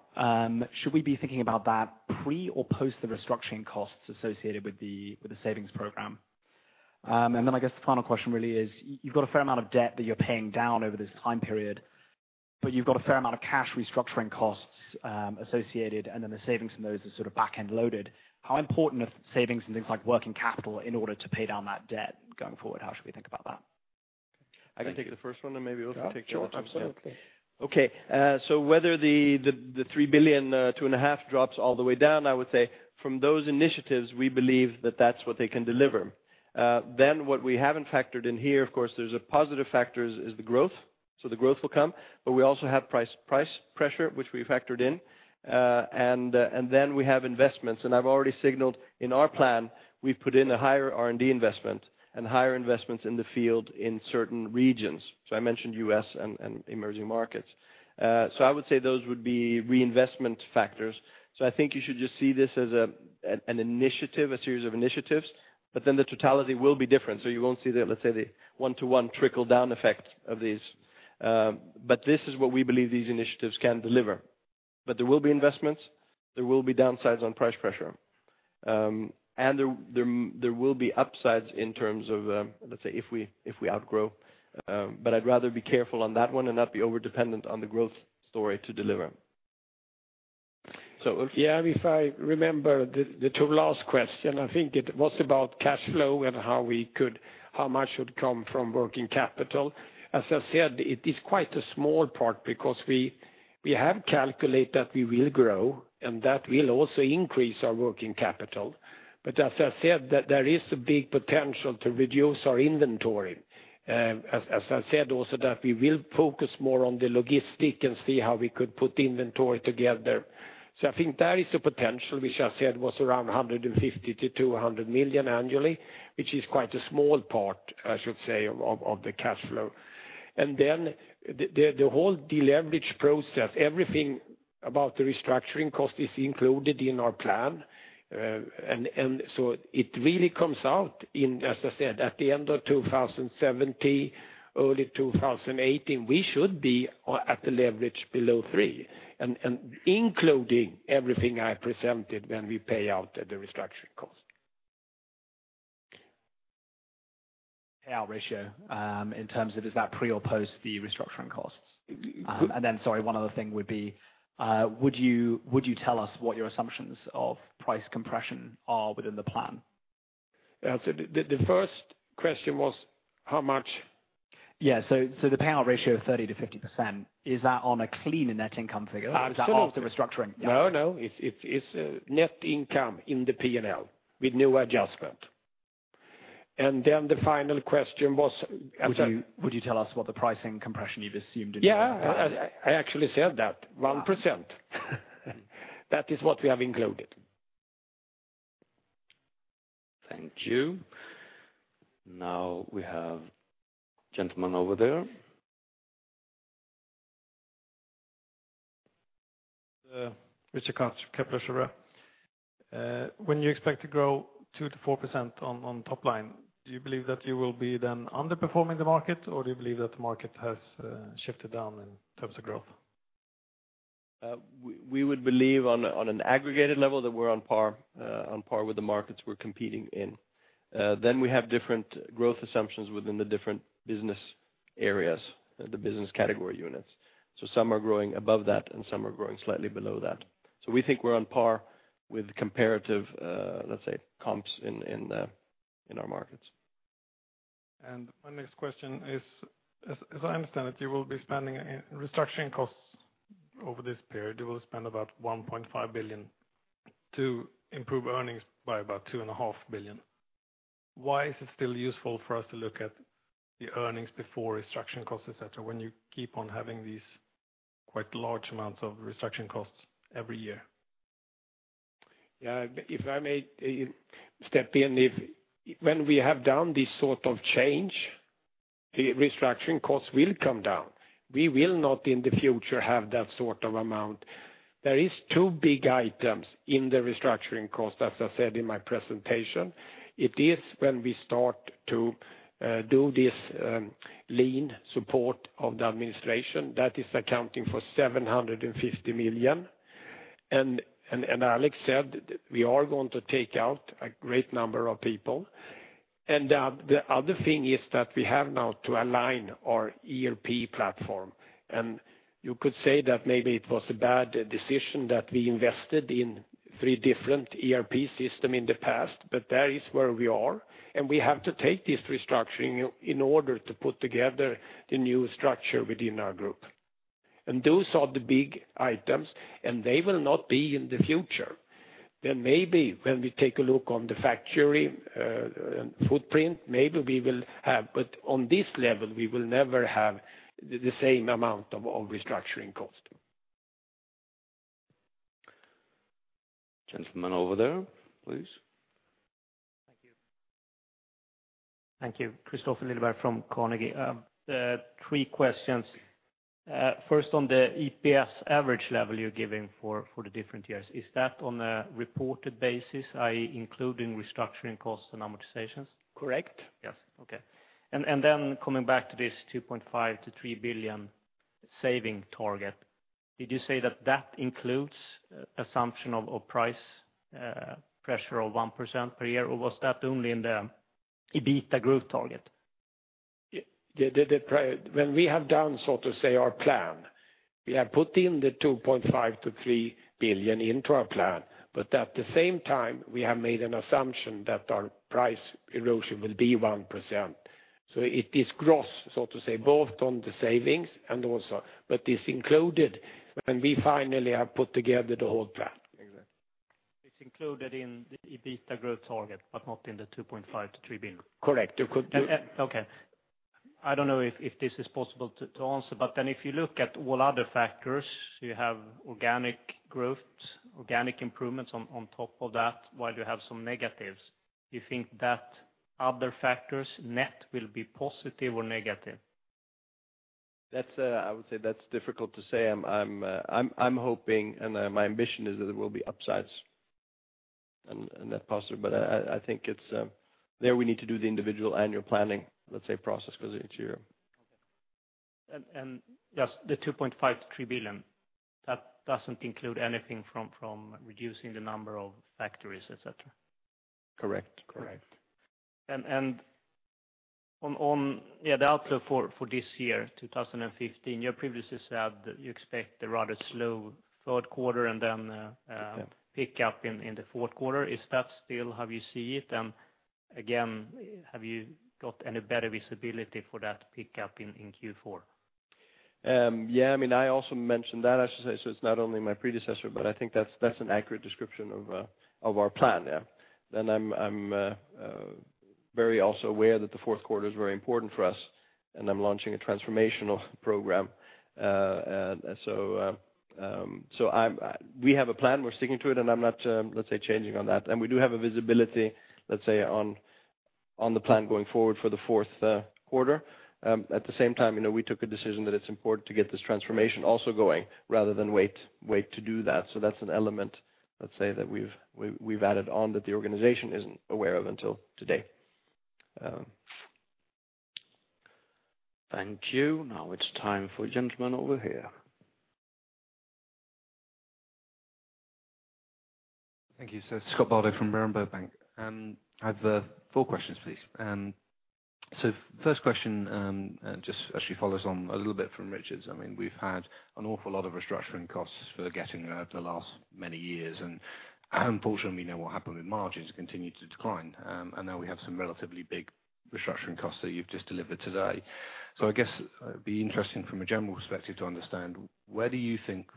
should we be thinking about that pre or post the restructuring costs associated with the savings program? And then I guess the final question really is, you've got a fair amount of debt that you're paying down over this time period, but you've got a fair amount of cash restructuring costs, associated, and then the savings from those are sort of back-end loaded. How important are savings and things like working capital in order to pay down that debt going forward? How should we think about that? I can take the first one, and maybe you want to take the other one. Sure, absolutely. Okay, so whether the 3 billion, 2.5 drops all the way down, I would say from those initiatives, we believe that that's what they can deliver. Then what we haven't factored in here, of course, there's a positive factors is the growth, so the growth will come, but we also have price pressure, which we factored in. And then we have investments, and I've already signaled in our plan, we've put in a higher R&D investment and higher investments in the field in certain regions. So I mentioned US and emerging markets. So I would say those would be reinvestment factors. So I think you should just see this as an initiative, a series of initiatives, but then the totality will be different. So you won't see the, let's say, one-to-one trickle-down effect of these. But this is what we believe these initiatives can deliver. But there will be investments, there will be downsides on price pressure. And there will be upsides in terms of, let's say, if we outgrow, but I'd rather be careful on that one and not be over-dependent on the growth story to deliver. So, yeah, if I remember the two last question, I think it was about cash flow and how much should come from working capital. As I said, it is quite a small part because we have calculated that we will grow, and that will also increase our working capital. But as I said, that there is a big potential to reduce our inventory. As I said, also, that we will focus more on the logistics and see how we could put inventory together. So I think there is a potential, which I said was around 150-200 million annually, which is quite a small part, I should say, of the cash flow. And then the whole deleverage process, everything about the restructuring cost is included in our plan. So it really comes out in, as I said, at the end of 2017, early 2018, we should be at the leverage below 3, and including everything I presented when we pay out the restructuring cost. Payout ratio, in terms of, is that pre or post the restructuring costs? W- And then, sorry, one other thing would be, would you, would you tell us what your assumptions of price compression are within the plan? Yeah, so the first question was how much? Yeah, so, so the payout ratio of 30%-50%, is that on a cleaner net income figure? Absolutely. Is that after the restructuring? No, no. It's net income in the P&L with no adjustment. And then the final question was, I'm sorry- Would you tell us what the pricing compression you've assumed in that? Yeah, I, I actually said that, 1%. That is what we have included. Thank you. Now, we have a gentleman over there. Richard from Kepler Cheuvreux. When you expect to grow 2%-4% on top line, do you believe that you will be then underperforming the market, or do you believe that the market has shifted down in terms of growth? We would believe on an aggregated level that we're on par with the markets we're competing in. Then we have different growth assumptions within the different business areas, the business category units. So some are growing above that, and some are growing slightly below that. So we think we're on par with comparative, let's say, comps in our markets. My next question is, as I understand it, you will be spending in restructuring costs over this period. You will spend about 1.5 billion to improve earnings by about 2.5 billion. Why is it still useful for us to look at the earnings before restructuring costs, et cetera, when you keep on having these quite large amounts of restructuring costs every year? Yeah, if I may step in, when we have done this sort of change, the restructuring costs will come down. We will not, in the future, have that sort of amount. There is two big items in the restructuring cost, as I said in my presentation. It is when we start to do this lean support of the administration, that is accounting for 750 million. Alex said, we are going to take out a greater of people. And the other thing is that we have now to align our ERP platform, and you could say that maybe it was a bad decision that we invested in 3 different ERP system in the past, but that is where we are, and we have to take this restructuring in order to put together the new structure within our group. And those are the big items, and they will not be in the future. Then maybe when we take a look on the factory footprint, maybe we will have, but on this level, we will never have the same amount of restructuring cost. Gentleman over there, please. Thank you. Thank you, Kristofer Liljeberg from Carnegie. Three questions. First, on the EPS average level you're giving for the different years, is that on a reported basis, i.e., including restructuring costs and amortizations? Correct. Yes. Okay. And then coming back to this 2.5 billion-3 billion saving target, did you say that that includes assumption of price pressure of 1% per year, or was that only in the EBITDA growth target? When we have done, so to say, our plan, we have put in the 2.5 billion-3 billion into our plan, but at the same time, we have made an assumption that our price erosion will be 1%. So it is gross, so to say, both on the savings and also. But it's included when we finally have put together the whole plan. Exactly. It's included in the EBITDA growth target, but not in the 2.5 billion-3 billion. Correct. You could- Okay. I don't know if this is possible to answer, but then if you look at all other factors, you have organic growth, organic improvements on top of that, while you have some negatives. You think that other factors net will be positive or negative? That's, I would say, that's difficult to say. I'm hoping, and my ambition is that there will be upsides and that positive, but I think it's there, we need to do the individual annual planning, let's say, process for each year. Okay. And just the 2.5 billion-3 billion, that doesn't include anything from reducing the number of factories, et cetera? Correct. Correct. On the outlook for this year, 2015, your previous is that you expect a rather slow third quarter and then— Yeah Pick up in the fourth quarter. Is that still how you see it? And again, have you got any better visibility for that pickup in Q4? Yeah, I mean, I also mentioned that, I should say, so it's not only my predecessor, but I think that's an accurate description of our plan, yeah. Then I'm very also aware that the fourth quarter is very important for us, and I'm launching a transformational program. And so, we have a plan, we're sticking to it, and I'm not, let's say, changing on that. And we do have a visibility, let's say, on the plan going forward for the fourth quarter. At the same time, you know, we took a decision that it's important to get this transformation also going, rather than wait to do that. So that's an element, let's say, that we've added on that the organization isn't aware of until today. Thank you. Now it's time for a gentleman over here. Thank you. So Scott Bardo from Berenberg Bank, and I have four questions, please. So first question, just actually follows on a little bit from Richard's. I mean, we've had an awful lot of restructuring costs for Getinge the last many years, and unfortunately, now what happened with margins continued to decline, and now we have some relatively big restructuring costs that you've just delivered today. So I guess it'd be interesting from a general perspective to understand, where do you think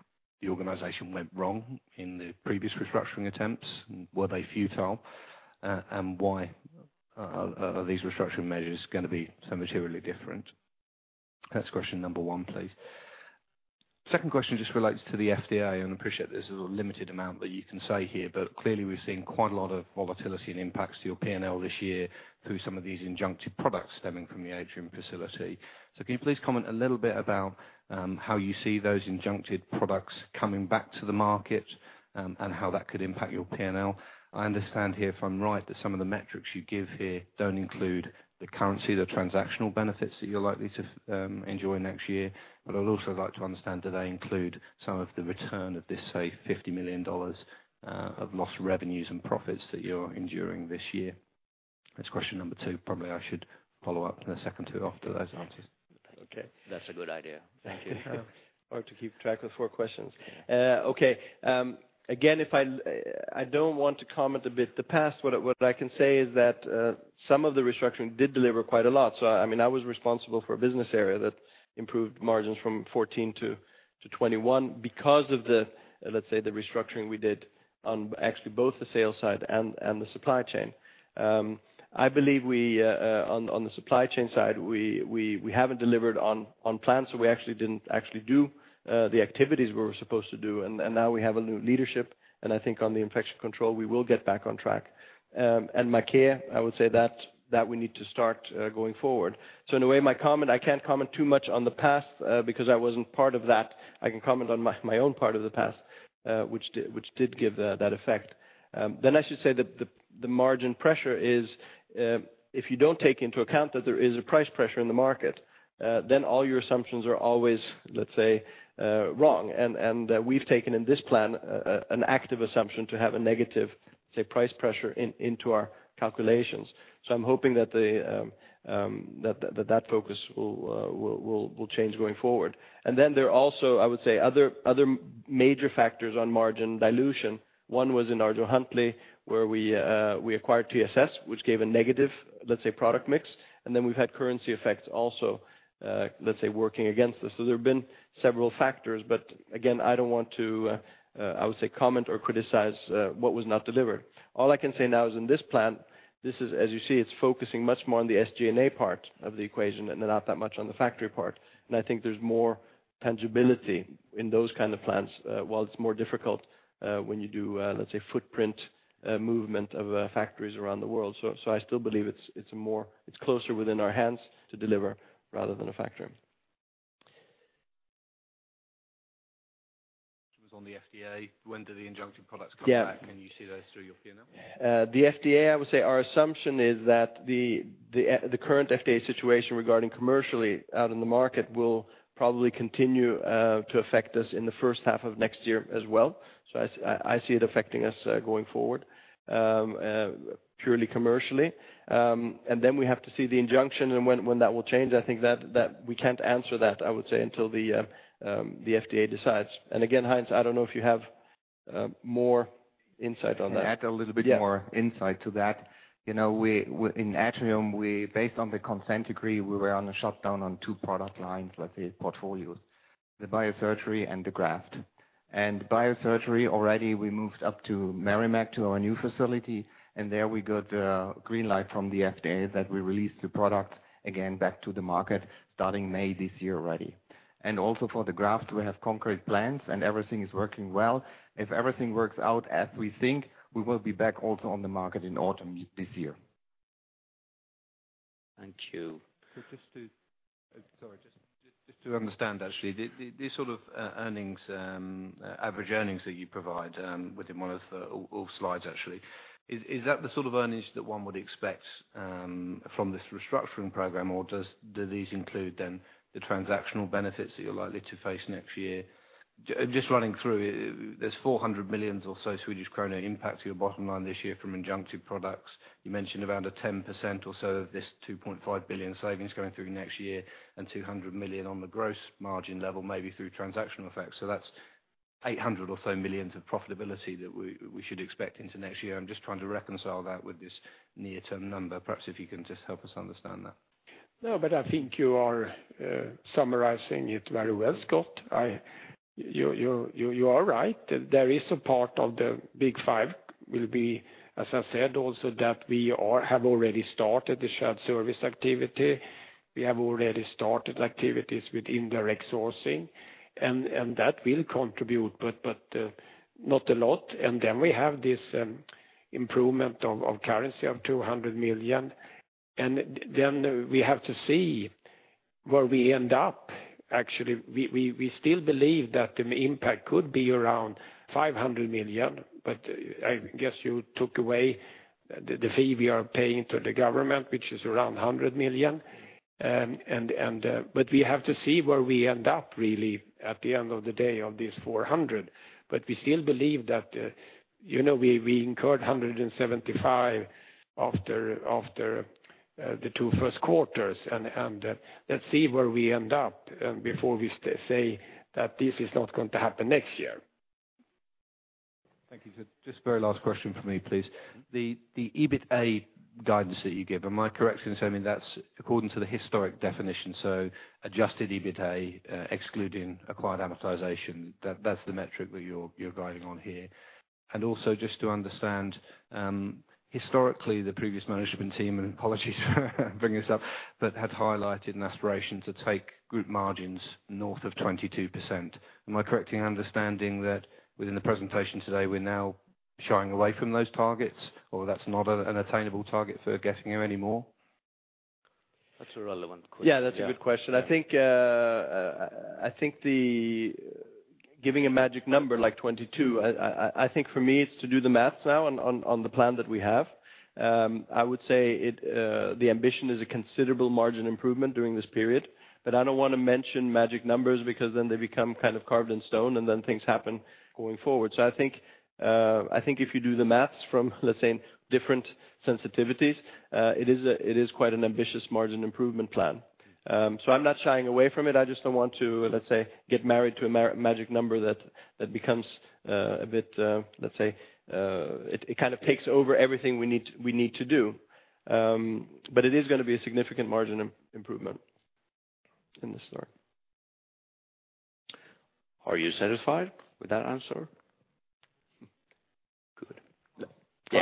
the organization went wrong in the previous restructuring attempts? Were they futile? And why are these restructuring measures gonna be so materially different? That's question number one, please. Second question just relates to the FDA, and I appreciate there's a limited amount that you can say here, but clearly, we've seen quite a lot of volatility and impacts to your P&L this year through some of these injuncted products stemming from the Atrium facility. So can you please comment a little bit about how you see those injuncted products coming back to the market, and how that could impact your P&L? I understand here, if I'm right, that some of the metrics you give here don't include the currency, the transactional benefits that you're likely to enjoy next year. But I'd also like to understand, do they include some of the return of this, say, $50 million of lost revenues and profits that you're enduring this year? That's question number two. Probably, I should follow up in a second to after those answers. Okay. That's a good idea. Thank you. Hard to keep track of 4 questions. Okay, again, if I don't want to comment a bit on the past. What I can say is that some of the restructuring did deliver quite a lot. So I mean, I was responsible for a business area that improved margins from 14 to 21 because of the, let's say, the restructuring we did on actually both the sales side and the supply chain. I believe, on the supply chain side, we haven't delivered on plan, so we actually didn't do the activities we were supposed to do, and now we have a new leadership, and I think on the Infection Control, we will get back on track. And my care, I would say that we need to start going forward. So in a way, my comment, I can't comment too much on the past because I wasn't part of that. I can comment on my own part of the past, which did give that effect. Then I should say that the margin pressure is, if you don't take into account that there is a price pressure in the market, then all your assumptions are always, let's say, wrong. And we've taken in this plan an active assumption to have a negative, say, price pressure into our calculations. So I'm hoping that the that focus will change going forward. And then there are also, I would say, other, other major factors on margin dilution. One was in ArjoHuntleigh, where we, we acquired TSS, which gave a negative, let's say, product mix, and then we've had currency effects also, let's say, working against us. So there have been several factors, but again, I don't want to, I would say, comment or criticize, what was not delivered. All I can say now is in this plan, this is, as you see, it's focusing much more on the SG&A part of the equation and not that much on the factory part. And I think there's more tangibility in those kind of plans, while it's more difficult, when you do, let's say, footprint, movement of, factories around the world. I still believe it's more, it's closer within our hands to deliver rather than a factory. Was on the FDA. When do the injunctive products come back? Yeah. Can you see those through your P&L? The FDA, I would say our assumption is that the current FDA situation regarding commercially out in the market will probably continue to affect us in the first half of next year as well. So I see it affecting us going forward, purely commercially. And then we have to see the injunction and when that will change. I think that -- we can't answer that, I would say, until the FDA decides. And again, Heinz, I don't know if you have more insight on that. I'll add a little bit more- Yeah insight to that. You know, we in Atrium, based on the Consent Decree, we were on a shutdown on 2 product lines, let's say, portfolios, the biosurgery and the graft. Biosurgery, already we moved up to Merrimack, to our new facility, and there we got a green light from the FDA that we released the product again back to the market starting May this year already. Also for the grafts, we have concrete plans, and everything is working well. If everything works out as we think, we will be back also on the market in autumn this year. Thank you. Just to understand, actually, the, the, these sort of earnings, average earnings that you provide, within one of the, all slides, actually, is that the sort of earnings that one would expect from this restructuring program, or do these include then the transactional benefits that you're likely to face next year? Just running through, there's 400 million or so impact to your bottom line this year from infection products. You mentioned around a 10% or so of this 2.5 billion savings going through next year, and 200 million on the gross margin level, maybe through transactional effects. So that's 800 or so million of profitability that we, we should expect into next year. I'm just trying to reconcile that with this near-term number. Perhaps if you can just help us understand that. No, but I think you are summarizing it very well, Scott. I—you are right. There is a part of the Big five will be, as I said, also that we have already started the shared service activity. We have already started activities with indirect sourcing, and that will contribute, but not a lot. And then we have this improvement of currency of 200 million, and then we have to see where we end up. Actually, we still believe that the impact could be around 500 million, but I guess you took away the fee we are paying to the government, which is around 100 million. But we have to see where we end up, really, at the end of the day on this 400 million. But we still believe that, you know, we incurred 175 after the two first quarters, and let's see where we end up before we say that this is not going to happen next year. Thank you. So just very last question for me, please. The EBITA guidance that you give, am I correct in saying that's according to the historic definition, so adjusted EBITA, excluding acquired amortization, that's the metric that you're guiding on here? And also, just to understand, historically, the previous management team, and apologies for bringing this up, but had highlighted an aspiration to take group margins north of 22%. Am I correctly understanding that within the presentation today, we're now shying away from those targets, or that's not an attainable target for Getinge anymore? That's a relevant question. Yeah, that's a good question. Yeah. I think the giving a magic number like 22, I think for me, it's to do the math now on the plan that we have. I would say it, the ambition is a considerable margin improvement during this period, but I don't want to mention magic numbers, because then they become kind of carved in stone, and then things happen going forward. So I think if you do the math from, let's say, different sensitivities, it is quite an ambitious margin improvement plan. So I'm not shying away from it. I just don't want to, let's say, get married to a magic number that becomes a bit, let's say, it kind of takes over everything we need to do. But it is gonna be a significant margin improvement in the start. Are you satisfied with that answer? Good.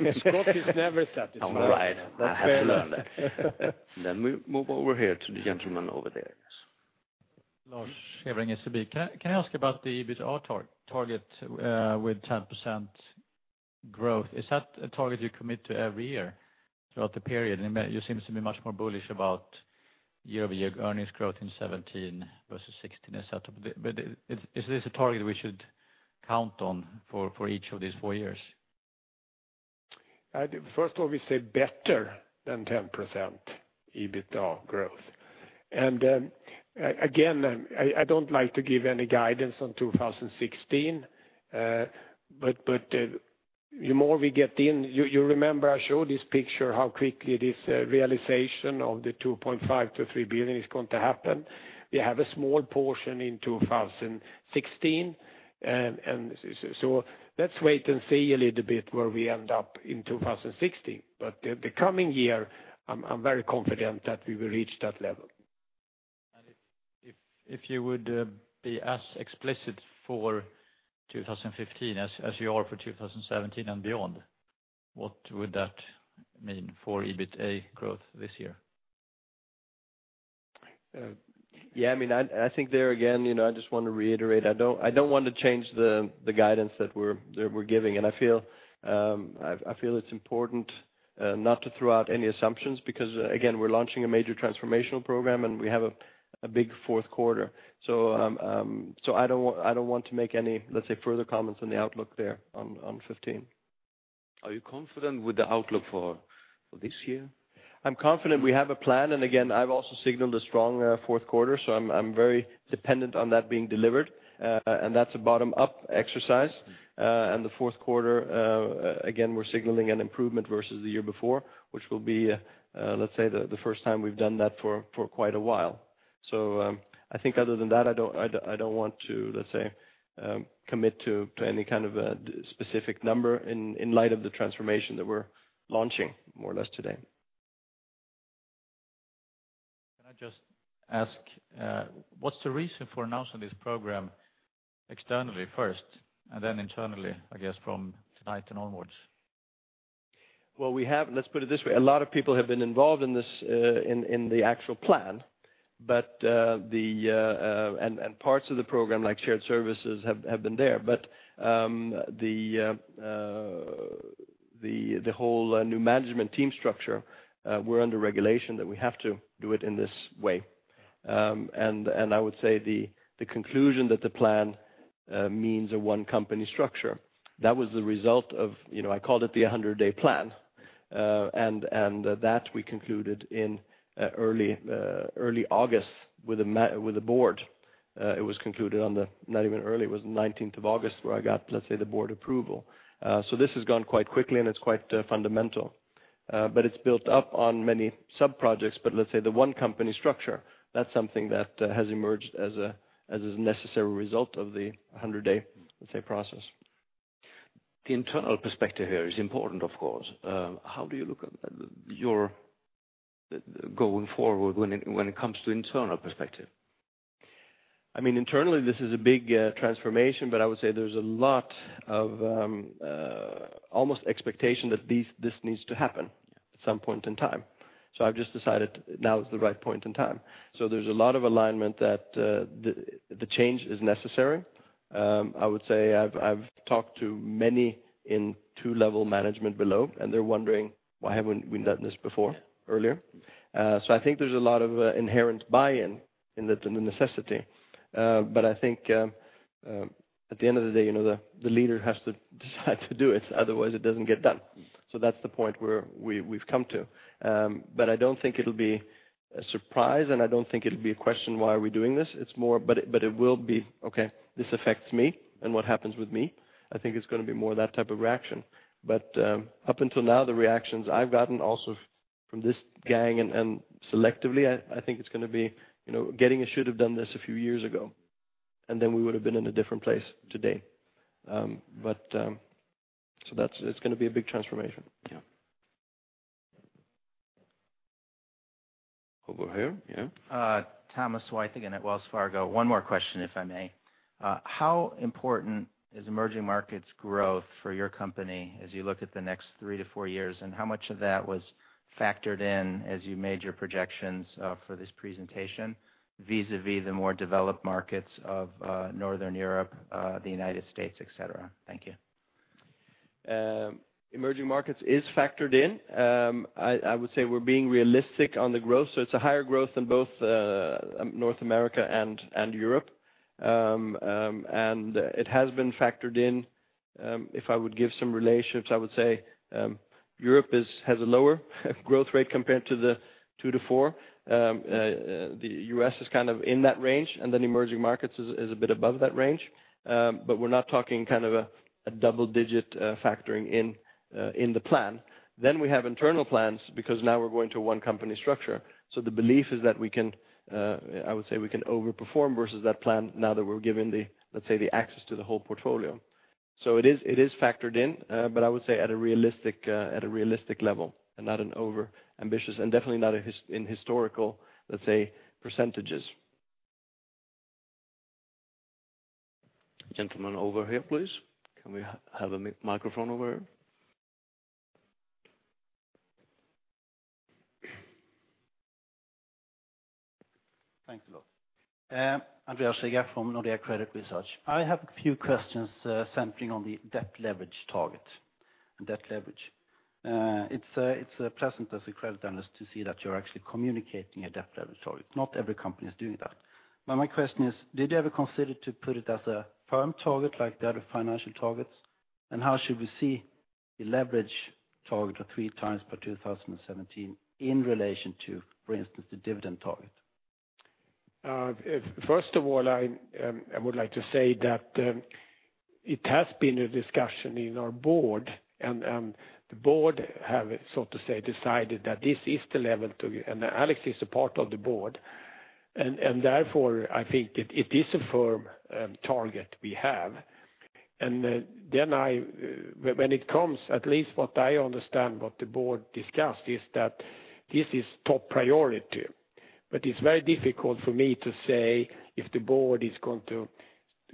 Yeah. Scott is never satisfied. All right. I have to learn that. Then we move over here to the gentleman over there. Can I ask about the EBITDA target with 10% growth? Is that a target you commit to every year throughout the period? And you seem to be much more bullish about year-over-year earnings growth in 2017 versus 2016. Is this a target we should count on for each of these four years? First of all, we say better than 10% EBITDA growth. Again, I don't like to give any guidance on 2016, but the more we get in You remember I showed this picture, how quickly this realization of the 2.5 billion-3 billion is going to happen. We have a small portion in 2016, and so let's wait and see a little bit where we end up in 2016. But the coming year, I'm very confident that we will reach that level. If you would be as explicit for 2015 as you are for 2017 and beyon What would that mean for EBITA growth this year? Yeah, I mean, I think there, again, you know, I just want to reiterate, I don't want to change the guidance that we're giving. And I feel it's important not to throw out any assumptions, because, again, we're launching a major transformational program, and we have Big fourth quarter. So, I don't want to make any, let's say, further comments on the outlook there on 15. Are you confident with the outlook for this year? I'm confident we have a plan, and again, I've also signaled a strong, fourth quarter, so I'm very dependent on that being delivered. And that's a bottom-up exercise. And the fourth quarter, again, we're signaling an improvement versus the year before, which will be, let's say, the first time we've done that for quite a while. So, I think other than that, I don't want to, let's say, commit to any kind of a specific number in light of the transformation that we're launching more or less today. Can I just ask, what's the reason for announcing this program externally first and then internally, I guess, from tonight and onwards? Well, we have. Let's put it this way, a lot of people have been involved in this, in the actual plan, but the and parts of the program, like shared services, have been there. But the whole new management team structure, we're under regulation that we have to do it in this way. And I would say the conclusion that the plan means a one company structure, that was the result of, you know, I called it the 100-day plan. And that we concluded in early August with the board. It was concluded on the. Not even early, it was 19th of August, where I got, let's say, the board approval. So this has gone quite quickly, and it's quite fundamental. It's built up on many sub-projects. Let's say, the one company structure, that's something that has emerged as a necessary result of the 100-day, let's say, process. The internal perspective here is important, of course. How do you look at your going forward when it comes to internal perspective? I mean, internally, this is a big transformation, but I would say there's a lot of almost expectation that this needs to happen at some point in time. So I've just decided now is the right point in time. So there's a lot of alignment that the change is necessary. I would say I've talked to many in two-level management below, and they're wondering, "Why haven't we done this before, earlier?" So I think there's a lot of inherent buy-in in the necessity. But I think at the end of the day, you know, the leader has to decide to do it, otherwise it doesn't get done. So that's the point where we've come to. But I don't think it'll be a surprise, and I don't think it'll be a question, "Why are we doing this?" It's more, but it will be, "Okay, this affects me, and what happens with me?" I think it's gonna be more of that type of reaction. But up until now, the reactions I've gotten also from this gang and selectively, I think it's gonna be, you know, getting, "I should have done this a few years ago," and then we would have been in a different place today. But so that's. It's gonna be a big transformation. Yeah. Over here. Yeah. Thomas White again at Wells Fargo. One more question, if I may. How important is emerging markets growth for your company as you look at the next 3-4 years? And how much of that was factored in as you made your projections for this presentation, vis-a-vis the more developed markets of Northern Europe, the United States, et cetera? Thank you. Emerging markets is factored in. I would say we're being realistic on the growth, so it's a higher growth than both North America and Europe. It has been factored in. If I would give some relationships, I would say Europe has a lower growth rate compared to the 2-4. The U.S. is kind of in that range, and then emerging markets is a bit above that range. We're not talking kind of a double-digit factoring in in the plan. Then we have internal plans, because now we're going to one company structure. The belief is that we can, I would say we can overperform versus that plan now that we're given the, let's say, the access to the whole portfolio. So it is, it is factored in, but I would say at a realistic, at a realistic level and not an overambitious, and definitely not a historical, let's say, percentages. Gentleman over here, please. Can we have a microphone over here? Thanks a lot. Andreas Berger from Nordea Credit Research. I have a few questions centering on the debt leverage target and debt leverage. It's pleasant as a credit analyst to see that you're actually communicating a debt leverage target. Not every company is doing that. But my question is, did you ever consider to put it as a firm target like the other financial targets? And how should we see the leverage target of 3x by 2017 in relation to, for instance, the dividend target? First of all, I would like to say that it has been a discussion in our board, and the board have, so to say, decided that this is the level to And Alex is a part of the board, and therefore, I think it is a firm target we have. And then when it comes, at least what I understand what the board discussed, is that this is top priority But it's very difficult for me to say if the board is going to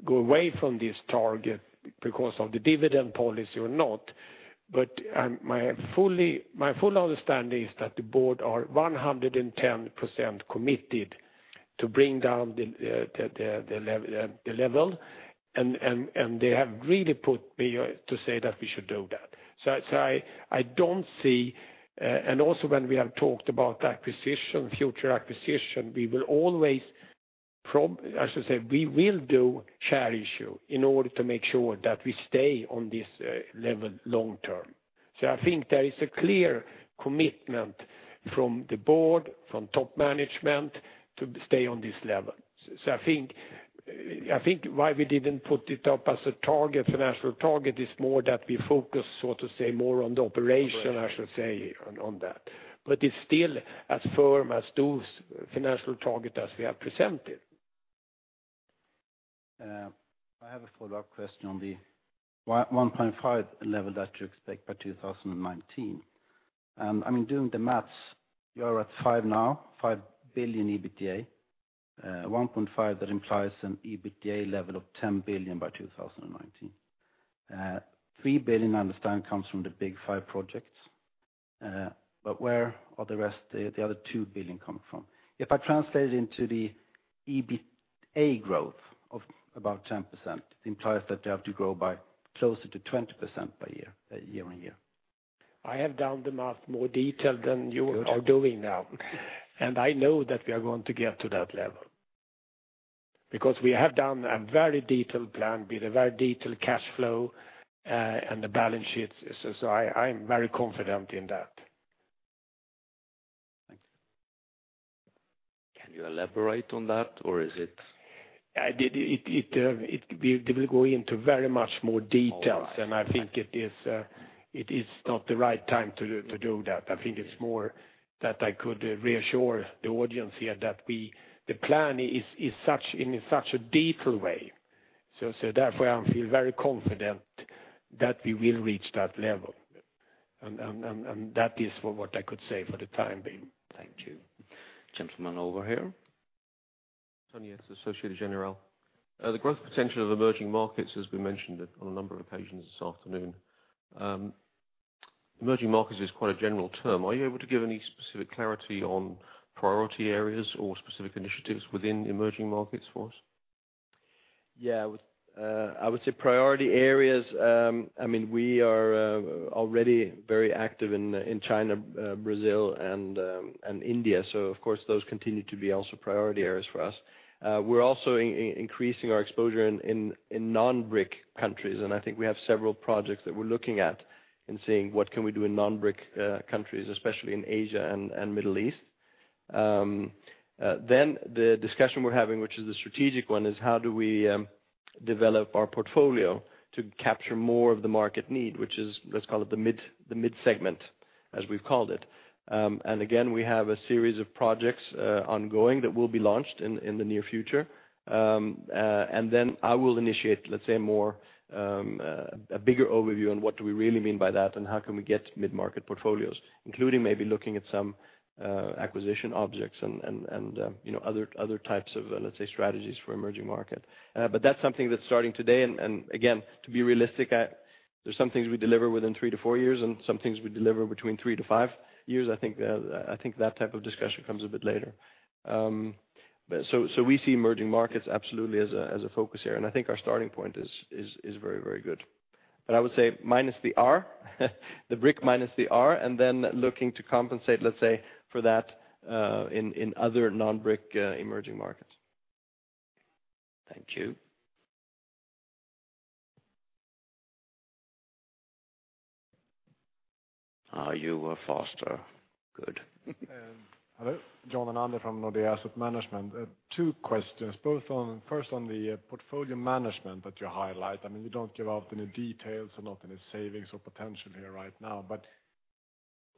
go away from this target because of the dividend policy or not. But, my full understanding is that the board are 110% committed to bring down the level, and they have really put me to say that we should do that. So, I don't see, and also when we have talked about acquisition, future acquisition, we will always—I should say, we will do share issue in order to make sure that we stay on this level long term. So I think there is a clear commitment from the board, from top management to stay on this level. So I think why we didn't put it up as a target, financial target, is more that we focus, so to say, more on the operation- Operation. I should say, on that. But it's still as firm as those financial target as we have presented. I have a follow-up question on the 1.5 level that you expect by 2019. I mean, doing the math, you are at 5 now, 5 billion EBITDA. 1.5, that implies an EBITDA level of 10 billion by 2019. 3 billion, I understand, comes from the Big five projects. But where are the rest, the other 2 billion coming from? If I translate it into the SBA growth of about 10%, it implies that they have to grow by closer to 20% per year, year-on-year. I have done the math more detailed than you are doing now. I know that we are going to get to that level. Because we have done a very detailed plan with a very detailed cash flow, and the balance sheets, so I'm very confident in that. Thank you. Can you elaborate on that, or is it- We will go into very much more details. All right. And I think it is not the right time to do that. I think it's more that I could reassure the audience here that we, the plan is such, in such a detailed way. So therefore, I feel very confident that we will reach that level. And that is for what I could say for the time being. Thank you. Gentlemen, over here. Tony, it's Associate General. The growth potential of emerging markets has been mentioned on a number of occasions this afternoon. Emerging markets is quite a general term. Are you able to give any specific clarity on priority areas or specific initiatives within emerging markets for us? Yeah, I would say priority areas. I mean, we are already very active in China, Brazil, and India, so of course, those continue to be also priority areas for us. We're also increasing our exposure in non-BRIC countries, and I think we have several projects that we're looking at and seeing what can we do in non-BRIC countries, especially in Asia and Middle East. The discussion we're having, which is the strategic one, is how do we develop our portfolio to capture more of the market need, which is, let's call it the mid-segment, as we've called it. Again, we have a series of projects ongoing that will be launched in the near future. Then I will initiate, let's say, more a bigger overview on what do we really mean by that and how can we get mid-market portfolios, including maybe looking at some acquisition objects and you know other types of, let's say, strategies for emerging market. But that's something that's starting today, and again, to be realistic, there's some things we deliver within 3-4 years, and some things we deliver between 3-5 years. I think that type of discussion comes a bit later. But so we see emerging markets absolutely as a focus here, and I think our starting point is very, very good. But I would say minus the R, the BRIC minus the R, and then looking to compensate, let's say, for that, in other non-BRIC emerging markets. Thank you. Ah, you were faster. Good. Hello, John Hernander from Nodea Asset Management. Two questions, both on first on the portfolio management that you highlight. I mean, you don't give out any details or not any savings or potential here right now. But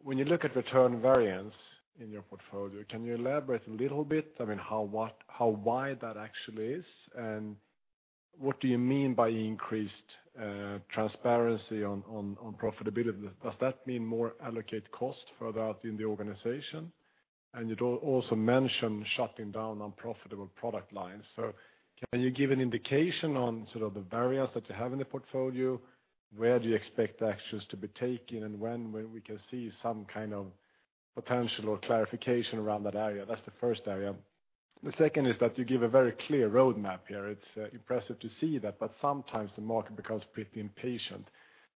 when you look at return variance in your portfolio, can you elaborate a little bit, I mean, how wide that actually is? And what do you mean by increased transparency on profitability? Does that mean more allocate cost further out in the organization? And you'd also mention shutting down unprofitable product lines. So can you give an indication on sort of the barriers that you have in the portfolio? Where do you expect the actions to be taken, and when we can see some kind of potential or clarification around that area? That's the first area. The second is that you give a very clear roadmap here. It's impressive to see that, but sometimes the market becomes pretty impatient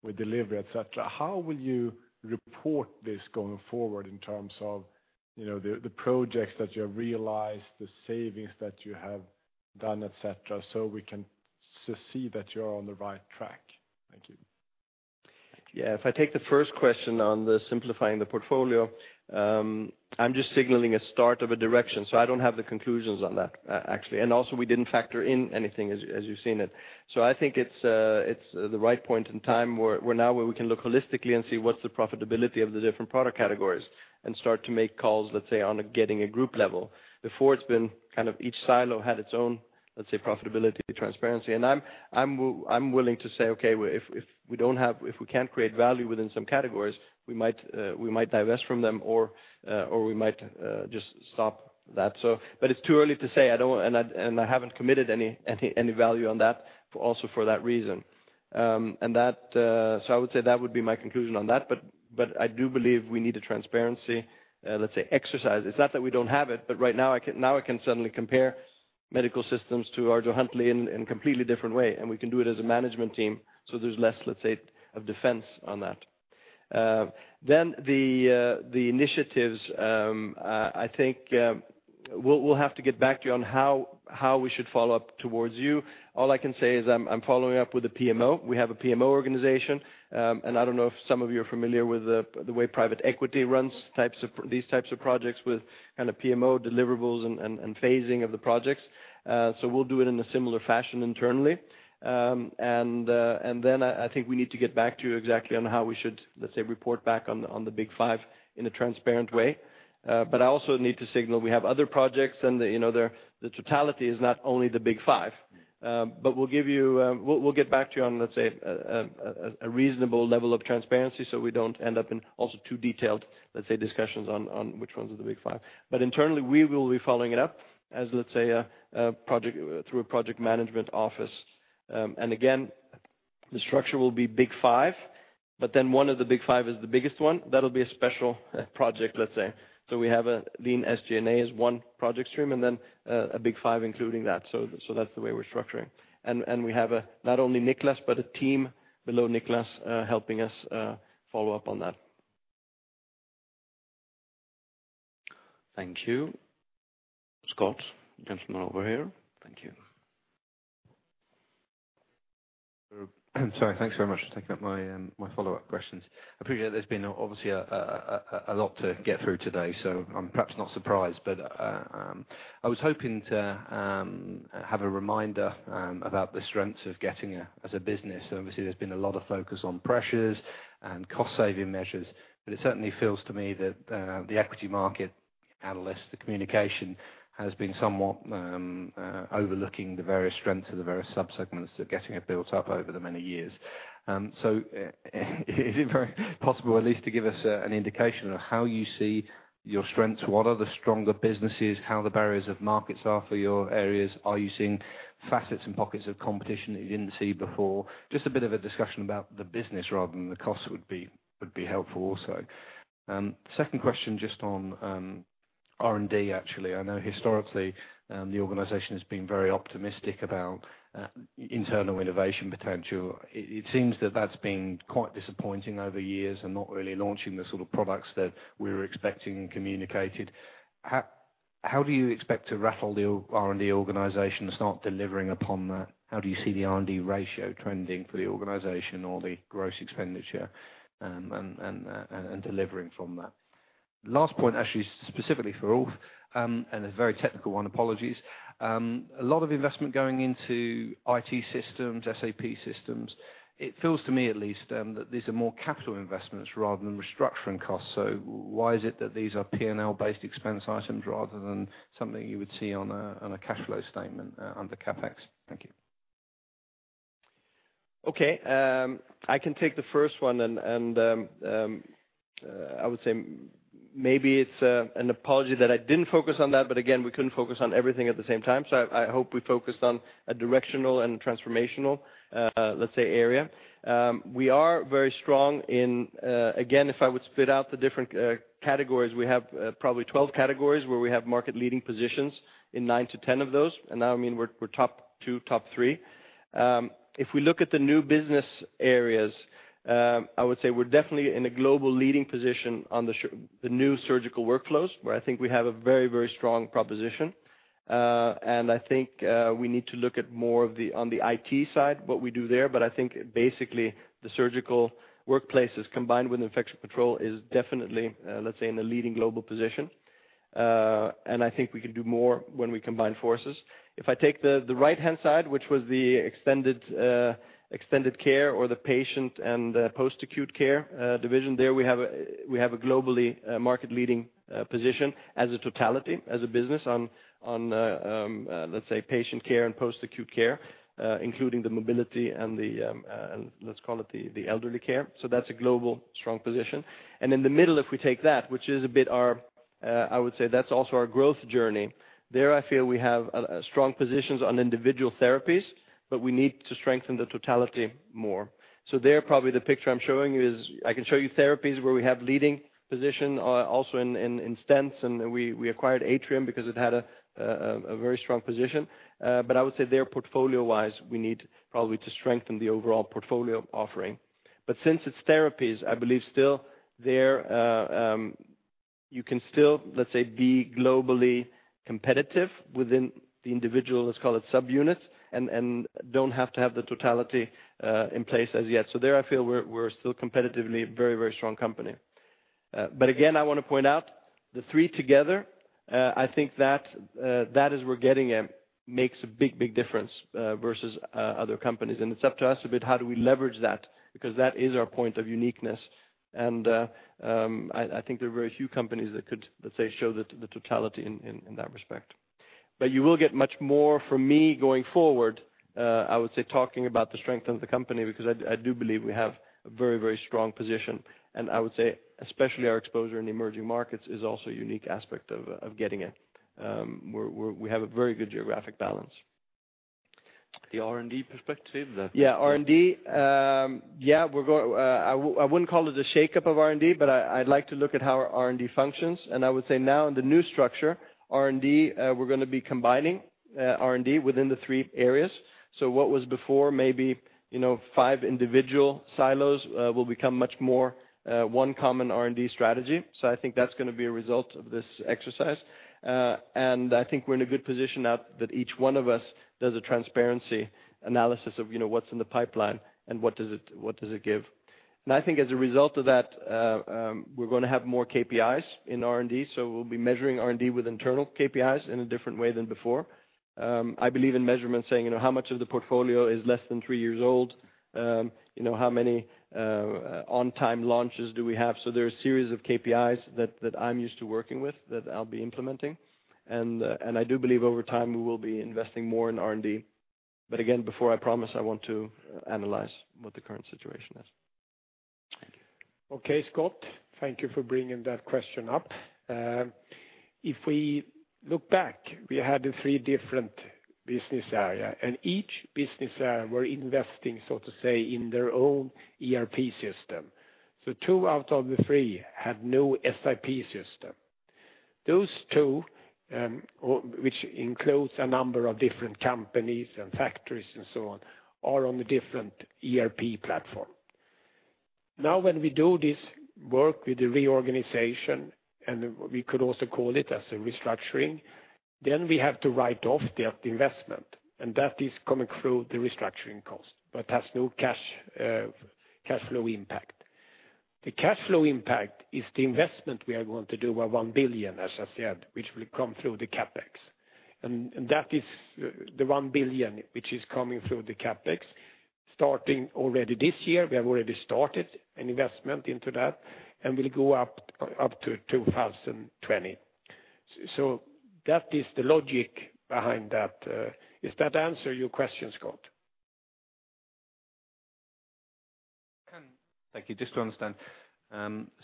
with delivery, et cetera. How will you report this going forward in terms of, you know, the projects that you have realized, the savings that you have done, et cetera, so we can see that you're on the right track? Thank you. Yeah, if I take the first question on the simplifying the portfolio, I'm just signaling a start of a direction, so I don't have the conclusions on that, actually. And also, we didn't factor in anything as, as you've seen it. So I think it's, it's the right point in time where, where now where we can look holistically and see what's the profitability of the different product categories and start to make calls, let's say, on getting a group level. Before, it's been kind of each silo had its own, let's say, profitability, transparency. And I'm willing to say, okay, if, if we don't have, if we can't create value within some categories, we might, we might divest from them or, or we might, just stop that. So, but it's too early to say. I don't want, and I haven't committed any value on that, also for that reason. And that, so I would say that would be my conclusion on that, but I do believe we need a transparency, let's say, exercise. It's not that we don't have it, but right now I can—now I can suddenly compare Maquet Medical Systems to ArjoHuntleigh in a completely different way, and we can do it as a management team, so there's less, let's say, of defense on that. Then the initiatives, I think, we'll have to get back to you on how we should follow up towards you. All I can say is I'm following up with a PMO. We have a PMO organization, and I don't know if some of you are familiar with the way private equity runs these types of projects with kind of PMO deliverables and phasing of the projects. So we'll do it in a similar fashion internally. And then I think we need to get back to you exactly on how we should, let's say, report back on the Big five in a transparent way. But I also need to signal we have other projects, and, you know, the totality is not only the Big five. But we'll give you We'll get back to you on, let's say, a reasonable level of transparency, so we don't end up in also too detailed, let's say, discussions on which ones are the Big five. But internally, we will be following it up as, let's say, a project, through a project management office. And again, the structure will be Big five, but then one of the Big five is the biggest one. That'll be a special project, let's say. So we have a lean SG&A as one project stream, and then a Big five, including that. So that's the way we're structuring. And we have not only Nicholas, but a team below Nicholas, helping us follow up on that. Thank you. Scott, gentleman over here. Thank you. Sorry, thanks very much for taking up my, my follow-up questions. I appreciate there's been, obviously, a lot to get through today, so I'm perhaps not surprised. But, I was hoping to have a reminder about the strengths of Getinge as a business. So obviously, there's been a lot of focus on pressures and cost-saving measures, but it certainly feels to me that the equity market analysts, the communication has been somewhat overlooking the various strengths of the various subsegments that Getinge have built up over the many years. So is it very possible at least to give us an indication of how you see your strengths? What are the stronger businesses, how the barriers of markets are for your areas? Are you seeing facets and pockets of competition that you didn't see before? Just a bit of a discussion about the business rather than the costs would be, would be helpful also. Second question, just on R&D, actually. I know historically the organization has been very optimistic about internal innovation potential. It seems that that's been quite disappointing over years and not really launching the sort of products that we were expecting and communicated. How do you expect to rattle the R&D organization to start delivering upon that? How do you see the R&D ratio trending for the organization or the gross expenditure and delivering from that? Last point, actually, specifically for Ulf, and a very technical one, apologies. A lot of investment going into IT systems, SAP systems. It feels to me at least that these are more capital investments rather than restructuring costs. So why is it that these are P&L-based expense items rather than something you would see on a cash flow statement under CapEx? Thank you. Okay, I can take the first one, and, I would say maybe it's an apology that I didn't focus on that, but again, we couldn't focus on everything at the same time. So I hope we focused on a directional and transformational, let's say, area. We are very strong in. Again, if I would split out the different, categories, we have, probably 12 categories, where we have market-leading positions in nine to 10 of those, and now, I mean, we're, we're top two, top three. If we look at the new business areas, I would say we're definitely in a global leading position on the the new surgical workflows, where I think we have a very, very strong proposition. And I think we need to look at more of the, on the IT side, what we do there. But I think basically, the surgical workflows, combined with Infection Control, is definitely, let's say, in a leading global position. And I think we can do more when we combine forces. If I take the right-hand side, which was the Extended Care or the Patient and Post-Acute Care division, there we have a globally market leading position as a totality, as a business on, let's say, patient care and post-acute care, including the mobility and the, let's call it the elderly care. So that's a global strong position. And in the middle, if we take that, which is a bit our. I would say that's also our growth journey. There, I feel we have a strong positions on individual therapies, but we need to strengthen the totality more. So there, probably the picture I'm showing you is I can show you therapies where we have leading position, also in stents, and we acquired Atrium because it had a very strong position. But I would say there, portfolio-wise, we need probably to strengthen the overall portfolio offering. But since it's therapies, I believe still there, you can still, let's say, be globally competitive within the individual, let's call it subunits, and don't have to have the totality in place as yet. So there I feel we're still competitively very, very strong company. But again, I want to point out the three together. I think that as we're Getinge makes a big, big difference versus other companies. It's up to us a bit, how do we leverage that? Because that is our point of uniqueness, and I think there are very few companies that could, let's say, show the totality in that respect. But you will get much more from me going forward, I would say, talking about the strength of the company, because I do believe we have a very, very strong position. And I would say, especially our exposure in the emerging markets is also a unique aspect of Getinge. We have a very good geographic balance. The R&D perspective? Yeah, R&D, yeah, we're going, I wouldn't call it a shake-up of R&D, but I'd like to look at how our R&D functions. And I would say now in the new structure, R&D, we're gonna be combining R&D within the three areas. So what was before maybe, you know, five individual silos, will become much more one common R&D strategy. So I think that's gonna be a result of this exercise. And I think we're in a good position now that each one of us does a transparency analysis of, you know, what's in the pipeline and what does it give? And I think as a result of that, we're gonna have more KPIs in R&D, so we'll be measuring R&D with internal KPIs in a different way than before. I believe in measurements saying, you know, how much of the portfolio is less than three years old? You know, how many on-time launches do we have? So there are a series of KPIs that, that I'm used to working with, that I'll be implementing. And, and I do believe over time, we will be investing more in R&D. But again, before I promise, I want to analyze what the current situation is. Okay, Scott, thank you for bringing that question up. If we look back, we had the three different business area, and each business area were investing, so to say, in their own ERP system. So two out of the three had no SAP system. Those two, or which includes a number of different companies and factories and so on, are on a different ERP platform. Now, when we do this work with the reorganization, and we could also call it as a restructuring, then we have to write off the investment, and that is coming through the restructuring cost, but has no cash flow impact. The cash flow impact is the investment we are going to do by 1 billion, as I said, which will come through the CapEx. And that is the 1 billion, which is coming through the CapEx, starting already this year. We have already started an investment into that and will go up, up to 2020. So that is the logic behind that. Does that answer your question, Scott? Thank you. Just to understand,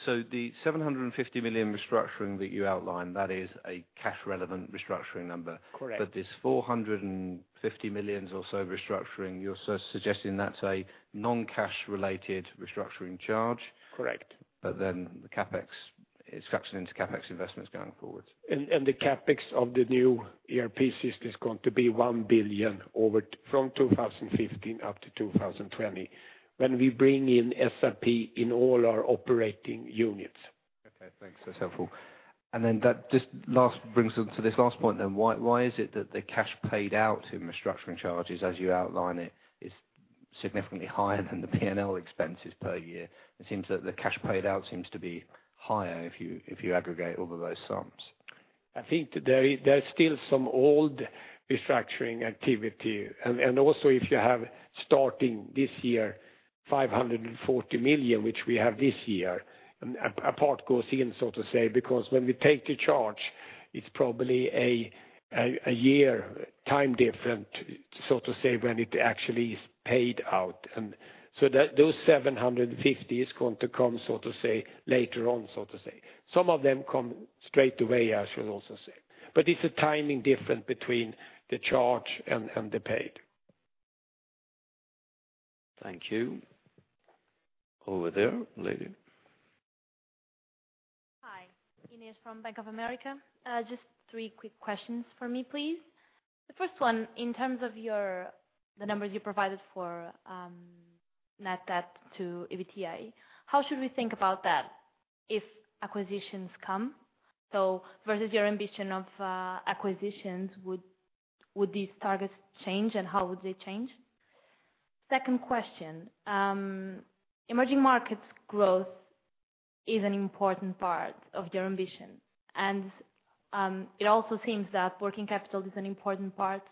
so the 750 million restructuring that you outlined, that is a cash-relevant restructuring number? Correct. But this 450 million or so restructuring, you're suggesting that's a non-cash related restructuring charge? Correct. But then the CapEx, it sucks into CapEx investments going forward. The CapEx of the new ERP system is going to be 1 billion over from 2015 up to 2020, when we bring in ERP in all our operating units. Okay, thanks. That's helpful. And then that just last brings us to this last point then. Why, why is it that the cash paid out in restructuring charges, as you outline it, is significantly higher than the P&L expenses per year? It seems that the cash paid out seems to be higher if you, if you aggregate all of those sums. I think there is still some old restructuring activity. And also, if you have, starting this year, 540 million, which we have this year, and a part goes in, so to say, because when we take the charge, it's probably a year time different, so to say, when it actually is paid out. And so that—those 750 is going to come, so to say, later on, so to say. Some of them come straight away, I should also say. But it's a timing difference between the charge and the paid. Thank you. Over there, lady. Hi, Inez from Bank of America. Just three quick questions for me, please. The first one, in terms of your, the numbers you provided for net debt to EBITDA, how should we think about that if acquisitions come? So versus your ambition of acquisitions, would these targets change, and how would they change? Second question, emerging markets growth is an important part of your ambition, and it also seems that working capital is an important part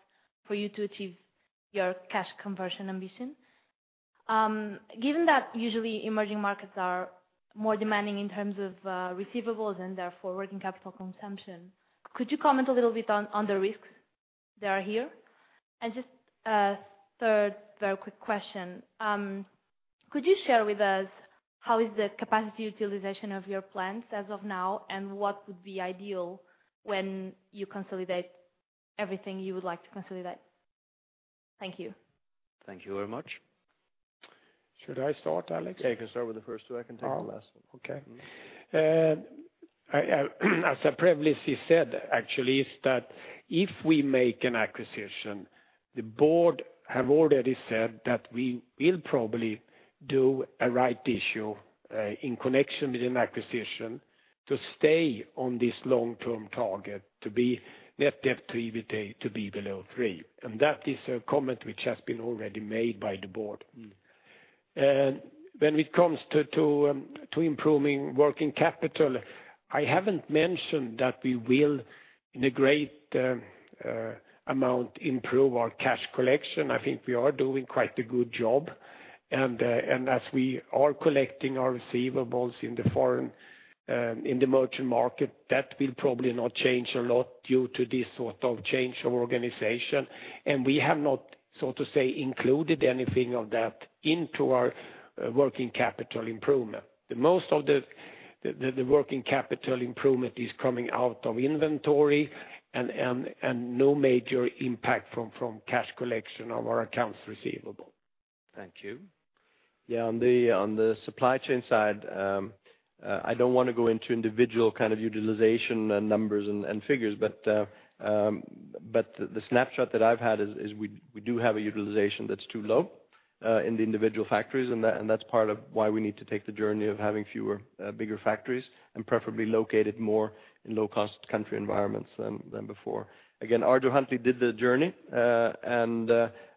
for you to achieve your cash conversion ambition. Given that usually emerging markets are more demanding in terms of receivables and therefore working capital consumption, could you comment a little bit on the risks that are here? Just a third very quick question. Could you share with us how is the capacity utilization of your plants as of now, and what would be ideal when you consolidate everything you would like to consolidate? Thank you. Thank you very much. Should I start, Alex? Yeah, you can start with the first two. I can take the last one. Okay. As I previously said, actually, is that if we make an acquisition, the board have already said that we will probably do a right issue, in connection with an acquisition to stay on this long-term target, to be net debt to EBITDA, to be below 3. And that is a comment which has been already made by the board. And when it comes to, to, improving working capital, I haven't mentioned that we will, in a great, amount, improve our cash collection. I think we are doing quite a good job, and, and as we are collecting our receivables in the foreign, in the emerging market, that will probably not change a lot due to this sort of change of organization. And we have not, so to say, included anything of that into our, working capital improvement. The most of the working capital improvement is coming out of inventory, and no major impact from cash collection of our accounts receivable. Thank you Yeah, on the supply chain side, I don't want to go into individual kind of utilization and numbers and figures, but the snapshot that I've had is we do have a utilization that's too low in the individual factories, and that's part of why we need to take the journey of having fewer bigger factories, and preferably located more in low-cost country environments than before. Again, ArjoHuntleigh did the journey, and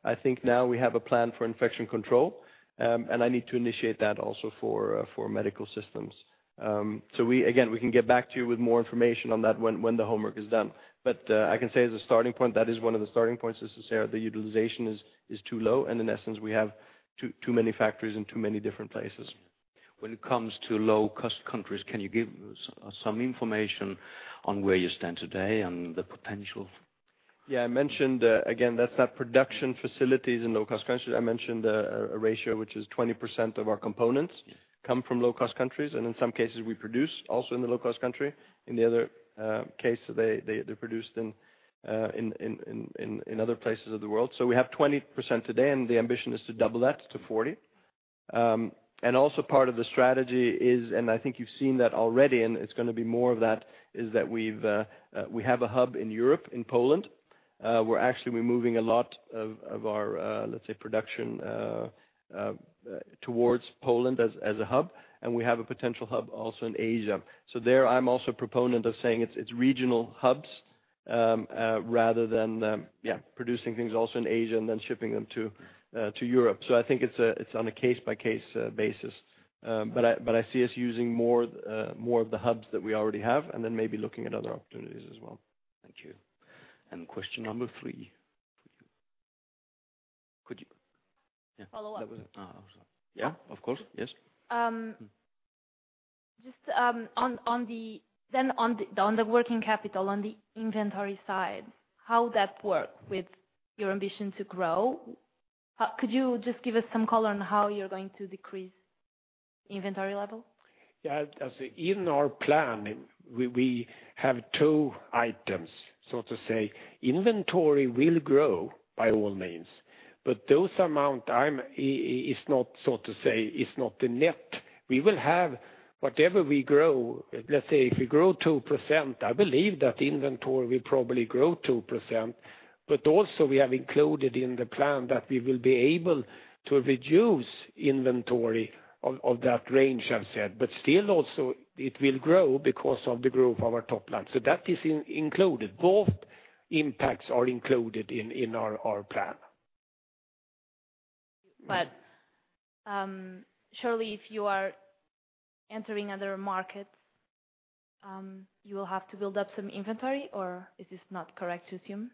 I think now we have a plan for Infection Control, and I need to initiate that also for medical systems. So we—again, we can get back to you with more information on that when the homework is done. But, I can say as a starting point, that is one of the starting points, as to say, the utilization is too low, and in essence, we have too many factories in too many different places. When it comes to low-cost countries, can you give us some information on where you stand today and the potential? Yeah, I mentioned again, that's the production facilities in low-cost countries. I mentioned a ratio which is 20% of our components- Yes. come from low-cost countries, and in some cases, we produce also in the low-cost country. In the other case, they're produced in other places of the world. So we have 20% today, and the ambition is to double that to 40%. Also part of the strategy is, and I think you've seen that already, and it's gonna be more of that, is that we have a hub in Europe, in Poland. We're actually moving a lot of our, let's say, production towards Poland as a hub, and we have a potential hub also in Asia. So there, I'm also a proponent of saying it's regional hubs rather than producing things also in Asia and then shipping them to Europe. I think it's on a case-by-case basis. I see us using more of the hubs that we already have, and then maybe looking at other opportunities as well. Thank you. And question number three. Could you- Follow up. Yeah, of course. Yes. Just on the working capital, on the inventory side, how that work with your ambition to grow? Could you just give us some color on how you're going to decrease inventory level? Yeah, as in our plan, we have two items, so to say. Inventory will grow, by all means, but those amount, it's not, so to say, it's not the net. We will have whatever we grow. Let's say, if we grow 2%, I believe that inventory will probably grow 2%, but also, we have included in the plan that we will be able to reduce inventory of that range, I've said. But still, also, it will grow because of the growth of our top line. So that is included. Both impacts are included in our plan. But, surely, if you are entering other markets, you will have to build up some inventory, or is this not correct to assume?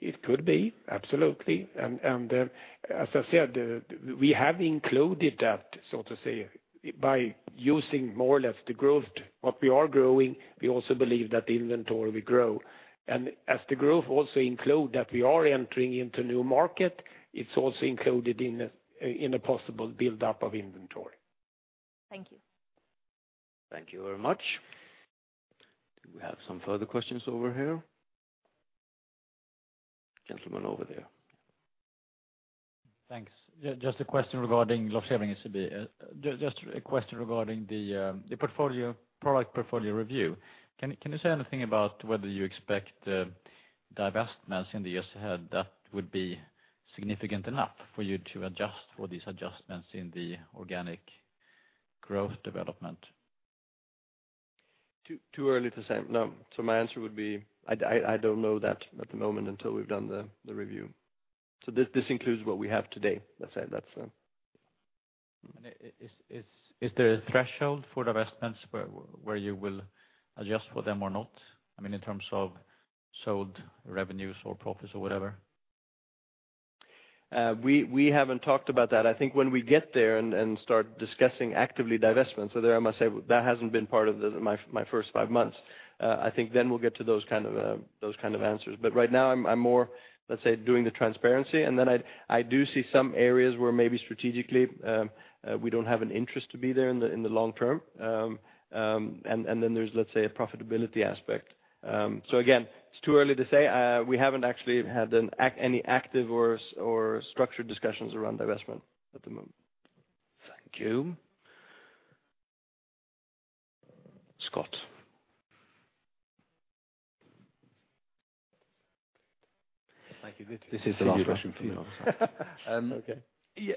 It could be, absolutely. And, as I said, we have included that, so to say, by using more or less the growth, what we are growing, we also believe that inventory will grow. And as the growth also include that we are entering into new market, it's also included in a possible build-up of inventory. Thank you. Thank you very much. Do we have some further questions over here? Gentleman over there. Thanks. Yeah, just a question regarding Lars Sandström, SEB. Just a question regarding the product portfolio review. Can you say anything about whether you expect divestments in the years ahead that would be significant enough for you to adjust for these adjustments in the organic growth development? Too early to say. No, so my answer would be I don't know that at the moment until we've done the review. So this includes what we have today. Let's say that's- Is there a threshold for divestments where you will adjust for them or not? I mean, in terms of sold revenues or profits or whatever. We haven't talked about that. I think when we get there and start discussing actively divestments, so there, I must say that hasn't been part of my first five months. I think then we'll get to those kind of those kind of answers. But right now, I'm more, let's say, doing the transparency, and then I do see some areas where maybe strategically we don't have an interest to be there in the long term. And then there's, let's say, a profitability aspect. So again, it's too early to say. We haven't actually had any active or structured discussions around divestment at the moment. Thank you. Scott. Thank you. This is the last question for you. Okay. Yeah,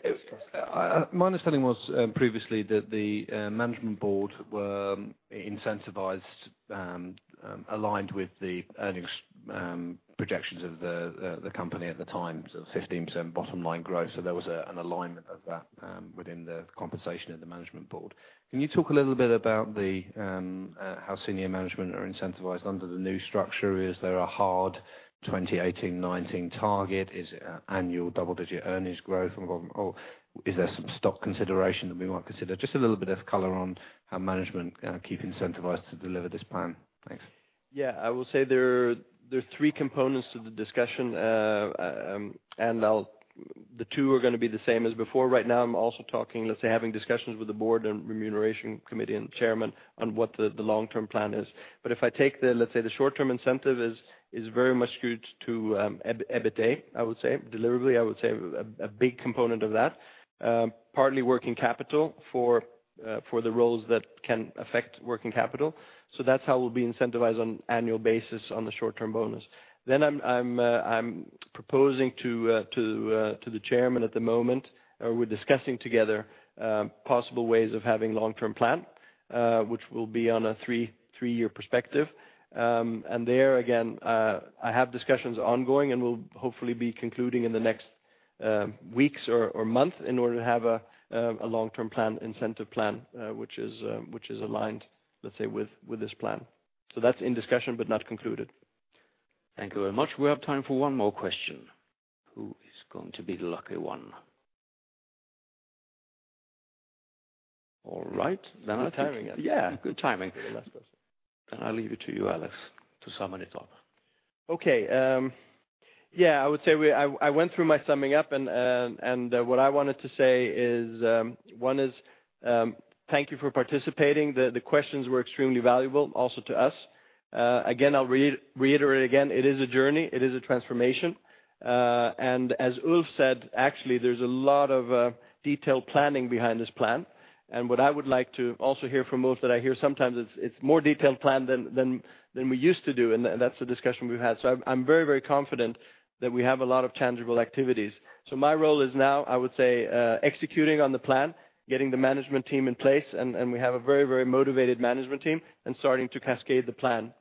I, my understanding was previously that the management board were incentivized, aligned with the earnings projections of the company at the time, so 15% bottom line growth, so there was an alignment of that within the compensation of the management board. Can you talk a little bit about how senior management are incentivized under the new structure? Is there a hard 2018, 2019 target? Is it annual double-digit earnings growth, or is there some stock consideration that we might consider? Just a little bit of color on how management keep incentivized to deliver this plan. .Yeah, I will say there are three components to the discussion, and I'll. The two are gonna be the same as before. Right now, I'm also talking, let's say, having discussions with the board and remuneration committee and chairman on what the long-term plan is. But if I take the, let's say, the short-term incentive is very much skewed to EBITDA, I would say. Deliverables, I would say a big component of that, partly working capital for the roles that can affect working capital. So that's how we'll be incentivized on annual basis on the short-term bonus. Then I'm proposing to the chairman at the moment, or we're discussing together, possible ways of having long-term plan, which will be on a three-year perspective. And there, again, I have discussions ongoing, and we'll hopefully be concluding in the next weeks or month in order to have a long-term plan, incentive plan, which is aligned, let's say, with this plan. So that's in discussion, but not concluded. Thank you very much. We have time for one more question. Who is going to be the lucky one? All right, then I- Good timing. Yeah, good timing for the last person. I'll leave it to you, Alex, to sum it up. Okay, yeah, I would say we I went through my summing up and, what I wanted to say is, one is, thank you for participating. The questions were extremely valuable also to us. Again, I'll reiterate again, it is a journey, it is a transformation. And as Ulf said, actually, there's a lot of detailed planning behind this plan. And what I would like to also hear from Ulf, that I hear sometimes, it's more detailed plan than we used to do, and that's the discussion we've had. So I'm very, very confident that we have a lot of tangible activities. So my role is now, I would say, executing on the plan, getting the management team in place, and we have a very, very motivated management team, and starting to cascade the plan.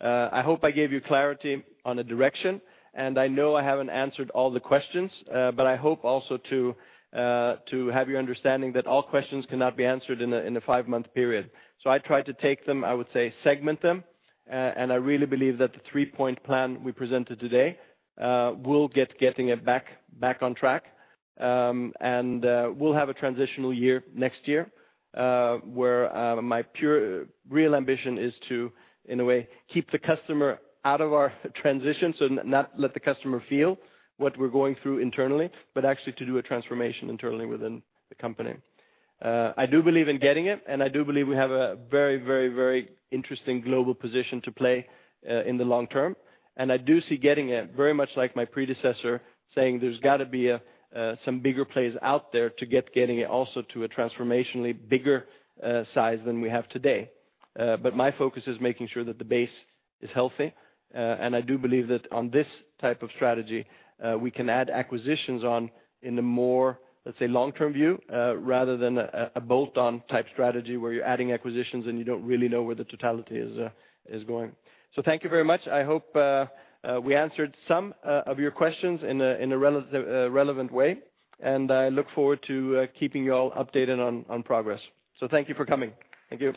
I hope I gave you clarity on the direction, and I know I haven't answered all the questions, but I hope also to have you understanding that all questions cannot be answered in a five month period. So I tried to take them, I would say, segment them, and I really believe that the three-point plan we presented today will get Getinge back, back on track. And we'll have a transitional year next year, where my pure real ambition is to, in a way, keep the customer out of our transition, so not let the customer feel what we're going through internally, but actually to do a transformation internally within the company. I do believe in Getinge, and I do believe we have a very, very, very interesting global position to play in the long term. I do see Getinge very much like my predecessor, saying there's gotta be some bigger players out there to get Getinge also to a transformationally bigger size than we have today. But my focus is making sure that the base is healthy, and I do believe that on this type of strategy, we can add acquisitions on in a more, let's say, long-term view, rather than a bolt-on type strategy, where you're adding acquisitions and you don't really know where the totality is going. So thank you very much. I hope we answered some of your questions in a relevant way, and I look forward to keeping you all updated on progress. So thank you for coming. Thank you.